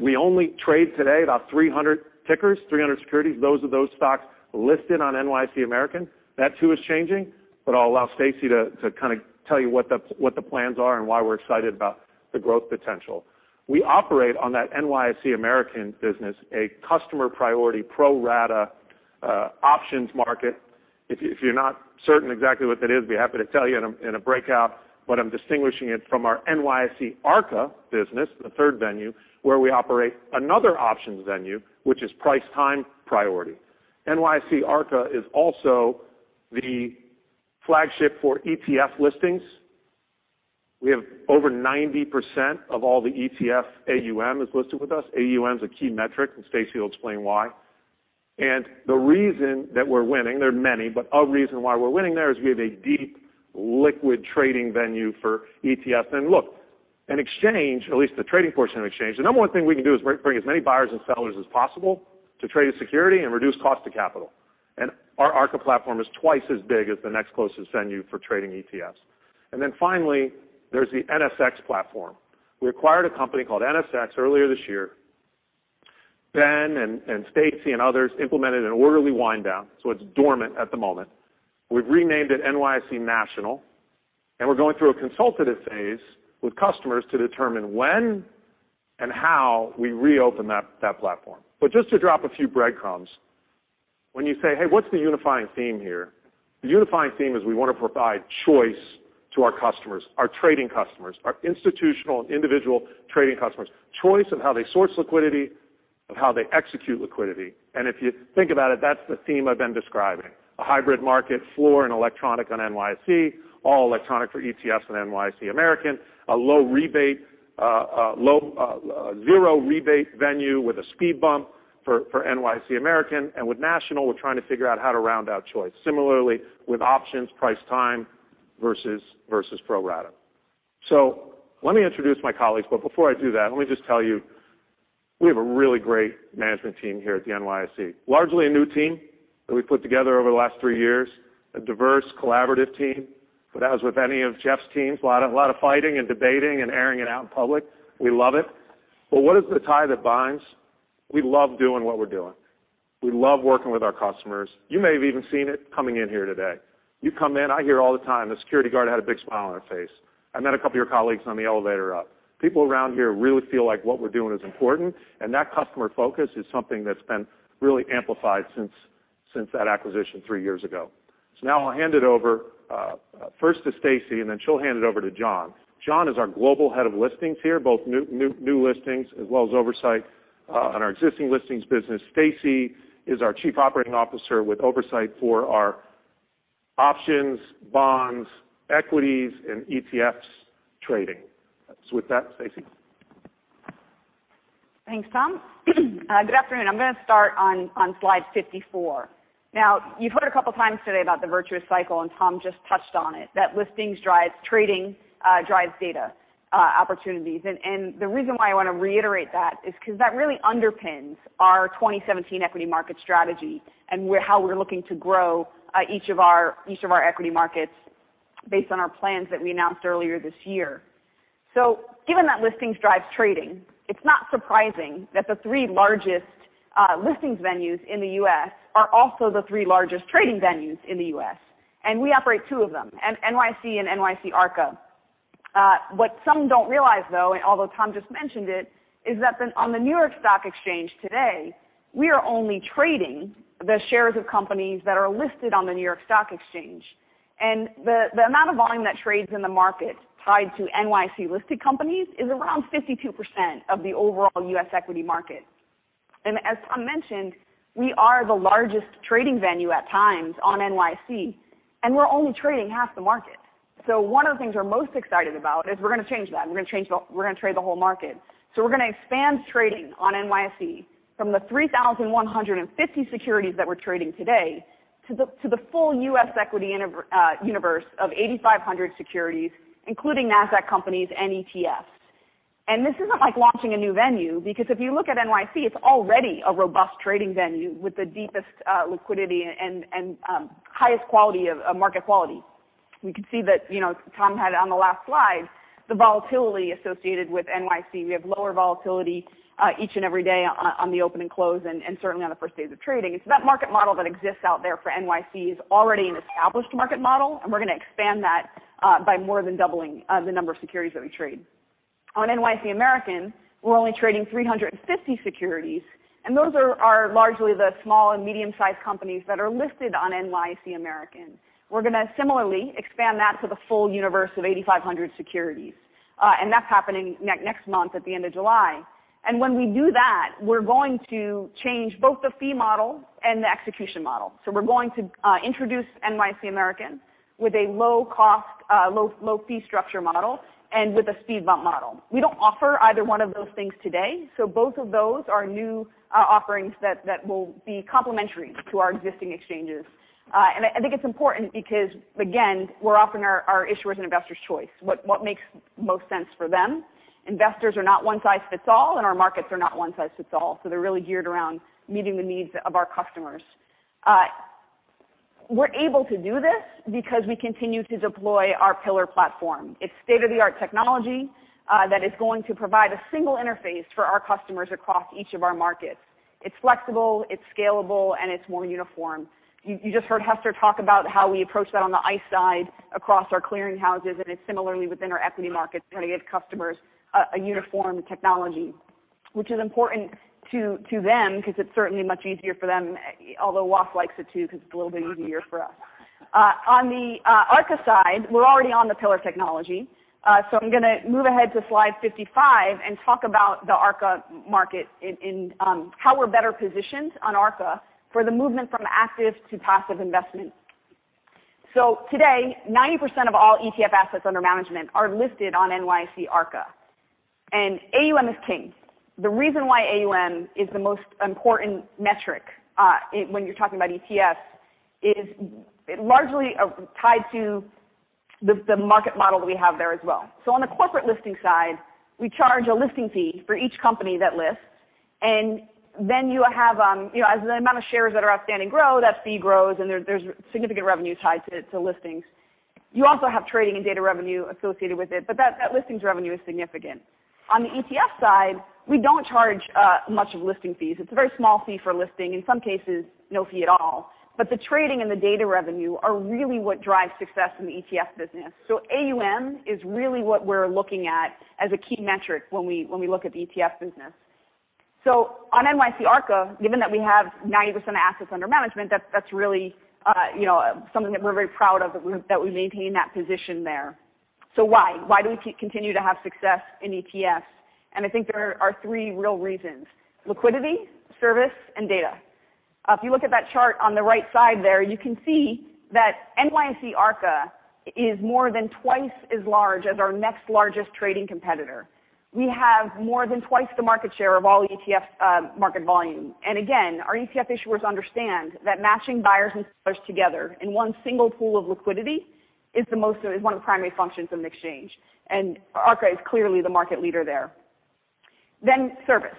We only trade today about 300 tickers, 300 securities. Those are those stocks listed on NYSE American. That, too, is changing, but I'll allow Stacey to kind of tell you what the plans are and why we're excited about the growth potential. We operate on that NYSE American business, a customer priority pro rata options market. If you're not certain exactly what that is, be happy to tell you in a breakout, but I'm distinguishing it from our NYSE Arca business, the third venue, where we operate another options venue, which is price time priority. NYSE Arca is also the flagship for ETF listings. We have over 90% of all the ETF AUM is listed with us. AUM is a key metric, and Stacey will explain why. The reason that we're winning, there are many, but a reason why we're winning there is we have a deep liquid trading venue for ETF. Look, an exchange, at least the trading portion of exchange, the number one thing we can do is bring as many buyers and sellers as possible to trade a security and reduce cost to capital. Our Arca platform is twice as big as the next closest venue for trading ETFs. Finally, there's the NSX platform. We acquired a company called NSX earlier this year. Ben and Stacey and others implemented an orderly wind down. It's dormant at the moment. We've renamed it NYSE National, and we're going through a consultative phase with customers to determine when and how we reopen that platform. Just to drop a few breadcrumbs, when you say, "Hey, what's the unifying theme here?" The unifying theme is we want to provide choice to our customers, our trading customers, our institutional and individual trading customers. Choice of how they source liquidity, of how they execute liquidity. If you think about it, that's the theme I've been describing. A hybrid market floor and electronic on NYSE, all electronic for ETFs and NYSE American, a zero rebate venue with a speed bump for NYSE American. With National, we're trying to figure out how to round out choice. Similarly, with options, price time versus pro rata. Let me introduce my colleagues. Before I do that, let me just tell you, we have a really great management team here at the NYSE. Largely a new team that we've put together over the last three years, a diverse, collaborative team. As with any of Jeff's teams, a lot of fighting and debating and airing it out in public. We love it. What is the tie that binds? We love doing what we're doing. We love working with our customers. You may have even seen it coming in here today. You come in, I hear all the time, the security guard had a big smile on his face. I met a couple of your colleagues on the elevator up. People around here really feel like what we're doing is important, and that customer focus is something that's been really amplified since that acquisition three years ago. Now I'll hand it over, first to Stacey, and then she'll hand it over to John. John is our global head of listings here, both new listings as well as oversight on our existing listings business. Stacey is our chief operating officer with oversight for our options, bonds, equities, and ETFs trading. With that, Stacey. Thanks, Tom. Good afternoon. I'm going to start on slide 54. You've heard a couple of times today about the virtuous cycle, and Tom just touched on it, that listings drives trading, drives data opportunities. The reason why I want to reiterate that is because that really underpins our 2017 equity market strategy and how we're looking to grow each of our equity markets based on our plans that we announced earlier this year. Given that listings drives trading, it's not surprising that the three largest listings venues in the U.S. are also the three largest trading venues in the U.S. We operate two of them, NYSE and NYSE Arca. What some don't realize, though, and although Tom just mentioned it, is that on the New York Stock Exchange today, we are only trading the shares of companies that are listed on the New York Stock Exchange. The amount of volume that trades in the market tied to NYSE-listed companies is around 52% of the overall U.S. equity market. As Tom mentioned, we are the largest trading venue at times on NYSE, and we're only trading half the market. One of the things we're most excited about is we're going to change that. We're going to trade the whole market. We're going to expand trading on NYSE from the 3,150 securities that we're trading today to the full U.S. equity universe of 8,500 securities, including Nasdaq companies and ETFs. This isn't like launching a new venue, because if you look at NYSE, it's already a robust trading venue with the deepest liquidity and highest market quality. We can see that Tom had it on the last slide, the volatility associated with NYSE. We have lower volatility each and every day on the open and close, and certainly on the first days of trading. That market model that exists out there for NYSE is already an established market model, and we're going to expand that by more than doubling the number of securities that we trade. On NYSE American, we're only trading 350 securities, and those are largely the small and medium-sized companies that are listed on NYSE American. We're going to similarly expand that to the full universe of 8,500 securities. That's happening next month at the end of July. When we do that, we're going to change both the fee model and the execution model. We're going to introduce NYSE American with a low fee structure model and with a speed bump model. We don't offer either one of those things today, so both of those are new offerings that will be complementary to our existing exchanges. I think it's important because, again, we're offering our issuers and investors choice, what makes most sense for them. Investors are not one size fits all, and our markets are not one size fits all, so they're really geared around meeting the needs of our customers. We're able to do this because we continue to deploy our Pillar platform. It's state-of-the-art technology that is going to provide a single interface for our customers across each of our markets. It's flexible, it's scalable, and it's more uniform. You just heard Hester talk about how we approach that on the ICE side across our clearing houses, and it's similarly within our equity markets, trying to give customers a uniform technology. Which is important to them because it's certainly much easier for them, although Wass likes it too because it's a little bit easier for us. On the Arca side, we're already on the Pillar technology. I'm going to move ahead to slide 55 and talk about the Arca market and how we're better positioned on Arca for the movement from active to passive investment. Today, 90% of all ETF assets under management are listed on NYSE Arca, and AUM is king. The reason why AUM is the most important metric when you're talking about ETFs is largely tied to the market model that we have there as well. On the corporate listing side, we charge a listing fee for each company that lists, and then as the amount of shares that are outstanding grow, that fee grows, and there's significant revenue tied to listings. You also have trading and data revenue associated with it, but that listings revenue is significant. On the ETF side, we don't charge much of listing fees. It's a very small fee for listing, in some cases, no fee at all. The trading and the data revenue are really what drives success in the ETF business. AUM is really what we're looking at as a key metric when we look at the ETF business. On NYSE Arca, given that we have 90% of assets under management, that's really something that we're very proud of, that we maintain that position there. Why? Why do we continue to have success in ETFs? I think there are three real reasons, liquidity, service, and data. If you look at that chart on the right side there, you can see that NYSE Arca is more than twice as large as our next largest trading competitor. We have more than twice the market share of all ETF market volume. Again, our ETF issuers understand that matching buyers and sellers together in one single pool of liquidity is one of the primary functions of an exchange. Arca is clearly the market leader there. Service.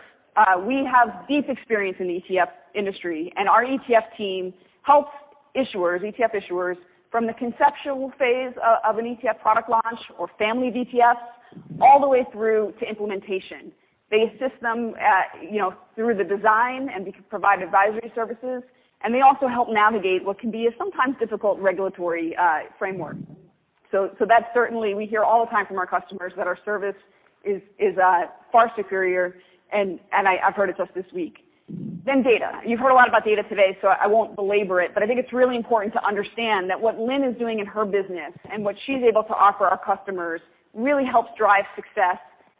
We have deep experience in the ETF industry, and our ETF team helps issuers, ETF issuers, from the conceptual phase of an ETF product launch or family of ETFs, all the way through to implementation. They assist them through the design, we can provide advisory services, they also help navigate what can be a sometimes difficult regulatory framework. That certainly we hear all the time from our customers that our service is far superior, and I've heard it just this week. Data. You've heard a lot about data today, so I won't belabor it, but I think it's really important to understand that what Lynn is doing in her business and what she's able to offer our customers really helps drive success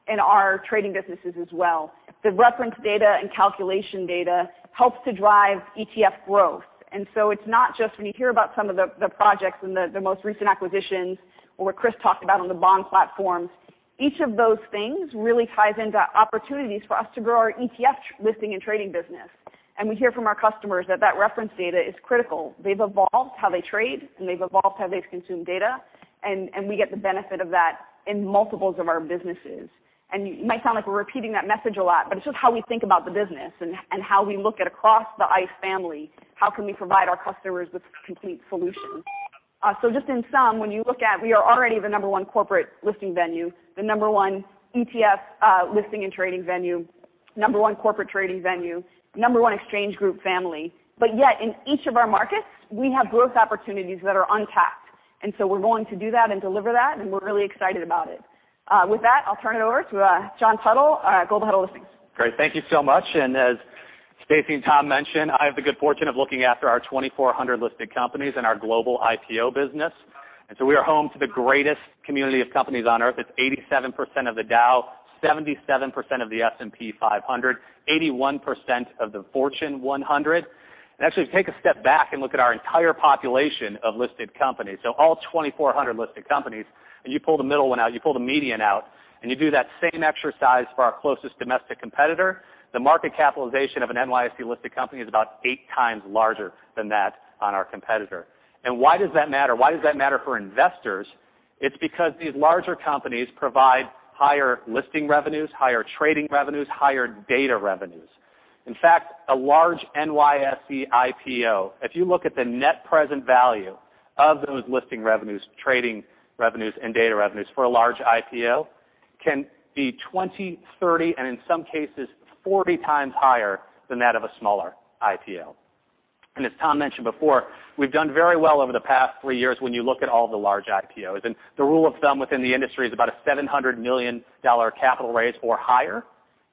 in our trading businesses as well. The reference data and calculation data helps to drive ETF growth. It's not just when you hear about some of the projects and the most recent acquisitions or what Chris talked about on the bond platforms, each of those things really ties into opportunities for us to grow our ETF listing and trading business. We hear from our customers that that reference data is critical. They've evolved how they trade, they've evolved how they've consumed data, we get the benefit of that in multiples of our businesses. It might sound like we're repeating that message a lot, but it's just how we think about the business and how we look at across the ICE family, how can we provide our customers with complete solutions? Just in sum, when you look at, we are already the number one corporate listing venue, the number one ETF listing and trading venue, number one corporate trading venue, number one exchange group family. Yet in each of our markets, we have growth opportunities that are untapped. We're going to do that and deliver that, we're really excited about it. With that, I'll turn it over to John Tuttle, Global Head of Listings. Great. Thank you so much. As Stacoy and Tom mentioned, I have the good fortune of looking after our 2,400 listed companies and our global IPO business. We are home to the greatest community of companies on Earth. It's 87% of the Dow, 77% of the S&P 500, 81% of the Fortune 100. Actually, if you take a step back and look at our entire population of listed companies, so all 2,400 listed companies, and you pull the middle one out, you pull the median out, and you do that same exercise for our closest domestic competitor, the market capitalization of an NYSE-listed company is about eight times larger than that on our competitor. Why does that matter? Why does that matter for investors? It's because these larger companies provide higher listing revenues, higher trading revenues, higher data revenues. In fact, a large NYSE IPO, if you look at the net present value of those listing revenues, trading revenues, and data revenues for a large IPO, can be 20, 30, and in some cases, 40 times higher than that of a smaller IPO. As Tom mentioned before, we've done very well over the past three years when you look at all the large IPOs. The rule of thumb within the industry is about a $700 million capital raise or higher.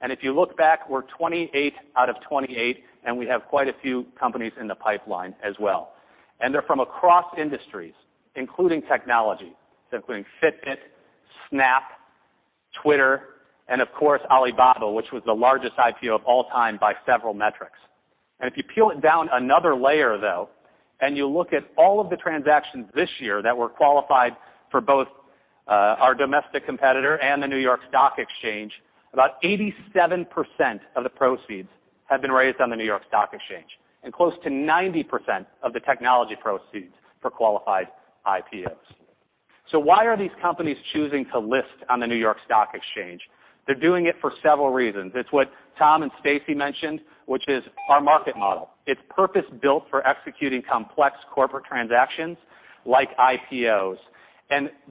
If you look back, we're 28 out of 28, and we have quite a few companies in the pipeline as well. They're from across industries, including technology, including Fitbit, Snap, Twitter, and of course, Alibaba, which was the largest IPO of all time by several metrics. If you peel it down another layer, though, and you look at all of the transactions this year that were qualified for both our domestic competitor and the New York Stock Exchange, about 87% of the proceeds have been raised on the New York Stock Exchange, and close to 90% of the technology proceeds for qualified IPOs. Why are these companies choosing to list on the New York Stock Exchange? They're doing it for several reasons. It's what Tom and Stacey mentioned, which is our market model. It's purpose-built for executing complex corporate transactions like IPOs.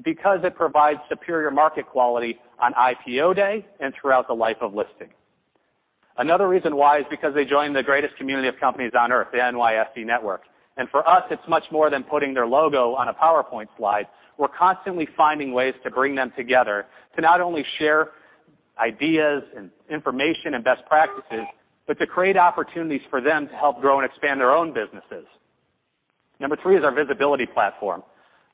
Because it provides superior market quality on IPO day and throughout the life of listing. Another reason why is because they join the greatest community of companies on Earth, the NYSE network. For us, it's much more than putting their logo on a PowerPoint slide. We're constantly finding ways to bring them together to not only share ideas and information and best practices, but to create opportunities for them to help grow and expand their own businesses. Number three is our visibility platform.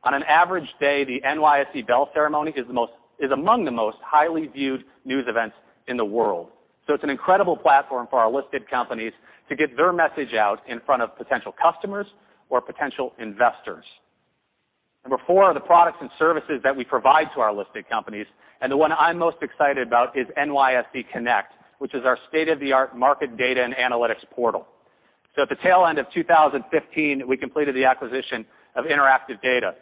On an average day, the NYSE bell ceremony is among the most highly viewed news events in the world. It's an incredible platform for our listed companies to get their message out in front of potential customers or potential investors. Number four are the products and services that we provide to our listed companies, and the one I'm most excited about is NYSE Connect, which is our state-of-the-art market data and analytics portal. At the tail end of 2015, we completed the acquisition of Interactive Data,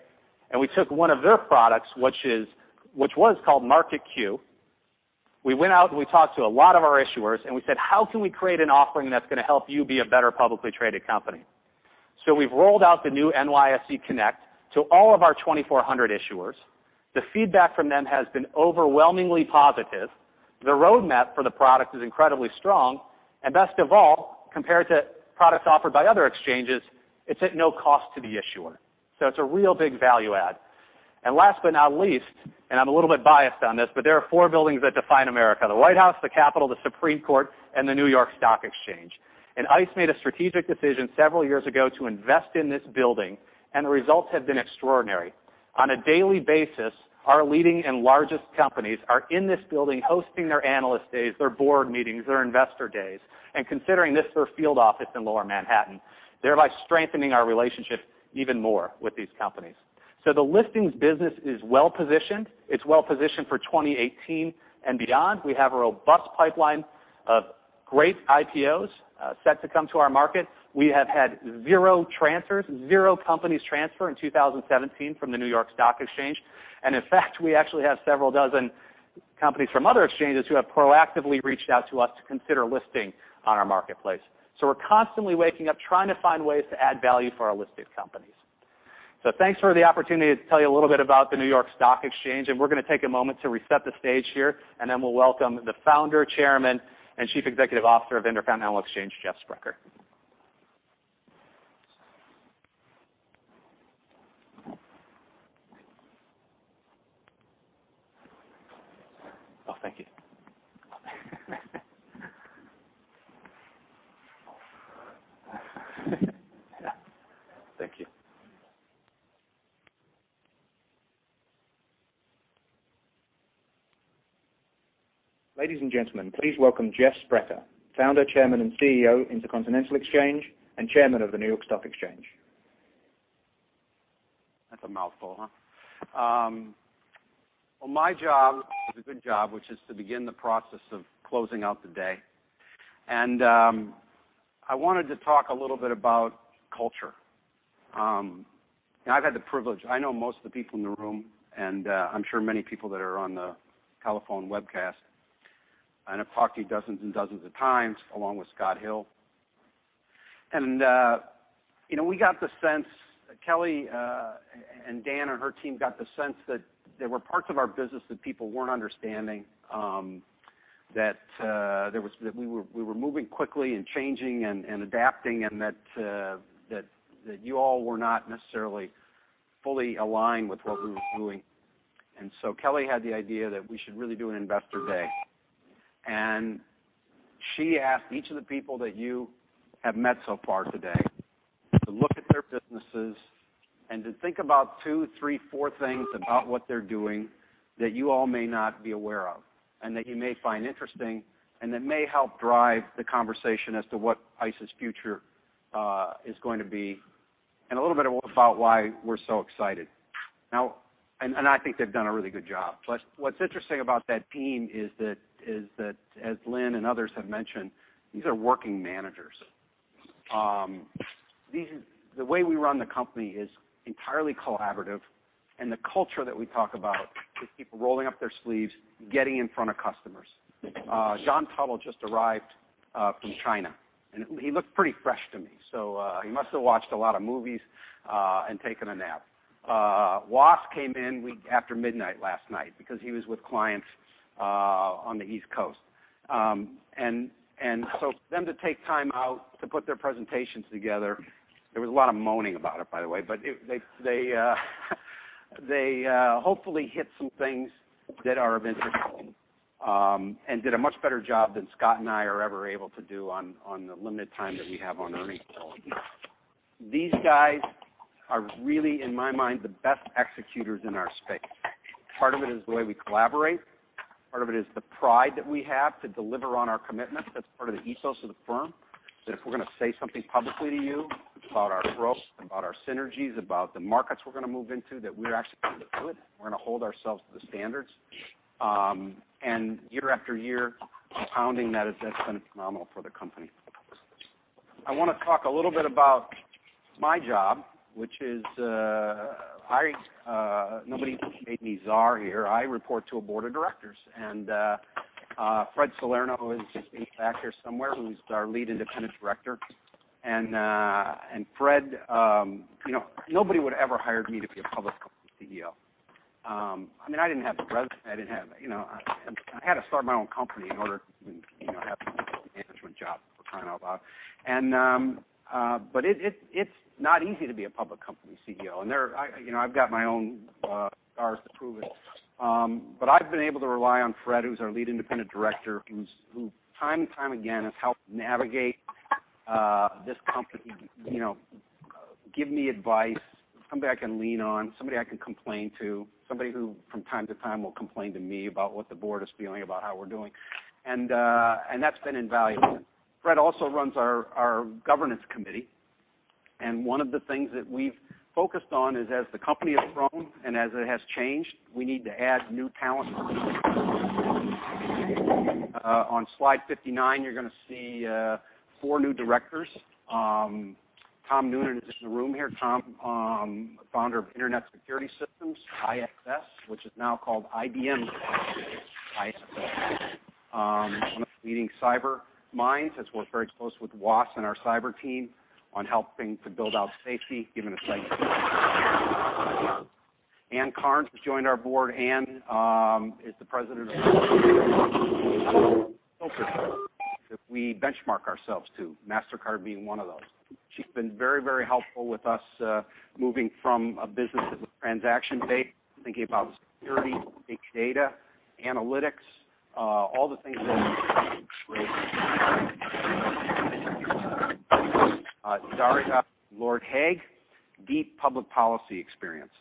and we took one of their products, which was called Market-Q. We went out, and we talked to a lot of our issuers, and we said, "How can we create an offering that's going to help you be a better publicly traded company?" We've rolled out the new NYSE Connect to all of our 2,400 issuers. The feedback from them has been overwhelmingly positive. The roadmap for the product is incredibly strong. Best of all, compared to products offered by other exchanges, it's at no cost to the issuer. It's a real big value add. Last but not least, and I'm a little bit biased on this, but there are four buildings that define America: the White House, the Capitol, the Supreme Court, and the New York Stock Exchange. ICE made a strategic decision several years ago to invest in this building, and the results have been extraordinary. On a daily basis, our leading and largest companies are in this building, hosting their analyst days, their board meetings, their investor days, and considering this their field office in Lower Manhattan, thereby strengthening our relationship even more with these companies. The listings business is well-positioned. It's well-positioned for 2018 and beyond. We have a robust pipeline of great IPOs set to come to our market. We have had zero transfers, zero companies transfer in 2017 from the New York Stock Exchange. In fact, we actually have several dozen companies from other exchanges who have proactively reached out to us to consider listing on our marketplace. We're constantly waking up, trying to find ways to add value for our listed companies. Thanks for the opportunity to tell you a little bit about the New York Stock Exchange. We're going to take a moment to reset the stage here. Then we'll welcome the founder, Chairman, and Chief Executive Officer of Intercontinental Exchange, Jeff Sprecher. Thank you. Thank you. Ladies and gentlemen, please welcome Jeff Sprecher, founder, Chairman, and CEO, Intercontinental Exchange, Chairman of the New York Stock Exchange. That's a mouthful, huh? Well, my job is a good job, which is to begin the process of closing out the day. I wanted to talk a little bit about culture. I've had the privilege, I know most of the people in the room, and I'm sure many people that are on the telephone webcast, and I've talked to you dozens and dozens of times, along with Scott Hill. We got the sense, Kelly and Dan and her team got the sense that there were parts of our business that people weren't understanding, that we were moving quickly and changing and adapting and that you all were not necessarily fully aligned with what we were doing. Kelly had the idea that we should really do an Investor Day. She asked each of the people that you have met so far today to look at their businesses and to think about two, three, four things about what they're doing that you all may not be aware of and that you may find interesting, and that may help drive the conversation as to what ICE's future is going to be and a little bit about why we're so excited. I think they've done a really good job. What's interesting about that team is that, as Lynn and others have mentioned, these are working managers. The way we run the company is entirely collaborative, and the culture that we talk about is people rolling up their sleeves, getting in front of customers. John Tuttle just arrived from China, and he looked pretty fresh to me, so he must have watched a lot of movies and taken a nap. Wass came in after midnight last night because he was with clients on the East Coast. For them to take time out to put their presentations together, there was a lot of moaning about it, by the way, but they hopefully hit some things that are of interest and did a much better job than Scott and I are ever able to do on the limited time that we have on earnings calls. These guys are really, in my mind, the best executors in our space. Part of it is the way we collaborate. Part of it is the pride that we have to deliver on our commitments. That's part of the ethos of the firm, that if we're going to say something publicly to you about our growth, about our synergies, about the markets we're going to move into, that we're actually going to do it, and we're going to hold ourselves to the standards. Year after year, compounding that has just been phenomenal for the company. I want to talk a little bit about my job, which is, nobody made me tsar here. I report to a board of directors. Fred Salerno, who is just back here somewhere, who's our lead independent director. Fred, nobody would ever hire me to be a public company CEO. I didn't have the resume. I had to start my own company in order to have the management job we're talking about. It's not easy to be a public company CEO, and I've got my own scars to prove it. I've been able to rely on Fred, who's our lead independent director, who time and time again, has helped navigate this company, give me advice, somebody I can lean on, somebody I can complain to, somebody who from time to time will complain to me about what the board is feeling about how we're doing. That's been invaluable. Fred also runs our governance committee, and one of the things that we've focused on is as the company has grown and as it has changed, we need to add new talent. On slide 59, you're going to see four new directors. Tom Noonan is in the room here. Tom, founder of Internet Security Systems, ISS, which is now called IBM ISS. One of the leading cyber minds, has worked very closely with Wass and our cyber team on helping to build out safety, given his lengthy experience. Ann Cairns has joined our board. Ann is the president of that we benchmark ourselves to, Mastercard being one of those. She's been very, very helpful with us moving from a business that was transaction-based, thinking about security, big data, analytics, all the things that Sharon Bowen, deep public policy experience.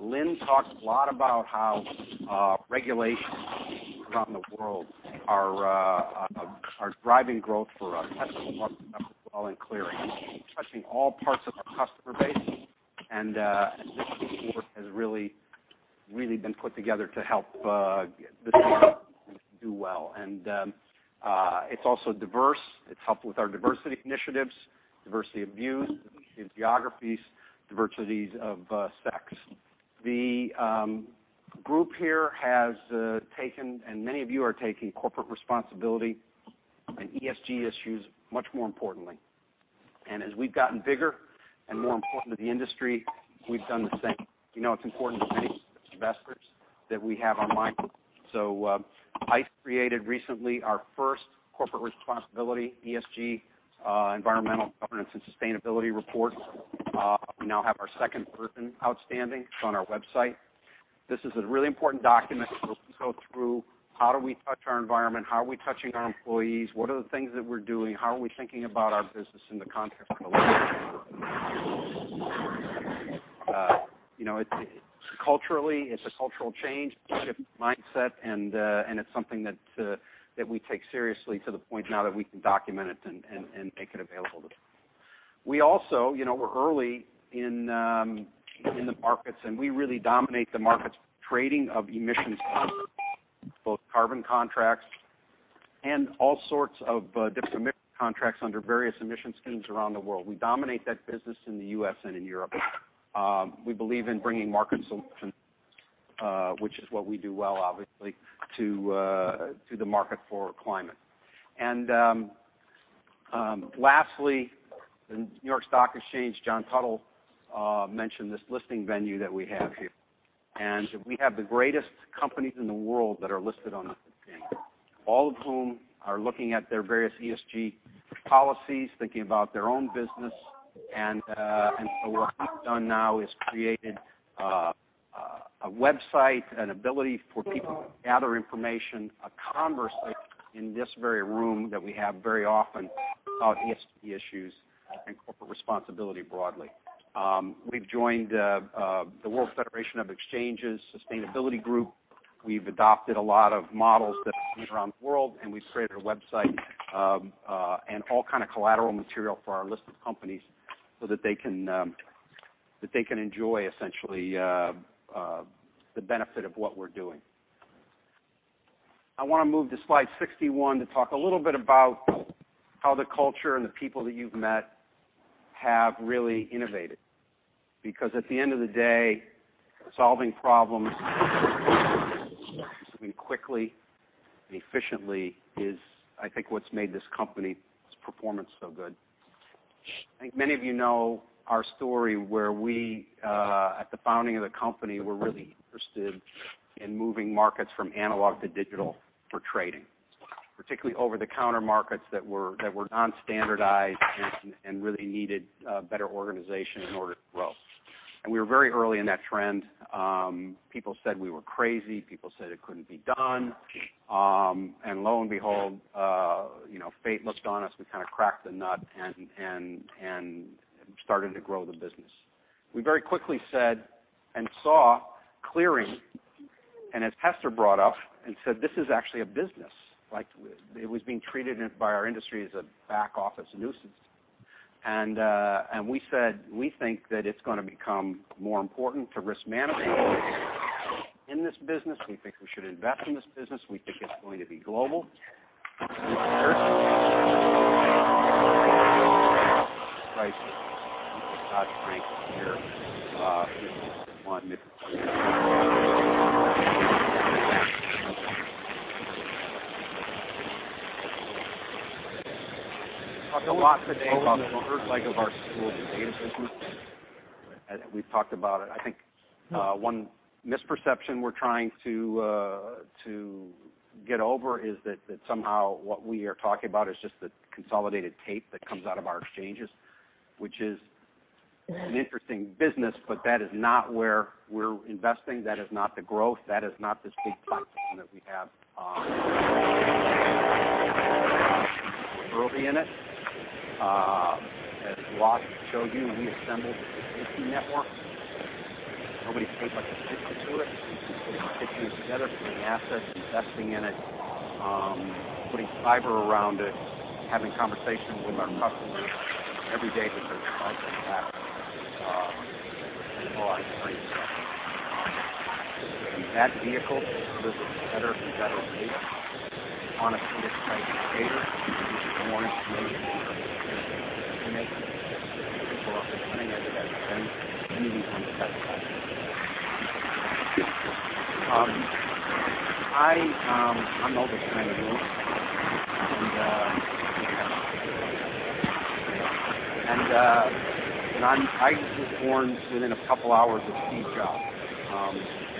Lynn talked a lot about how regulations around the world are driving growth for us as a market, as well in clearing, touching all parts of our customer base, and this board has really been put together to help this company do well. It's also diverse. It's helped with our diversity initiatives, diversity of views, diversity of geographies, diversities of sex. The group here has taken, and many of you are taking corporate responsibility and ESG issues much more importantly. As we've gotten bigger and more important to the industry, we've done the same. We know it's important to many investors that we have online. ICE created recently our first corporate responsibility, ESG, Environmental Governance and Sustainability Report. We now have our second version outstanding. It's on our website. This is a really important document where we go through how do we touch our environment, how are we touching our employees, what are the things that we're doing, how are we thinking about our business in the context of a larger culturally, it's a cultural change, positive mindset, and it's something that we take seriously to the point now that we can document it and make it available. We're early in the markets, and we really dominate the markets with trading of emissions, both carbon contracts and all sorts of different emission contracts under various emission schemes around the world. We dominate that business in the U.S. and in Europe. We believe in bringing market solutions, which is what we do well, obviously, to the market for climate. Lastly, the New York Stock Exchange, John Tuttle, mentioned this listing venue that we have here, and we have the greatest companies in the world that are listed on this exchange, all of whom are looking at their various ESG policies, thinking about their own business. What we've done now is created a website, an ability for people to gather information, a conversation in this very room that we have very often about ESG issues and corporate responsibility broadly. We've joined the World Federation of Exchanges Sustainability Group. We've adopted a lot of models that are used around the world, and we've created a website, and all kind of collateral material for our listed companies so that they can enjoy, essentially, the benefit of what we're doing. I want to move to slide 61 to talk a little bit about how the culture and the people that you've met have really innovated. Because at the end of the day, solving problems quickly and efficiently is, I think, what's made this company's performance so good. I think many of you know our story, where we, at the founding of the company, were really interested in moving markets from analog to digital for trading, particularly over-the-counter markets that were non-standardized and really needed better organization in order to grow. We were very early in that trend. People said we were crazy. People said it couldn't be done. Lo and behold, fate looked on us. We kind of cracked the nut and started to grow the business. We very quickly said and saw clearing, and as Hester brought up and said, this is actually a business. It was being treated by our industry as a back-office nuisance. We said, we think that it's going to become more important to risk management in this business. We think we should invest in this business. We think it's going to be global. We, [inaudible] Dodd-Frank here, if you want. Talked a lot today about the first leg of our stool, the data business. We've talked about it. I think one misperception we're trying to get over is that somehow what we are talking about is just the consolidated tape that comes out of our exchanges, which is an interesting business, but that is not where we're investing. That is not the growth. That is not this big platform that we have on. Early in it. As Lars will show you, when we assembled the equity network, nobody paid much attention to it. We put it together, putting assets, investing in it, putting fiber around it, having conversations with our customers every day because that vehicle delivers better and better data on a piece of paper, you can do more information than anyone can testify to. I'm an older kind of dude, and I was born within a couple of hours of Steve Jobs. A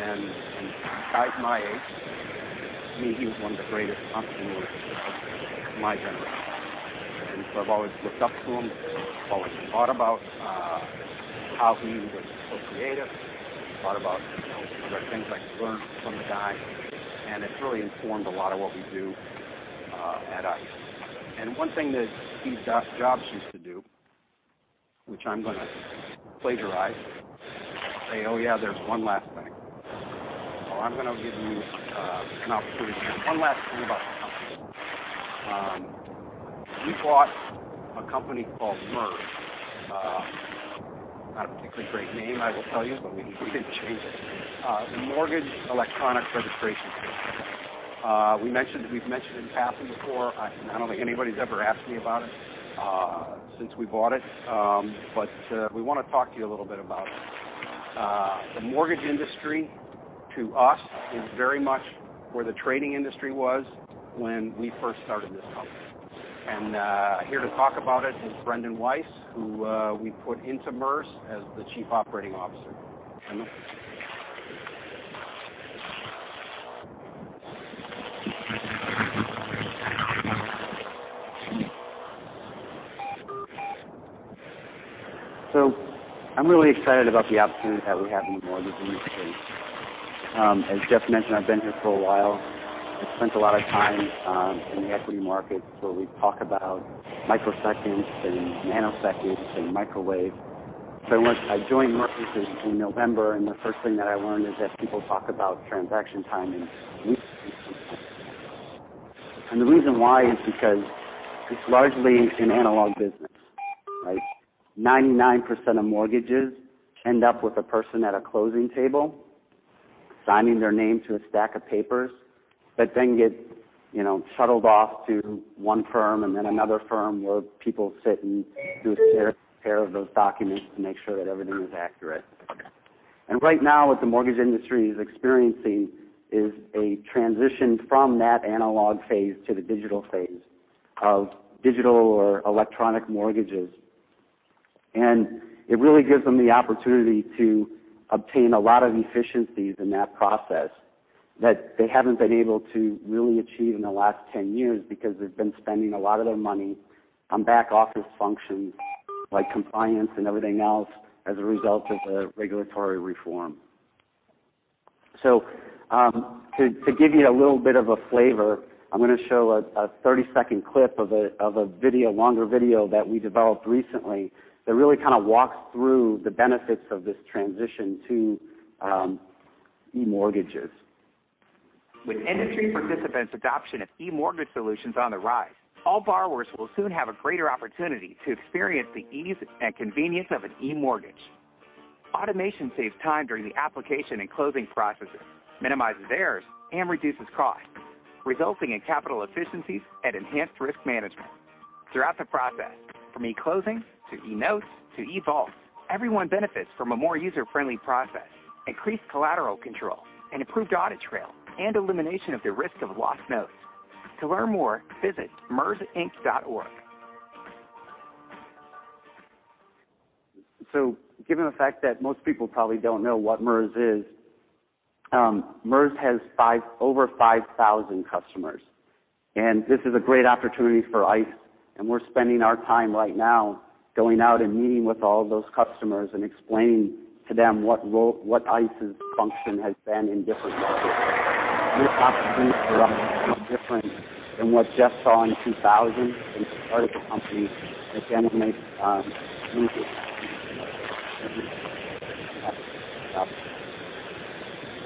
guy my age, to me, he was one of the greatest entrepreneurs of my generation. I've always looked up to him, always thought about how he was so creative, thought about the great things I could learn from the guy. It's really informed a lot of what we do at ICE. One thing that Steve Jobs used to do, which I'm going to plagiarize, say, "Oh, yeah, there's one last thing." I'm going to give you an opportunity. One last thing about the company. We bought a company called MERS. Not a particularly great name, I will tell you, but we didn't change it. The Mortgage Electronic Registration System. We've mentioned it in passing before. I don't think anybody's ever asked me about it since we bought it. We want to talk to you a little bit about it. The mortgage industry, to us, is very much where the trading industry was when we first started this company. Here to talk about it is Brendon Weiss, who we put into MERS as the Chief Operating Officer. Brendon. I'm really excited about the opportunity that we have in the mortgage industry. As Jeff mentioned, I've been here for a while. I spent a lot of time in the equity markets where we talk about microseconds and nanoseconds and milliseconds. I joined MERS in November, and the first thing that I learned is that people talk about transaction time in weeks and months. The reason why is because it's largely an analog business, right? 99% of mortgages end up with a person at a closing table signing their name to a stack of papers that then get shuttled off to one firm and then another firm where people sit and do a compare of those documents to make sure that everything is accurate. Right now, what the mortgage industry is experiencing is a transition from that analog phase to the digital phase of digital or electronic mortgages. It really gives them the opportunity to obtain a lot of efficiencies in that process that they haven't been able to really achieve in the last 10 years because they've been spending a lot of their money on back office functions like compliance and everything else as a result of the regulatory reform. To give you a little bit of a flavor, I'm going to show a 30-second clip of a longer video that we developed recently that really kind of walks through the benefits of this transition to e-mortgages. With industry participants' adoption of e-mortgage solutions on the rise, all borrowers will soon have a greater opportunity to experience the ease and convenience of an e-mortgage. Automation saves time during the application and closing processes, minimizes errors, and reduces costs, resulting in capital efficiencies and enhanced risk management. Throughout the process, from e-closing to e-notes to e-vault, everyone benefits from a more user-friendly process, increased collateral control, an improved audit trail, and elimination of the risk of lost notes. To learn more, visit mersinc.org. Given the fact that most people probably don't know what MERS is. MERS has over 5,000 customers. This is a great opportunity for ICE. We're spending our time right now going out and meeting with all of those customers and explaining to them what ICE's function has been in different markets. This opportunity for us is no different than what Jeff saw in 2000 when he started the company.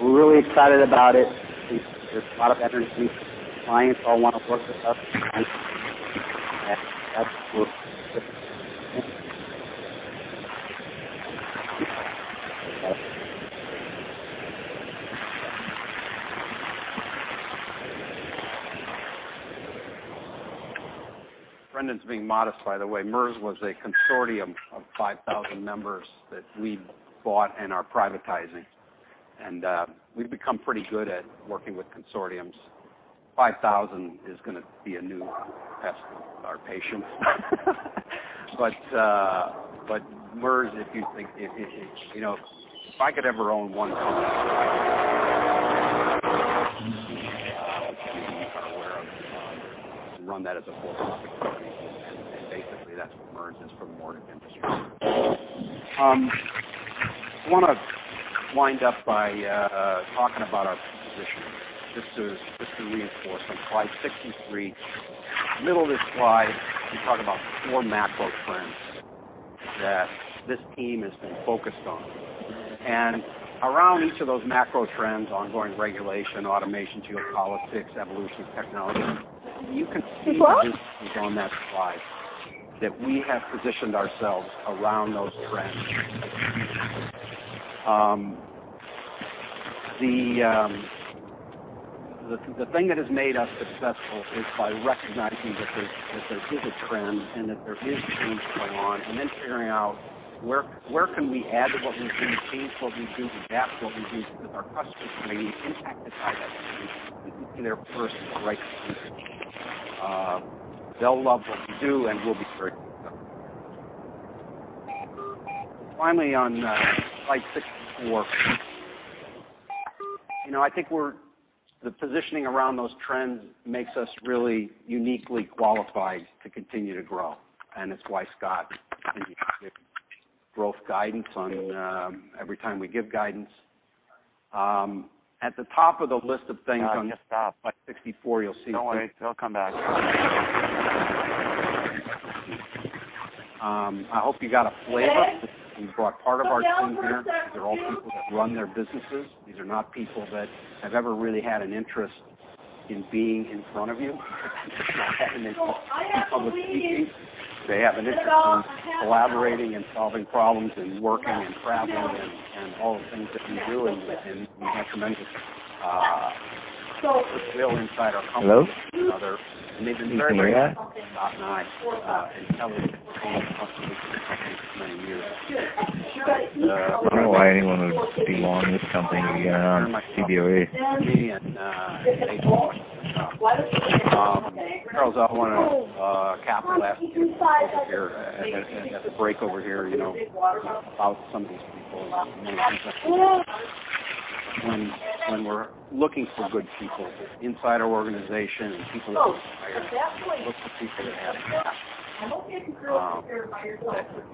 We're really excited about it. There's a lot of energy. Clients all want to work with us. Brendon's being modest, by the way. MERS was a consortium of 5,000 members that we bought and are privatizing. We've become pretty good at working with consortiums. 5,000 is going to be a new test of our patience. MERS, if I could ever own one company, it would be 5,000. Many of you are aware of it. We run that as a for-profit company. Basically, that's what MERS is for the mortgage industry. I want to wind up by talking about our positioning. Just to reinforce, on slide 63, middle of this slide, we talk about four macro trends that this team has been focused on. Around each of those macro trends, ongoing regulation, automation, geopolitics, evolution of technology, you can see just on that slide that we have positioned ourselves around those trends. The thing that has made us successful is by recognizing that there is a trend and that there is change going on, then figuring out where can we add to what we do, change what we do, adapt what we do, because our customers are going to be impacted by that change. If we can be there first, right solution, they'll love what we do. We'll be very successful. Finally, on slide 64. I think the positioning around those trends makes us really uniquely qualified to continue to grow. It's why Scott gives you specific growth guidance every time we give guidance. At the top of the list of things on- Scott, you stopped slide 64, you'll see. Don't worry. It'll come back. I hope you got a flavor. We brought part of our team here. These are all people that run their businesses. These are not people that have ever really had an interest in being in front of you. They do not have an interest in public speaking. They have an interest in collaborating and solving problems and working and traveling and all the things that you do, and we have tremendous depth and skill inside our company. Hello? Can you hear me? These are very good at what they do, and tell it to customers for many years. I don't know why anyone would be long this company again on Cboe. Charles, I want to cap it while we have a break over here, about some of these people and the many things that they do. When we're looking for good people inside our organization and people that we hire, we look for people that have passion,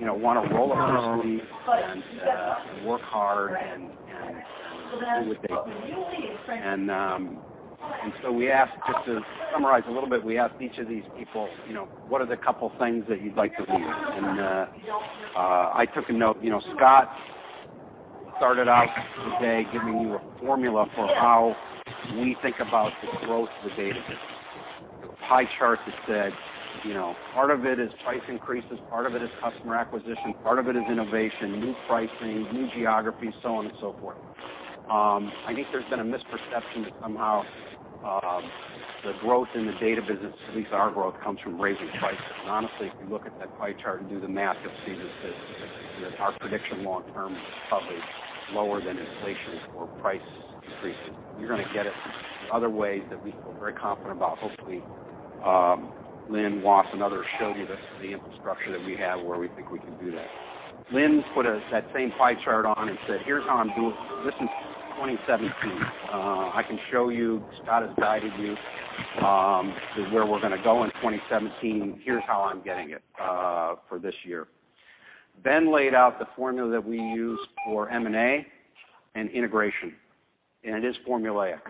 that want to roll up their sleeves and work hard and do what they say. We asked, just to summarize a little bit, we asked each of these people, "What are the couple things that you'd like to leave?" I took a note. Scott started out today giving you a formula for how we think about the growth of the data business. The pie chart that said part of it is price increases, part of it is customer acquisition, part of it is innovation, new pricing, new geographies, so on and so forth. I think there's been a misperception that somehow the growth in the data business, at least our growth, comes from raising prices. Honestly, if you look at that pie chart and do the math, you'll see that our prediction long term is probably lower than inflation for price increases. We're going to get it from other ways that we feel very confident about. Hopefully, Lynn, Wass, and others showed you the infrastructure that we have where we think we can do that. Lynn put that same pie chart on and said, "Here's how I'm doing it. This is 2017. I can show you, Scott has guided you to where we're going to go in 2017. Here's how I'm getting it for this year." Ben laid out the formula that we use for M&A and integration, and it is formulaic.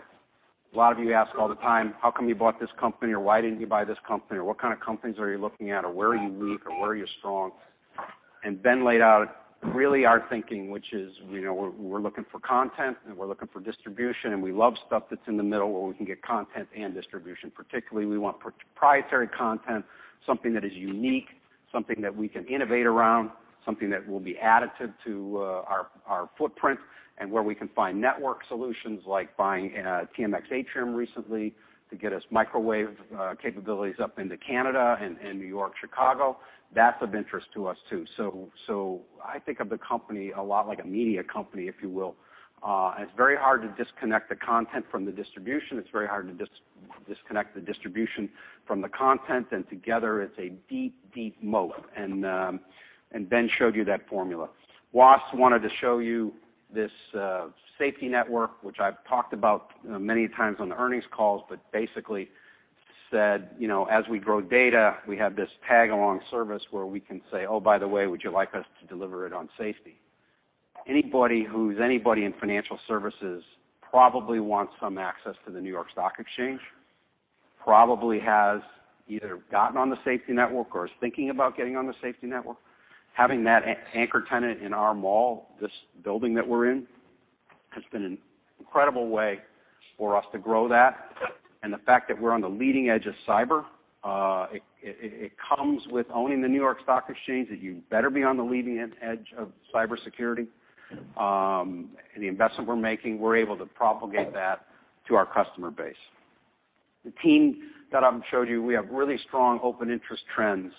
A lot of you ask all the time, "How come you bought this company?" Or, "Why didn't you buy this company?" Or, "What kind of companies are you looking at?" Or, "Where are you weak?" Or, "Where are you strong?" Ben laid out really our thinking, which is we're looking for content and we're looking for distribution. We love stuff that's in the middle where we can get content and distribution. Particularly, we want proprietary content, something that is unique, something that we can innovate around, something that will be additive to our footprint. Where we can find network solutions like buying TMX Atrium recently to get us microwave capabilities up into Canada and New York, Chicago. That's of interest to us, too. I think of the company a lot like a media company, if you will. It's very hard to disconnect the content from the distribution. It's very hard to disconnect the distribution from the content. Together it's a deep, deep moat. Ben showed you that formula. Wass wanted to show you this SFTI network, which I've talked about many times on the earnings calls. Basically said as we grow data, we have this tag-along service where we can say, "Oh, by the way, would you like us to deliver it on SFTI?" Anybody who's anybody in financial services probably wants some access to the New York Stock Exchange, probably has either gotten on the SFTI network or is thinking about getting on the SFTI network. Having that anchor tenant in our mall, this building that we're in, has been an incredible way for us to grow that. The fact that we're on the leading edge of cyber, it comes with owning the New York Stock Exchange, that you better be on the leading edge of cybersecurity. The investment we're making, we're able to propagate that to our customer base. The team that I've showed you, we have really strong open interest trends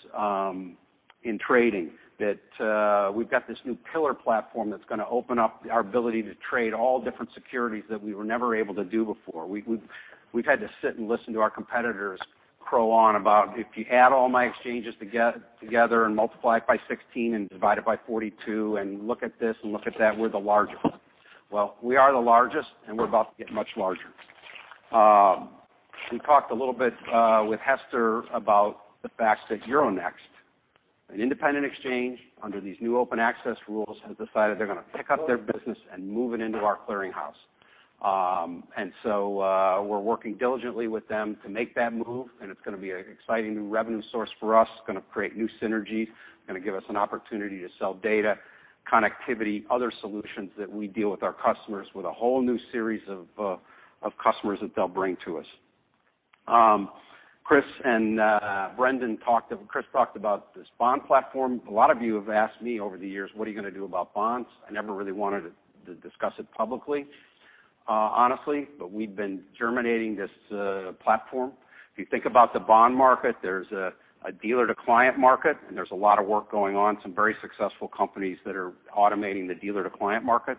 in trading. We've got this new Pillar platform that's going to open up our ability to trade all different securities that we were never able to do before. We've had to sit and listen to our competitors crow on about, "If you add all my exchanges together and multiply it by 16 and divide it by 42 and look at this and look at that, we're the largest." We are the largest, and we're about to get much larger. We talked a little bit with Hester about the fact that Euronext, an independent exchange under these new open access rules, has decided they're going to pick up their business and move it into our clearinghouse. We're working diligently with them to make that move. It's going to be an exciting new revenue source for us. It's going to create new synergies, going to give us an opportunity to sell data, connectivity, other solutions that we deal with our customers, with a whole new series of customers that they'll bring to us. Chris talked about this bond platform. A lot of you have asked me over the years, "What are you going to do about bonds?" I never really wanted to discuss it publicly, honestly, but we've been germinating this platform. If you think about the bond market, there's a dealer-to-client market. There's a lot of work going on. Some very successful companies that are automating the dealer-to-client market.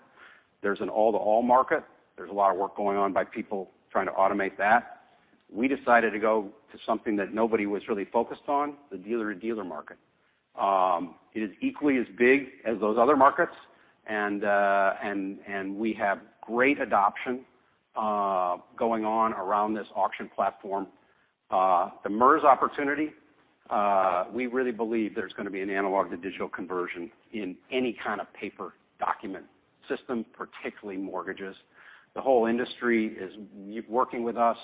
There's an all-to-all market. There's a lot of work going on by people trying to automate that. We decided to go to something that nobody was really focused on, the dealer-to-dealer market. We have great adoption going on around this auction platform. The MERS opportunity, we really believe there's going to be an analog-to-digital conversion in any kind of paper document system, particularly mortgages. The whole industry is working with us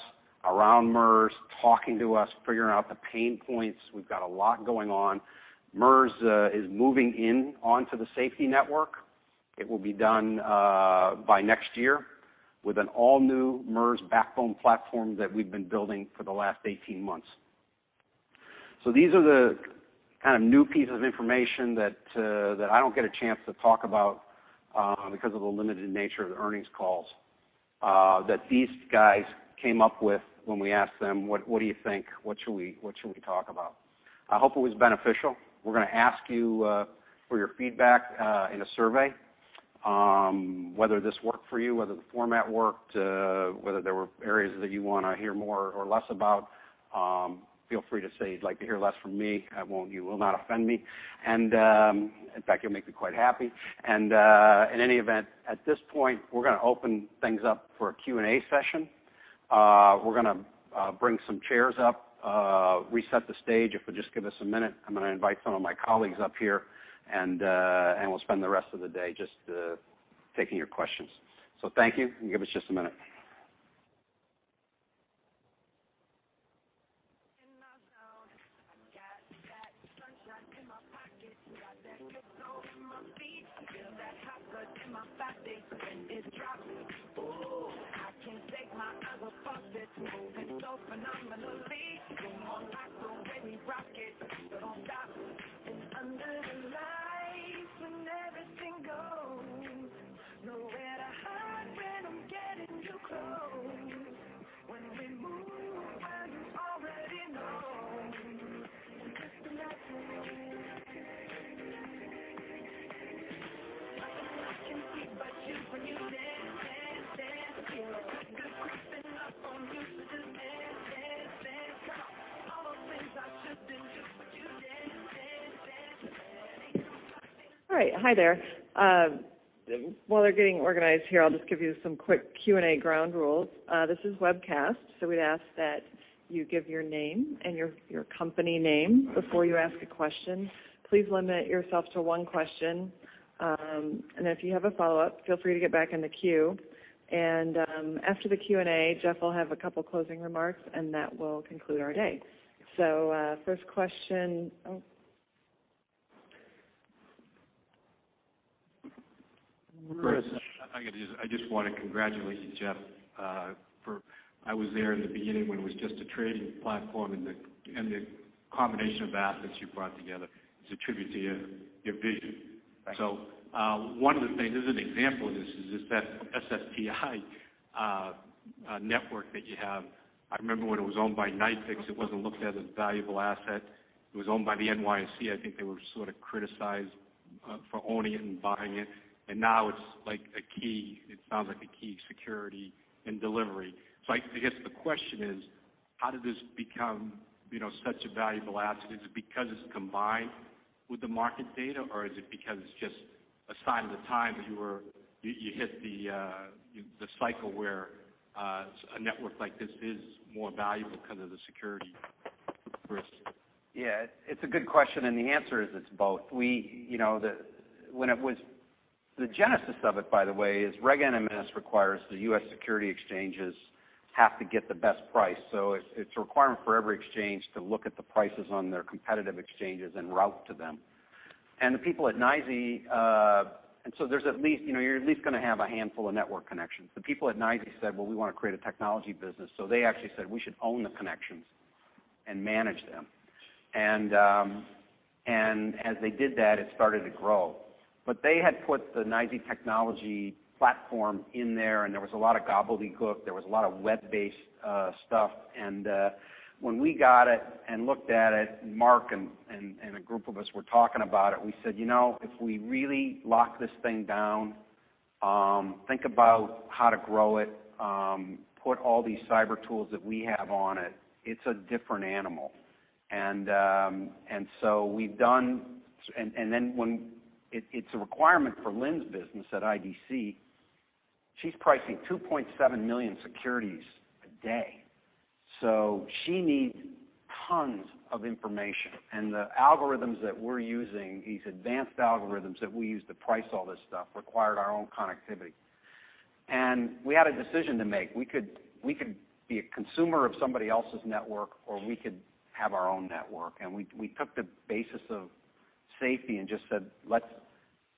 around MERS, talking to us, figuring out the pain points. We've got a lot going on. MERS is moving onto the SFTI network. It will be done by next year with an all-new MERS backbone platform that we've been building for the last 18 months. These are the kind of new pieces of information that I don't get a chance to talk about because of the limited nature of the earnings calls, that these guys came up with when we asked them, "What do you think? What should we talk about?" I hope it was beneficial. We're going to ask you for your feedback in a survey. Whether this worked for you, whether the format worked, whether there were areas that you want to hear more or less about. Feel free to say you'd like to hear less from me. You will not offend me, and in fact, you'll make me quite happy. In any event, at this point, we're going to open things up for a Q&A session. We're going to bring some chairs up, reset the stage. If you just give us a minute, I'm going to invite some of my colleagues up here, and we'll spend the rest of the day just taking your questions. Thank you, and give us just a minute. In my zone. I got that sunshine in my pocket. Got that good soul in my feet. I feel that hot blood in my body when it drops. Ooh. I can't take my eyes up off it, moving so phenomenally. Room on lock, the way we rock it, don't stop. Under the lights when everything goes, nowhere to hide when I'm getting you close. When we move, All right. Hi there. While they're getting organized here, I'll just give you some quick Q&A ground rules. This is webcast, we'd ask that you give your name and your company name before you ask a question. Please limit yourself to one question. If you have a follow-up, feel free to get back in the queue. After the Q&A, Jeff will have a couple closing remarks, and that will conclude our day. First question. Oh. Chris. I just want to congratulate you, Jeff. I was there in the beginning when it was just a trading platform, and the combination of assets you brought together is a tribute to your vision. Thanks. One of the things, as an example of this, is just that SFTI network that you have. I remember when it was owned by NYFIX, it wasn't looked at as a valuable asset. It was owned by the NYSE. I think they were sort of criticized for owning it and buying it, and now it's like a key. It sounds like a key security and delivery. I guess the question is, how did this become such a valuable asset? Is it because it's combined with the market data, or is it because it's just a sign of the times? You hit the cycle where a network like this is more valuable because of the security risk. Yeah. It's a good question, and the answer is it's both. The genesis of it, by the way, is Reg NMS requires the U.S. security exchanges have to get the best price. It's a requirement for every exchange to look at the prices on their competitive exchanges and route to them. You're at least going to have a handful of network connections. The people at NYSE said, "Well, we want to create a technology business." They actually said, "We should own the connections." Manage them. As they did that, it started to grow. They had put the NYSE technology platform in there, and there was a lot of gobbledygook. There was a lot of web-based stuff. When we got it and looked at it, Mark and a group of us were talking about it, we said, "If we really lock this thing down, think about how to grow it, put all these cyber tools that we have on it's a different animal." Then it's a requirement for Lynn's business at IDC. She's pricing 2.7 million securities a day. She needs tons of information. The algorithms that we're using, these advanced algorithms that we use to price all this stuff, required our own connectivity. We had a decision to make. We could be a consumer of somebody else's network, or we could have our own network. We took the basis of safety and just said, "Let's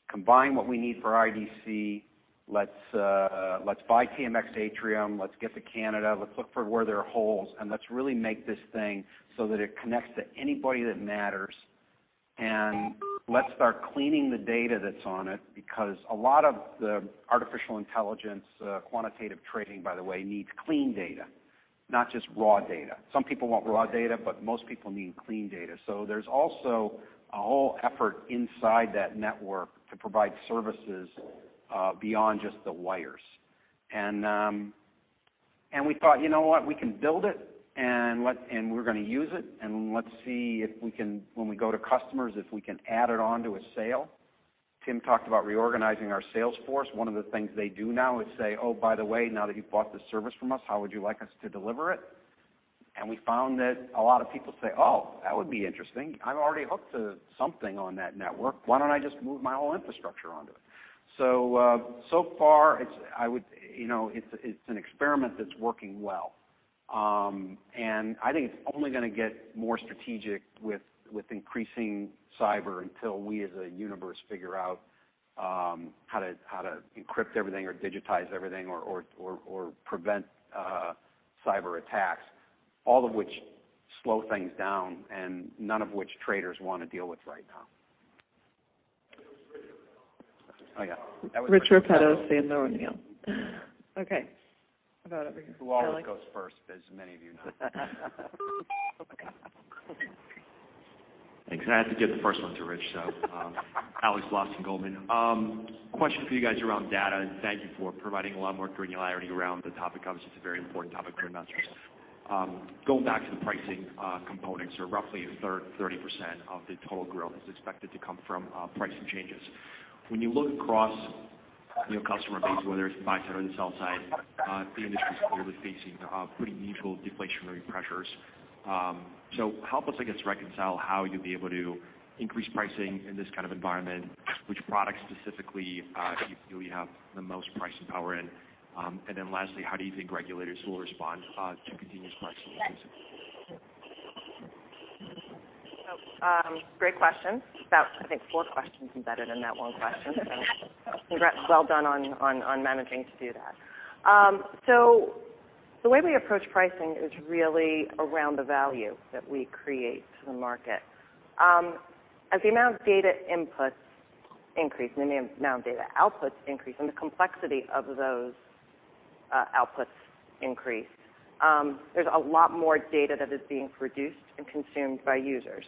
combine what we need for IDC. Let's buy TMX Atrium. Let's get to Canada. Let's look for where there are holes, and let's really make this thing so that it connects to anybody that matters. Let's start cleaning the data that's on it," because a lot of the artificial intelligence, quantitative trading, by the way, needs clean data, not just raw data. Some people want raw data, but most people need clean data. There's also a whole effort inside that network to provide services beyond just the wires. We thought, "You know what? We can build it, and we're going to use it. Let's see if when we go to customers, if we can add it on to a sale." Tim talked about reorganizing our sales force. One of the things they do now is say, "Oh, by the way, now that you've bought this service from us, how would you like us to deliver it?" We found that a lot of people say, "Oh, that would be interesting. I'm already hooked to something on that network. Why don't I just move my whole infrastructure onto it?" So far, it's an experiment that's working well. I think it's only going to get more strategic with increasing cyber until we as a universe figure out how to encrypt everything or digitize everything or prevent cyber attacks. All of which slow things down and none of which traders want to deal with right now. It was Richard Repetto. Oh, yeah. Rich Repetto, Sandler O'Neill. Okay. How about over here? Alex. Who always goes first, as many of you know. Oh, my God. Okay. Thanks. I had to give the first one to Rich. Alexander Blostein, Goldman. Question for you guys around data, thank you for providing a lot more granularity around the topic. Obviously, it's a very important topic for investors. Going back to the pricing components, or roughly 30% of the total growth is expected to come from pricing changes. When you look across your customer base, whether it's the buy side or the sell side, the industry's clearly facing pretty mutual deflationary pressures. Help us, I guess, reconcile how you'll be able to increase pricing in this kind of environment, which products specifically do you feel you have the most pricing power in. Lastly, how do you think regulators will respond to continuous pricing increases? Great question. About, I think, four questions embedded in that one question. Well done on managing to do that. The way we approach pricing is really around the value that we create to the market. As the amount of data inputs increase, and the amount of data outputs increase, and the complexity of those outputs increase, there's a lot more data that is being produced and consumed by users.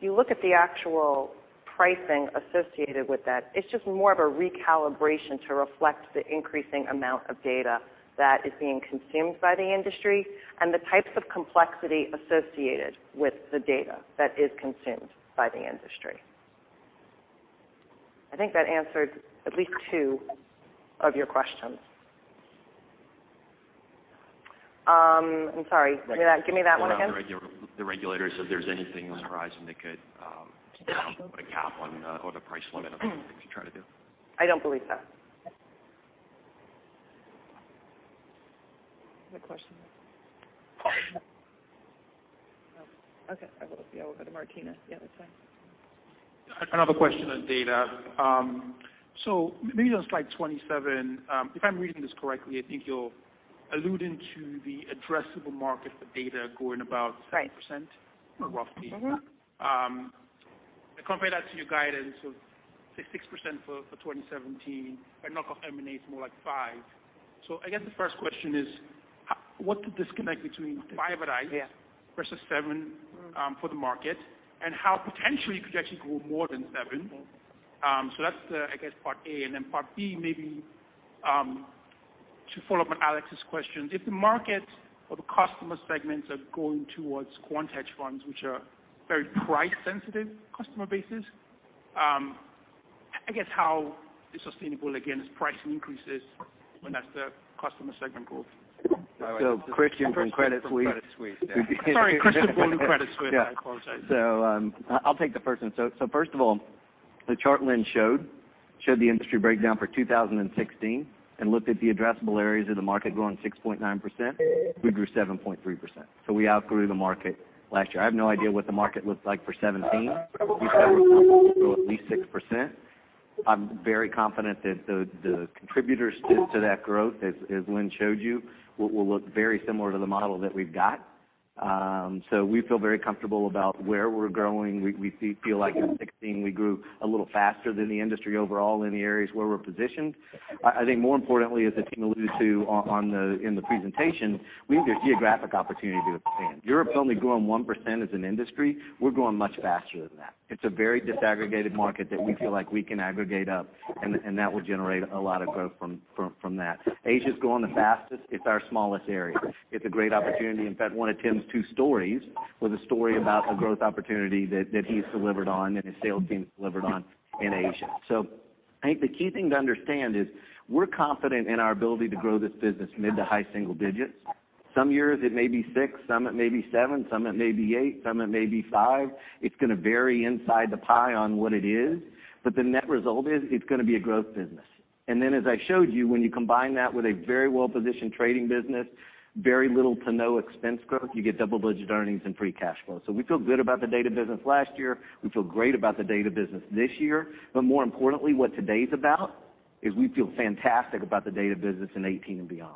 You look at the actual pricing associated with that, it's just more of a recalibration to reflect the increasing amount of data that is being consumed by the industry, and the types of complexity associated with the data that is consumed by the industry. I think that answered at least two of your questions. I'm sorry. Give me that one again. The regulators, if there's anything on the horizon that could put a cap on, or the price limit of things you try to do. I don't believe so. Other question? No. Okay. I will go over to Martina. Yeah, that's fine. Another question on data. Maybe on slide 27, if I'm reading this correctly, I think you're alluding to the addressable market for data growing. Right. 7%, roughly. I compare that to your guidance of, say, 6% for 2017, knock off M&A, it's more like five. I guess the first question is, what's the disconnect between five at ICE- Yeah. -versus seven for the market, how potentially it could actually grow more than seven? That's, I guess, part A. Part B, maybe to follow up on Alex's question, if the market or the customer segments are going towards quant hedge funds, which are very price-sensitive customer bases, I guess how is sustainable, again, as pricing increases when that's the customer segment growth? Christian from Credit Suisse. Sorry, Christian from Credit Suisse. I apologize. I'll take the first one. First of all, the chart Lynn showed the industry breakdown for 2016 and looked at the addressable areas of the market growing 6.9%. We grew 7.3%. We outgrew the market last year. I have no idea what the market looked like for 2017. We said we're comfortable to grow at least 6%. I'm very confident that the contributors to that growth, as Lynn showed you, will look very similar to the model that we've got. We feel very comfortable about where we're growing. We feel like in 2016, we grew a little faster than the industry overall in the areas where we're positioned. I think more importantly, as the team alludes to in the presentation, we have a geographic opportunity to expand. Europe's only growing 1% as an industry. We're growing much faster than that. It's a very disaggregated market that we feel like we can aggregate up, and that will generate a lot of growth from that. Asia's growing the fastest. It's our smallest area. It's a great opportunity. In fact, one of Tim's two stories was a story about a growth opportunity that he's delivered on and his sales team's delivered on in Asia. I think the key thing to understand is we're confident in our ability to grow this business mid to high single digits. Some years it may be six, some it may be seven, some it may be eight, some it may be five. It's going to vary inside the pie on what it is. The net result is it's going to be a growth business. As I showed you, when you combine that with a very well-positioned trading business, very little to no expense growth, you get double-digit earnings and free cash flow. We feel good about the data business last year. We feel great about the data business this year. More importantly, what today's about, is we feel fantastic about the data business in 2018 and beyond.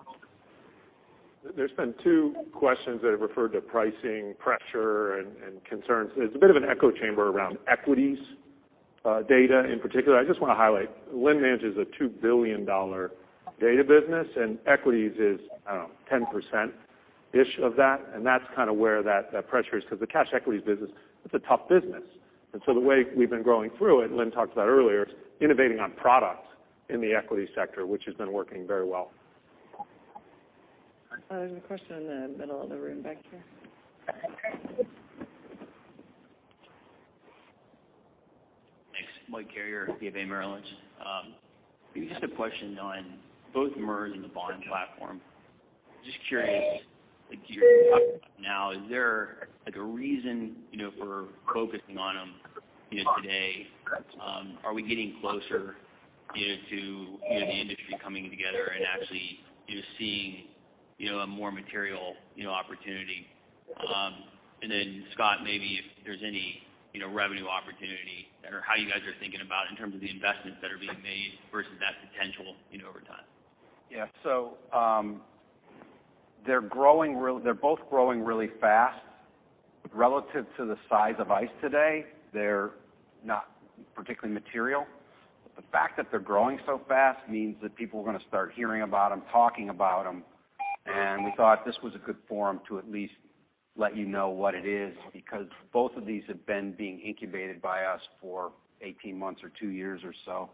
There's been two questions that have referred to pricing pressure and concerns. There's a bit of an echo chamber around equities data in particular. I just want to highlight. Lynn manages a $2 billion data business, and equities is, I don't know, 10%ish of that, and that's kind of where that pressure is. The cash equities business, it's a tough business. The way we've been growing through it, Lynn talked about earlier, is innovating on products in the equity sector, which has been working very well. There's a question in the middle of the room back here. Thanks. Michael Carrier, BofA Merrill Lynch. Maybe just a question on both MERS and the bond platform. Just curious, like you were talking about now, is there, like, a reason for focusing on them today? Are we getting closer to the industry coming together and actually seeing a more material opportunity? Scott, maybe if there's any revenue opportunity or how you guys are thinking about in terms of the investments that are being made versus that potential over time. Yeah. They're both growing really fast. Relative to the size of ICE today, they're not particularly material. The fact that they're growing so fast means that people are going to start hearing about them, talking about them, and we thought this was a good forum to at least let you know what it is, because both of these have been being incubated by us for 18 months or 2 years or so.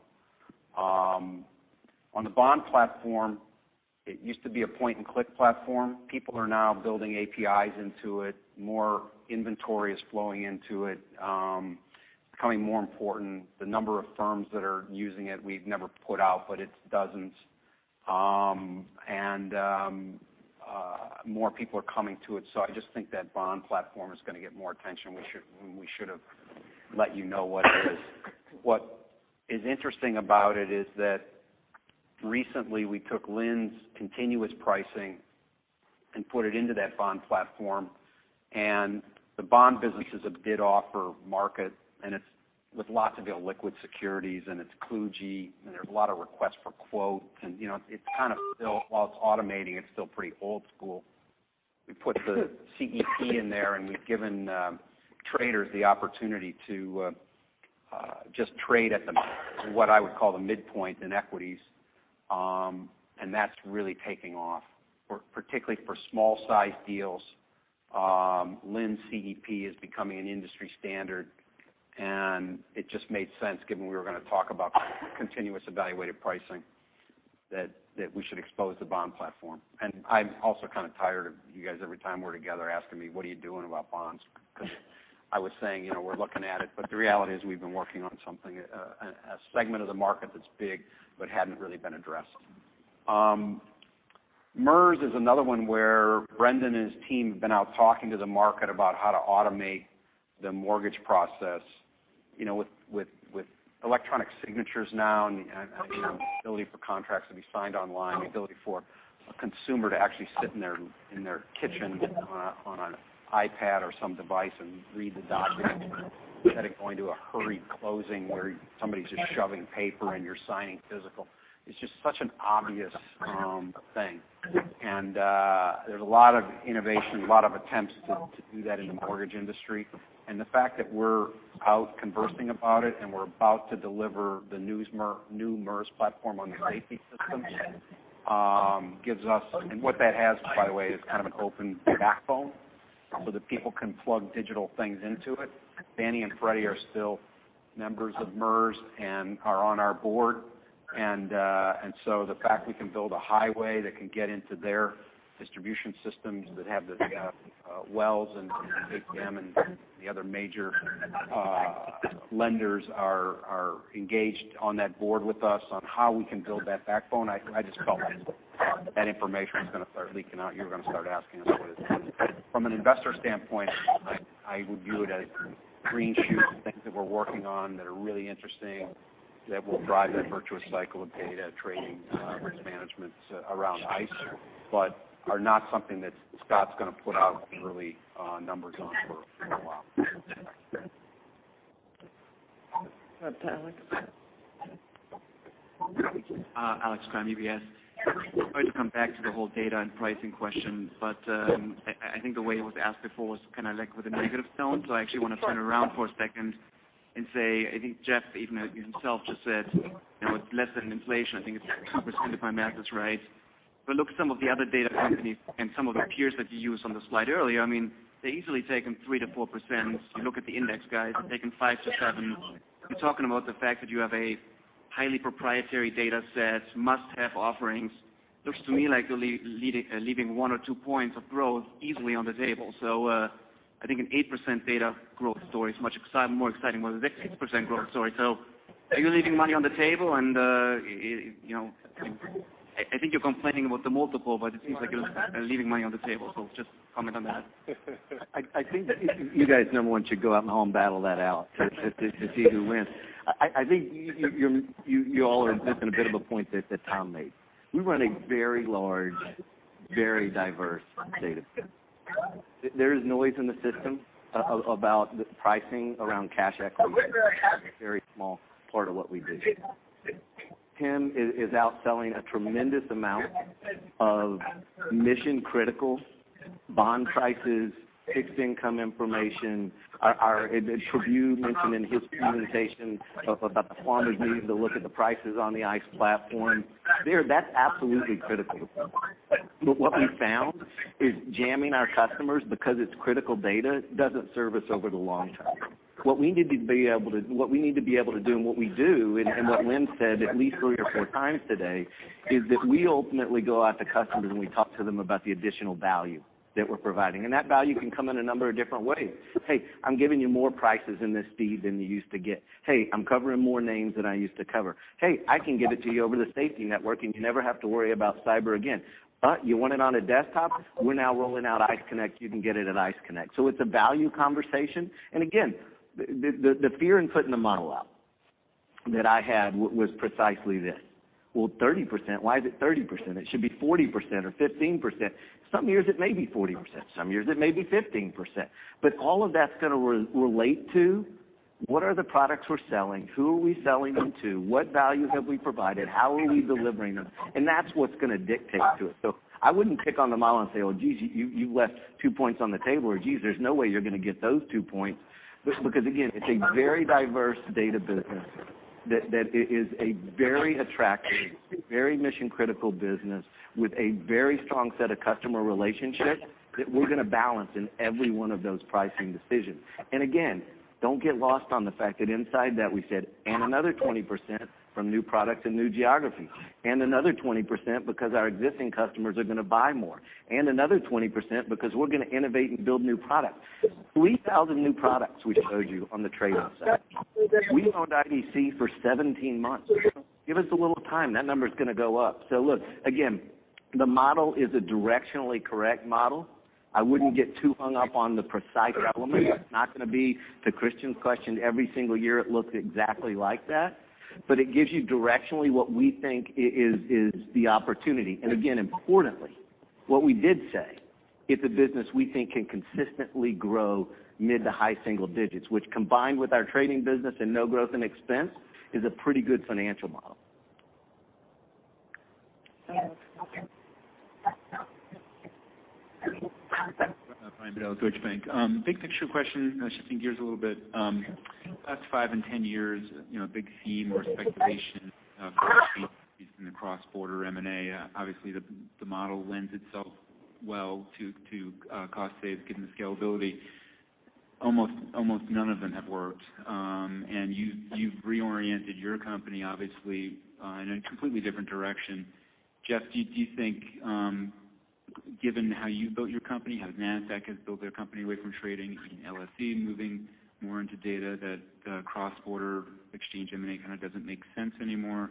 On the bond platform, it used to be a point-and-click platform. People are now building APIs into it. More inventory is flowing into it. It's becoming more important. The number of firms that are using it, we've never put out, but it's dozens. More people are coming to it. I just think that bond platform is going to get more attention. We should have let you know what it is. What is interesting about it is that recently we took Lynn's Continuous Evaluated Pricing and put it into that bond platform. The bond business is a bid offer market. It's with lots of illiquid securities. It's kludgy. There's a lot of requests for quotes. While it's automating, it's still pretty old school. We put the CEP in there. We've given traders the opportunity to just trade at the, what I would call the midpoint in equities. That's really taking off. Particularly for small-sized deals, Lynn's CEP is becoming an industry standard. It just made sense given we were going to talk about Continuous Evaluated Pricing, that we should expose the bond platform. I'm also kind of tired of you guys every time we're together asking me, "What are you doing about bonds?" I was saying, we're looking at it, but the reality is we've been working on something, a segment of the market that's big but hadn't really been addressed. MERS is another one where Brendon and his team have been out talking to the market about how to automate the mortgage process, with electronic signatures now, and the ability for contracts to be signed online, the ability for a consumer to actually sit in their kitchen on an iPad or some device and read the documents instead of going to a hurried closing where somebody's just shoving paper and you're signing physical. It's just such an obvious thing. There's a lot of innovation, a lot of attempts to do that in the mortgage industry. The fact that we're out conversing about it, and we're about to deliver the new MERS platform on the. [inaudible] What that has, by the way, is kind of an open backbone so that people can plug digital things into it. Fannie Mae and Freddie Mac are still members of MERS and are on our board. The fact we can build a highway that can get into their distribution systems that have the Wells Fargo, and, [inaudible] and the other major lenders are engaged on that board with us on how we can build that backbone. I just felt like that information was going to start leaking out. You were going to start asking us what it is. From an investor standpoint, I would view it as green shoots of things that we're working on that are really interesting that will drive that virtuous cycle of data, trading, risk management around ICE, but are not something that Scott Hill's going to put out really numbers on for a while. Web to Alex. Alex Kramm, UBS. Sorry to come back to the whole data and pricing question, I think the way it was asked before was kind of like with a negative tone. I actually want to turn around for a second and say, I think Jeff Sprecher even himself just said, it's less than inflation. I think it's 2% if my math is right. Look at some of the other data companies and some of the peers that you used on the slide earlier. They're easily taking 3%-4%. You look at the index guys, they're taking 5%-7%. You're talking about the fact that you have a highly proprietary data set, must-have offerings. Looks to me like you're leaving one or two points of growth easily on the table. I think an 8% data growth story is much more exciting than a 16% growth story. Are you leaving money on the table? I think you're complaining about the multiple, it seems like you're leaving money on the table. Just comment on that. I think you guys number one should go out in the hall and battle that out to see who wins. I think you all are missing a bit of a point that Thomas Farley made. We run a very large, very diverse data set. There is noise in the system about the pricing around cash equities, very small part of what we do. Tim Noble is out selling a tremendous amount of mission-critical bond prices, fixed income information. Trabue Bland mentioned in his presentation about the farmers needing to look at the prices on the ICE platform. That's absolutely critical. What we've found is jamming our customers because it's critical data doesn't serve us over the long term. What we need to be able to do and what we do, and what Lynn Martin said at least three or four times today, is that we ultimately go out to customers, we talk to them about the additional value that we're providing. That value can come in a number of different ways. "Hey, I'm giving you more prices in this feed than you used to get. Hey, I'm covering more names than I used to cover. Hey, I can get it to you over the SFTI network, and you never have to worry about cyber again. You want it on a desktop? We're now rolling out ICE Connect. You can get it at ICE Connect." It's a value conversation. Again, the fear in putting the model out that I had was precisely this. "30%." Why is it 30%? It should be 40% or 15%. Some years it may be 40%, some years it may be 15%. All of that's going to relate to what are the products we're selling, who are we selling them to, what value have we provided, how are we delivering them? That's what's going to dictate to it. I wouldn't pick on the model and say, "Oh, geez, you left two points on the table," or, "Geez, there's no way you're going to get those two points." Again, it's a very diverse data business that is a very attractive, very mission-critical business with a very strong set of customer relationships that we're going to balance in every one of those pricing decisions. Again, don't get lost on the fact that inside that we said, another 20% from new products and new geographies, another 20% because our existing customers are going to buy more, another 20% because we're going to innovate and build new products. 3,000 new products we showed you on the. [inaudible] We've owned IDC for 17 months. Give us a little time. That number's going to go up. Look, again, the model is a directionally correct model. I wouldn't get too hung up on the precise element. It's not going to be to Christian's question every single year it looks exactly like that, but it gives you directionally what we think is the opportunity. Again, importantly, what we did say, it's a business we think can consistently grow mid to high single digits, which combined with our trading business and no growth in expense, is a pretty good financial model. Yes. Okay. Brian Bedell, Deutsche Bank. Big picture question, shifting gears a little bit. Last 5 and 10 years, big theme or speculation of increase in the cross-border M&A. Obviously, the model lends itself well to cost saves given the scalability. Almost none of them have worked. You've reoriented your company, obviously, in a completely different direction. Jeff, do you think, given how you built your company, how Nasdaq has built their company away from trading, LSE moving more into data that cross-border exchange M&A kind of doesn't make sense anymore?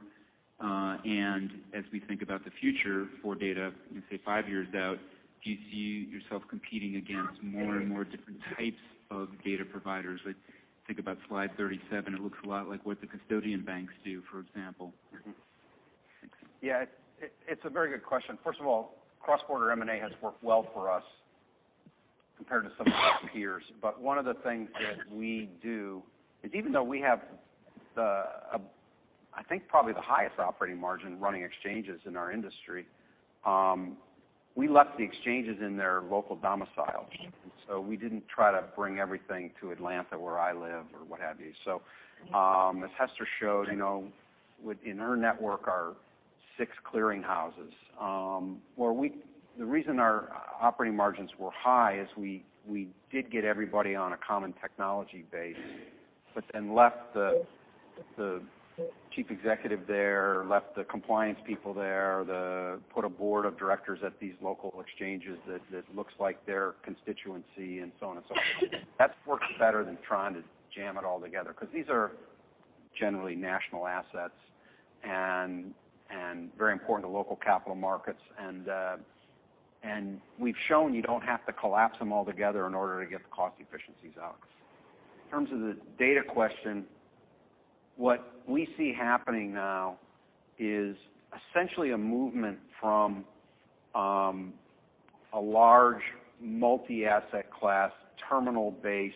As we think about the future for data, say 5 years out, do you see yourself competing against more and more different types of data providers? Think about slide 37. It looks a lot like what the custodian banks do, for example. Yeah. It's a very good question. First of all, cross-border M&A has worked well for us compared to some of our peers. One of the things that we do is even though we have, I think probably the highest operating margin running exchanges in our industry, we left the exchanges in their local domiciles. We didn't try to bring everything to Atlanta where I live or what have you. As Hester showed, within her network are 6 clearing houses. The reason our operating margins were high is we did get everybody on a common technology base, and left the chief executive there, left the compliance people there, put a board of directors at these local exchanges that looks like their constituency and so on and so forth. That works better than trying to jam it all together, because these are generally national assets and very important to local capital markets. We've shown you don't have to collapse them all together in order to get the cost efficiencies out. In terms of the data question, what we see happening now is essentially a movement from a large multi-asset class, terminal-based,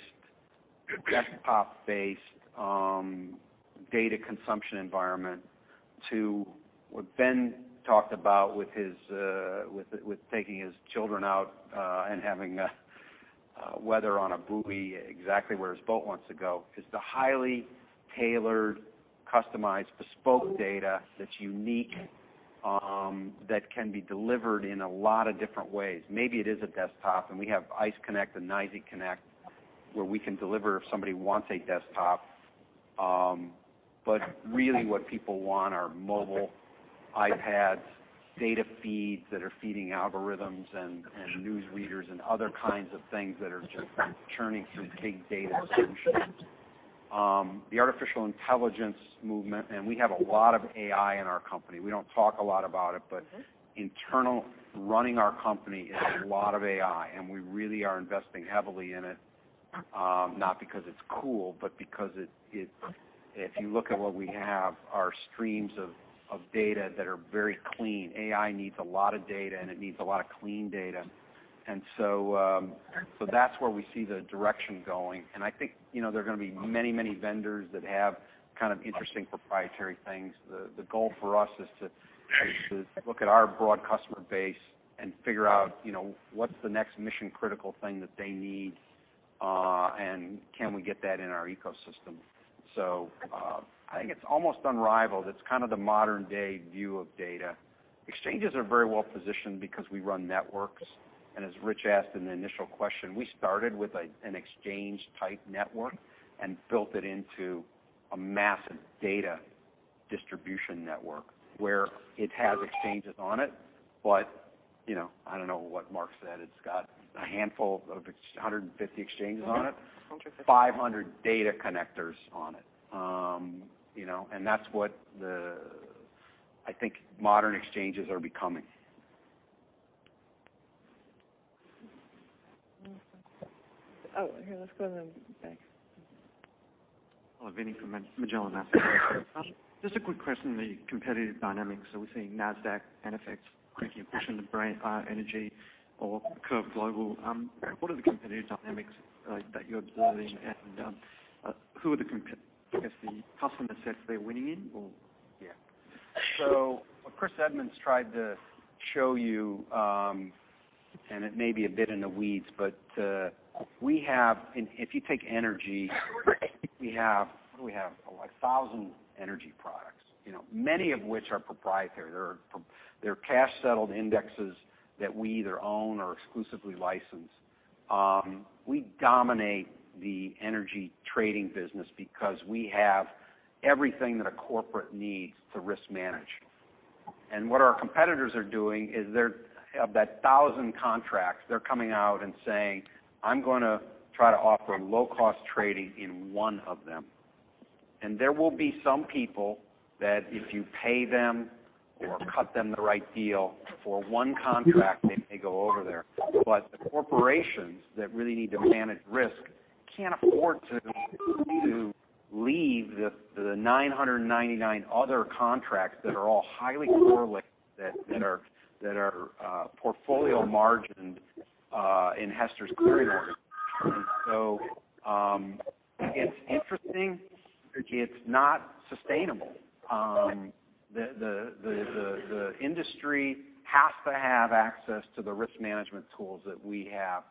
desktop-based data consumption environment to what Ben talked about with taking his children out and having weather on a buoy exactly where his boat wants to go, is the highly tailored, customized bespoke data that's unique, that can be delivered in a lot of different ways. Maybe it is a desktop, we have ICE Connect and NYSE Connect, where we can deliver if somebody wants a desktop. Really what people want are mobile iPads, data feeds that are feeding algorithms and news readers and other kinds of things that are just churning through big data functions. The artificial intelligence movement, we have a lot of AI in our company. We don't talk a lot about it, internal running our company is a lot of AI, we really are investing heavily in it. Not because it's cool, because if you look at what we have, our streams of data that are very clean. AI needs a lot of data, it needs a lot of clean data. That's where we see the direction going. I think there are going to be many, many vendors that have kind of interesting proprietary things. The goal for us is to look at our broad customer base and figure out what's the next mission-critical thing that they need, and can we get that in our ecosystem. I think it's almost unrivaled. It's kind of the modern-day view of data. Exchanges are very well-positioned because we run networks. As Rich asked in the initial question, we started with an exchange-type network and built it into a massive data distribution network where it has exchanges on it. I don't know what Mark said, it's got a handful of 150 exchanges on it, 500 data connectors on it. That's what I think modern exchanges are becoming. Oh, here, let's go to the back. Hello. Vinnie from Magellan Master Fund. Just a quick question on the competitive dynamics that we're seeing Nasdaq and FX quickly pushing the energy or CurveGlobal. What are the competitive dynamics that you're observing, and who are the competitors the customer sets they're winning in or? Yeah. What Christopher Edmonds tried to show you, and it may be a bit in the weeds, but if you take energy, we have, what do we have? 1,000 energy products, many of which are proprietary. They're cash-settled indexes that we either own or exclusively license. We dominate the energy trading business because we have everything that a corporate needs to risk manage. What our competitors are doing is of that 1,000 contracts, they're coming out and saying, "I'm going to try to offer low-cost trading in one of them." There will be some people that if you pay them or cut them the right deal for one contract, they may go over there. The corporations that really need to manage risk can't afford to leave the 999 other contracts that are all highly correlated, that are portfolio margined in Hester's clearing organization. It's interesting. It's not sustainable. The industry has to have access to the risk management tools that we have.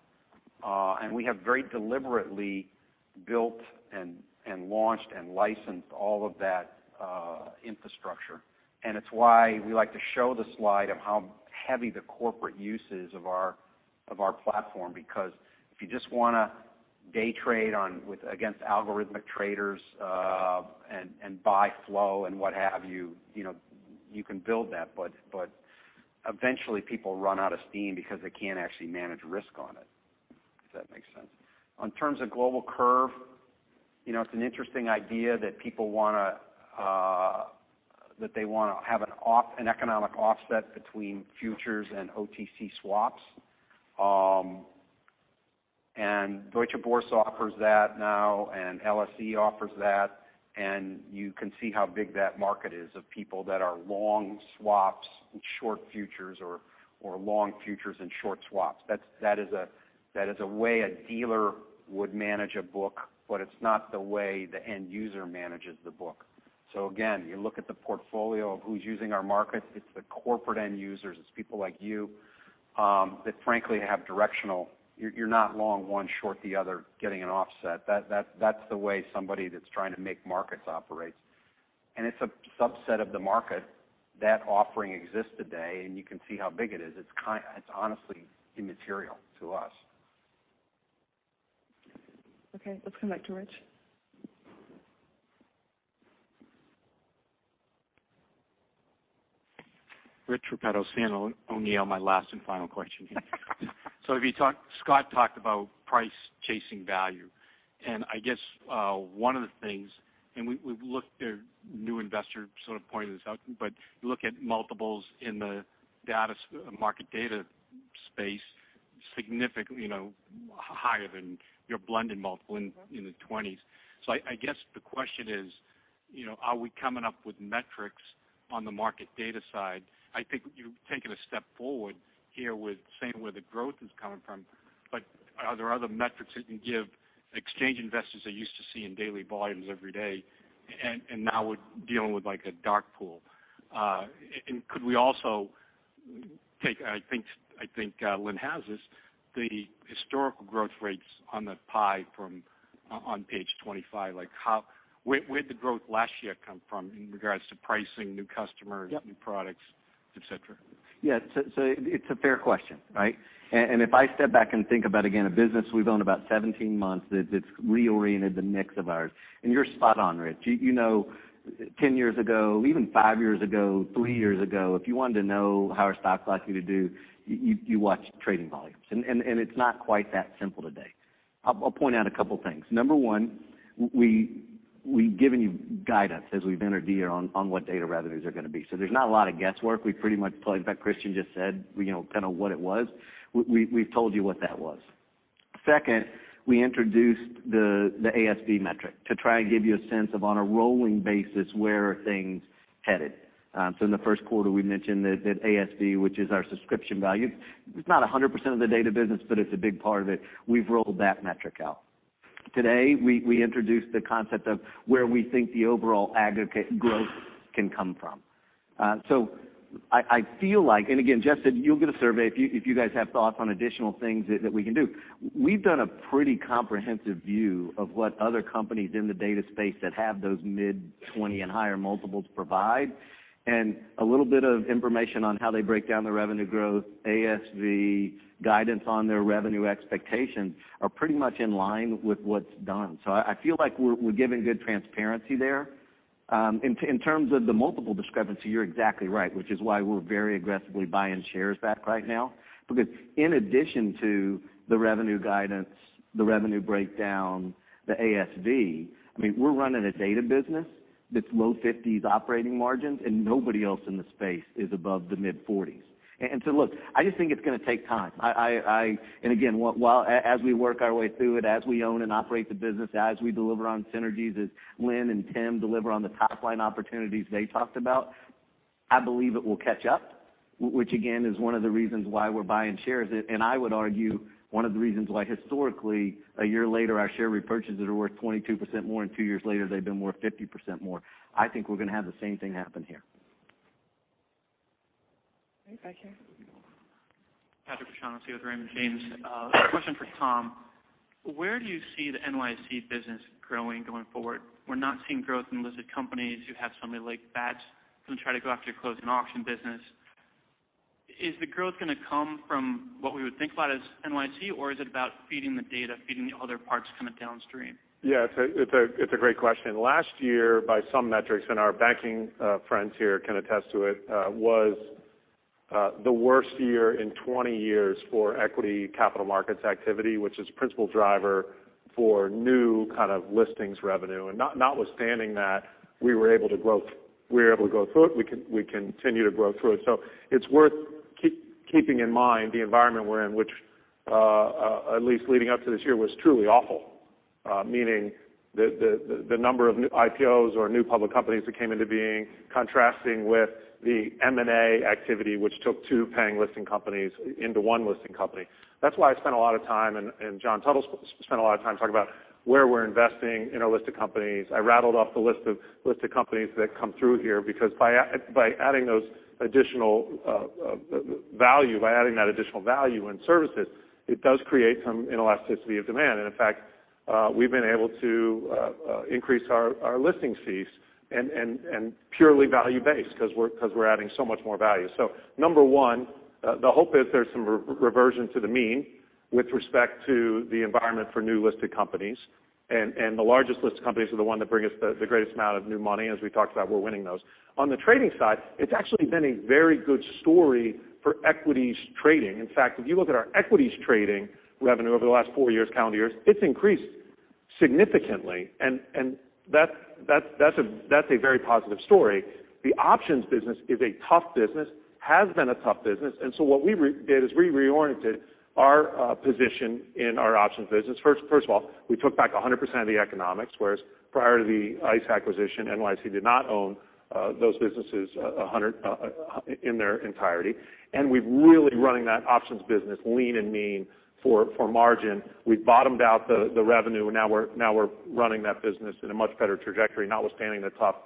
We have very deliberately built and launched and licensed all of that infrastructure. It's why we like to show the slide of how heavy the corporate use is of our platform because if you just want to day trade against algorithmic traders and buy flow and what have you can build that, but eventually people run out of steam because they can't actually manage risk on it. If that makes sense. In terms of global curve, it's an interesting idea that people want to have an economic offset between futures and OTC swaps. Deutsche Börse offers that now, LSE offers that, and you can see how big that market is of people that are long swaps and short futures or long futures and short swaps. That is a way a dealer would manage a book, but it's not the way the end user manages the book. Again, you look at the portfolio of who's using our markets, it's the corporate end users. It's people like you, that frankly have directional. You're not long one short the other, getting an offset. That's the way somebody that's trying to make markets operates. It's a subset of the market. That offering exists today, and you can see how big it is. It's honestly immaterial to us. Okay, let's come back to Rich. Richard Repetto, Sandler O'Neill, my last and final question here. Scott talked about price-chasing value, and I guess, one of the things, and we've looked at new investor sort of pointing this out, but you look at multiples in the market data space, significant. Higher than your blended multiple in the 20s. I guess the question is, are we coming up with metrics on the market data side? I think you've taken a step forward here with saying where the growth is coming from, are there other metrics that you can give exchange investors that used to see in daily volumes every day, and now we're dealing with like a dark pool? Could we also take, I think Lynn has this, the historical growth rates on the pie from on page 25, like where'd the growth last year come from in regards to pricing, new customers- Yep new products, et cetera? Yeah. It's a fair question, right? If I step back and think about, again, a business we've owned about 17 months, it's reoriented the mix of ours, and you're spot on, Rich. You know 10 years ago, even five years ago, three years ago, if you wanted to know how our stock's likely to do, you watched trading volumes. It's not quite that simple today. I'll point out a couple things. Number 1, we've given you guidance as we've entered the year on what data revenues are going to be. There's not a lot of guesswork. We pretty much told you. In fact, Christian just said kind of what it was. We've told you what that was. Second, we introduced the ASV metric to try and give you a sense of, on a rolling basis, where are things headed. In the first quarter we mentioned the ASV, which is our subscription value. It's not 100% of the data business, it's a big part of it. We've rolled that metric out. Today, we introduced the concept of where we think the overall aggregate growth can come from. I feel like, again, Jeff said you'll get a survey if you guys have thoughts on additional things that we can do. We've done a pretty comprehensive view of what other companies in the data space that have those mid-20 and higher multiples provide, a little bit of information on how they break down the revenue growth, ASV, guidance on their revenue expectations are pretty much in line with what's done. I feel like we're giving good transparency there. In terms of the multiple discrepancy, you're exactly right, which is why we're very aggressively buying shares back right now. In addition to the revenue guidance, the revenue breakdown, the ASV, I mean, we're running a data business that's low 50s operating margins, and nobody else in the space is above the mid-40s. Look, I just think it's going to take time. Again, as we work our way through it, as we own and operate the business, as we deliver on synergies, as Lynn and Tim deliver on the top-line opportunities they talked about, I believe it will catch up, which again, is one of the reasons why we're buying shares. I would argue one of the reasons why historically, a year later, our share repurchases are worth 22%, more than two years later, they've been worth 50% more. I think we're going to have the same thing happen here. Okay, back here. Patrick with Raymond James. A question for Tom. Where do you see the NYSE business growing going forward? We're not seeing growth in listed companies. You have somebody like BATS going to try to go after your closing auction business. Is the growth going to come from what we would think about as NYSE, or is it about feeding the data, feeding the other parts kind of downstream? Yeah, it's a great question. Last year, by some metrics, and our banking friends here can attest to it, was the worst year in 20 years for equity capital markets activity, which is a principal driver for new kind of listings revenue. Notwithstanding that, we were able to grow through it. We continue to grow through it. It's worth keeping in mind the environment we're in, which at least leading up to this year, was truly awful. Meaning the number of new IPOs or new public companies that came into being contrasting with the M&A activity, which took 2 paying listing companies into 1 listing company. That's why I spent a lot of time, and John Tuttle spent a lot of time talking about where we're investing in our list of companies. I rattled off the list of companies that come through here, because by adding that additional value and services, it does create some elasticity of demand. In fact, we've been able to increase our listing fees and purely value based because we're adding so much more value. Number 1, the hope is there's some reversion to the mean with respect to the environment for new listed companies. The largest listed companies are the 1 that bring us the greatest amount of new money. As we talked about, we're winning those. On the trading side, it's actually been a very good story for equities trading. In fact, if you look at our equities trading revenue over the last 4 years, calendar years, it's increased significantly. That's a very positive story. The options business is a tough business, has been a tough business. What we did is we reoriented our position in our options business. First of all, we took back 100% of the economics, whereas prior to the ICE acquisition, NYSE did not own those businesses in their entirety. We've really running that options business lean and mean for margin. We've bottomed out the revenue, and now we're running that business at a much better trajectory, notwithstanding the tough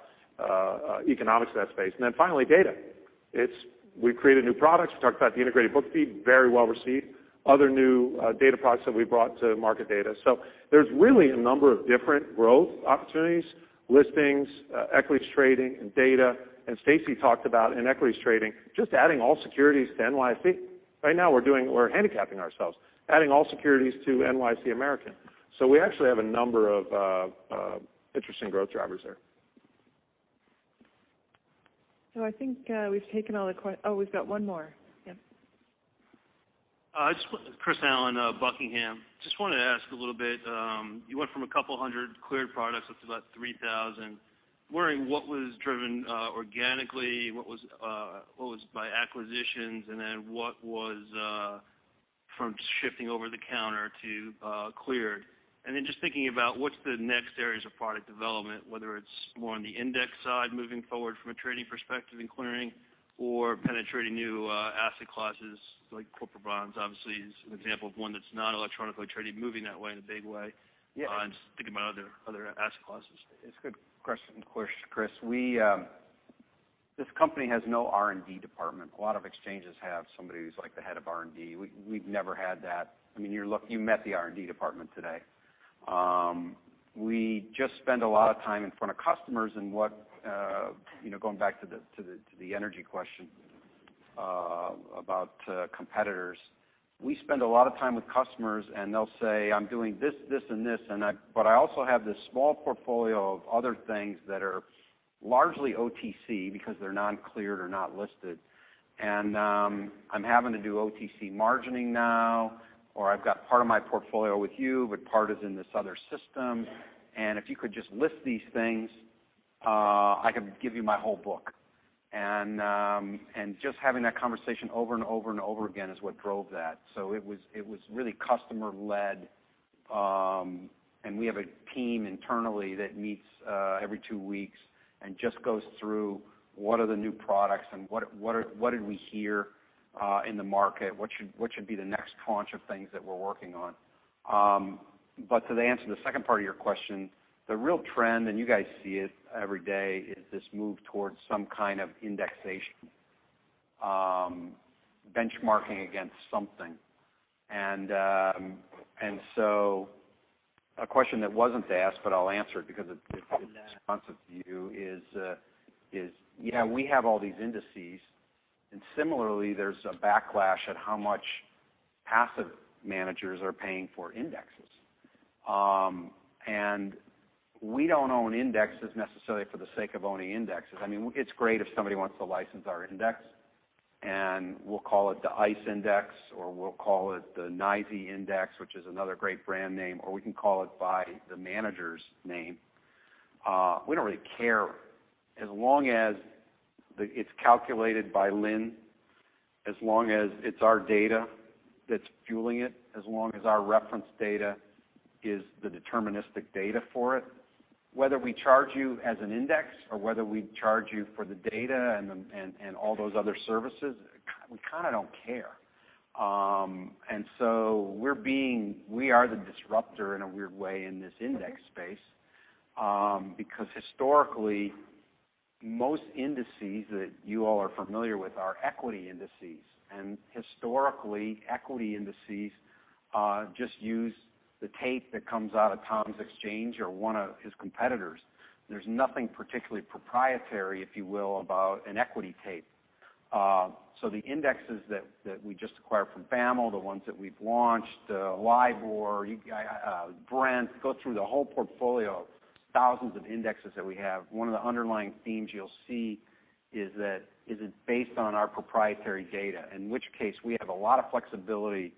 economics of that space. Finally, data. We've created new products. We talked about the Integrated Feed, very well received. Other new data products that we brought to market data. There's really a number of different growth opportunities, listings, equities trading and data. Stacey talked about in equities trading, just adding all securities to NYSE. Right now, we're handicapping ourselves, adding all securities to NYSE American. We actually have a number of interesting growth drivers there. I think we've taken all the, we've got one more. Yep. Chris Allen, Buckingham. Just wanted to ask a little bit. You went from a couple hundred cleared products up to about 3,000. I'm wondering what was driven organically, what was by acquisitions, what was from shifting over the counter to cleared. Just thinking about what's the next areas of product development, whether it's more on the index side moving forward from a trading perspective and clearing or penetrating new asset classes like corporate bonds obviously is an example of one that's not electronically traded moving that way in a big way. Yeah. I'm just thinking about other asset classes. It's a good question, Chris. This company has no R&D department. A lot of exchanges have somebody who's the head of R&D. We've never had that. You met the R&D department today. We just spend a lot of time in front of customers, and going back to the energy question about competitors, we spend a lot of time with customers and they'll say, "I'm doing this, and this, but I also have this small portfolio of other things that are largely OTC because they're non-cleared or not listed, and I'm having to do OTC margining now," or, "I've got part of my portfolio with you, but part is in this other system, and if you could just list these things, I could give you my whole book." Just having that conversation over and over and over again is what drove that. It was really customer-led, and we have a team internally that meets every two weeks and just goes through what are the new products and what did we hear in the market? What should be the next tranche of things that we're working on? To answer the second part of your question, the real trend, and you guys see it every day, is this move towards some kind of indexation, benchmarking against something. A question that wasn't asked, but I'll answer it because it's responsive to you is, yeah, we have all these indices, similarly, there's a backlash at how much passive managers are paying for indexes. We don't own indexes necessarily for the sake of owning indexes. It's great if somebody wants to license our index, and we'll call it the ICE index, or we'll call it the NYSE index, which is another great brand name, or we can call it by the manager's name. We don't really care as long as it's calculated by Lynn, as long as it's our data that's fueling it, as long as our reference data is the deterministic data for it. Whether we charge you as an index or whether we charge you for the data and all those other services, we kind of don't care. We are the disruptor in a weird way in this index space, because historically, most indices that you all are familiar with are equity indices, and historically, equity indices just use the tape that comes out of Tom's exchange or one of his competitors. There's nothing particularly proprietary, if you will, about an equity tape. The indexes that we just acquired from BofAML, the ones that we've launched, the LIBOR, Brent, go through the whole portfolio of thousands of indexes that we have. One of the underlying themes you'll see is that it's based on our proprietary data, in which case, we have a lot of flexibility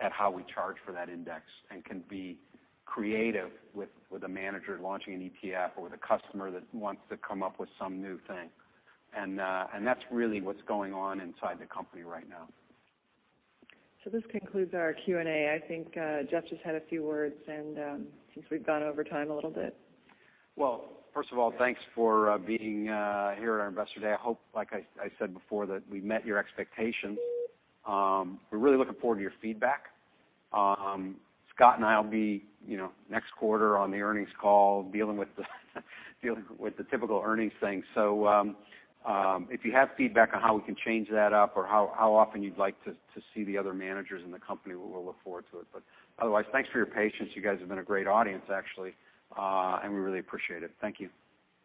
at how we charge for that index and can be creative with a manager launching an ETF or with a customer that wants to come up with some new thing. That's really what's going on inside the company right now. This concludes our Q&A. I think Jeff just had a few words, since we've gone over time a little bit. Well, first of all, thanks for being here at our Investor Day. I hope, like I said before, that we met your expectations. We're really looking forward to your feedback. Scott and I'll be, next quarter on the earnings call, dealing with the typical earnings thing. If you have feedback on how we can change that up or how often you'd like to see the other managers in the company, we'll look forward to it. Otherwise, thanks for your patience. You guys have been a great audience, actually, and we really appreciate it. Thank you.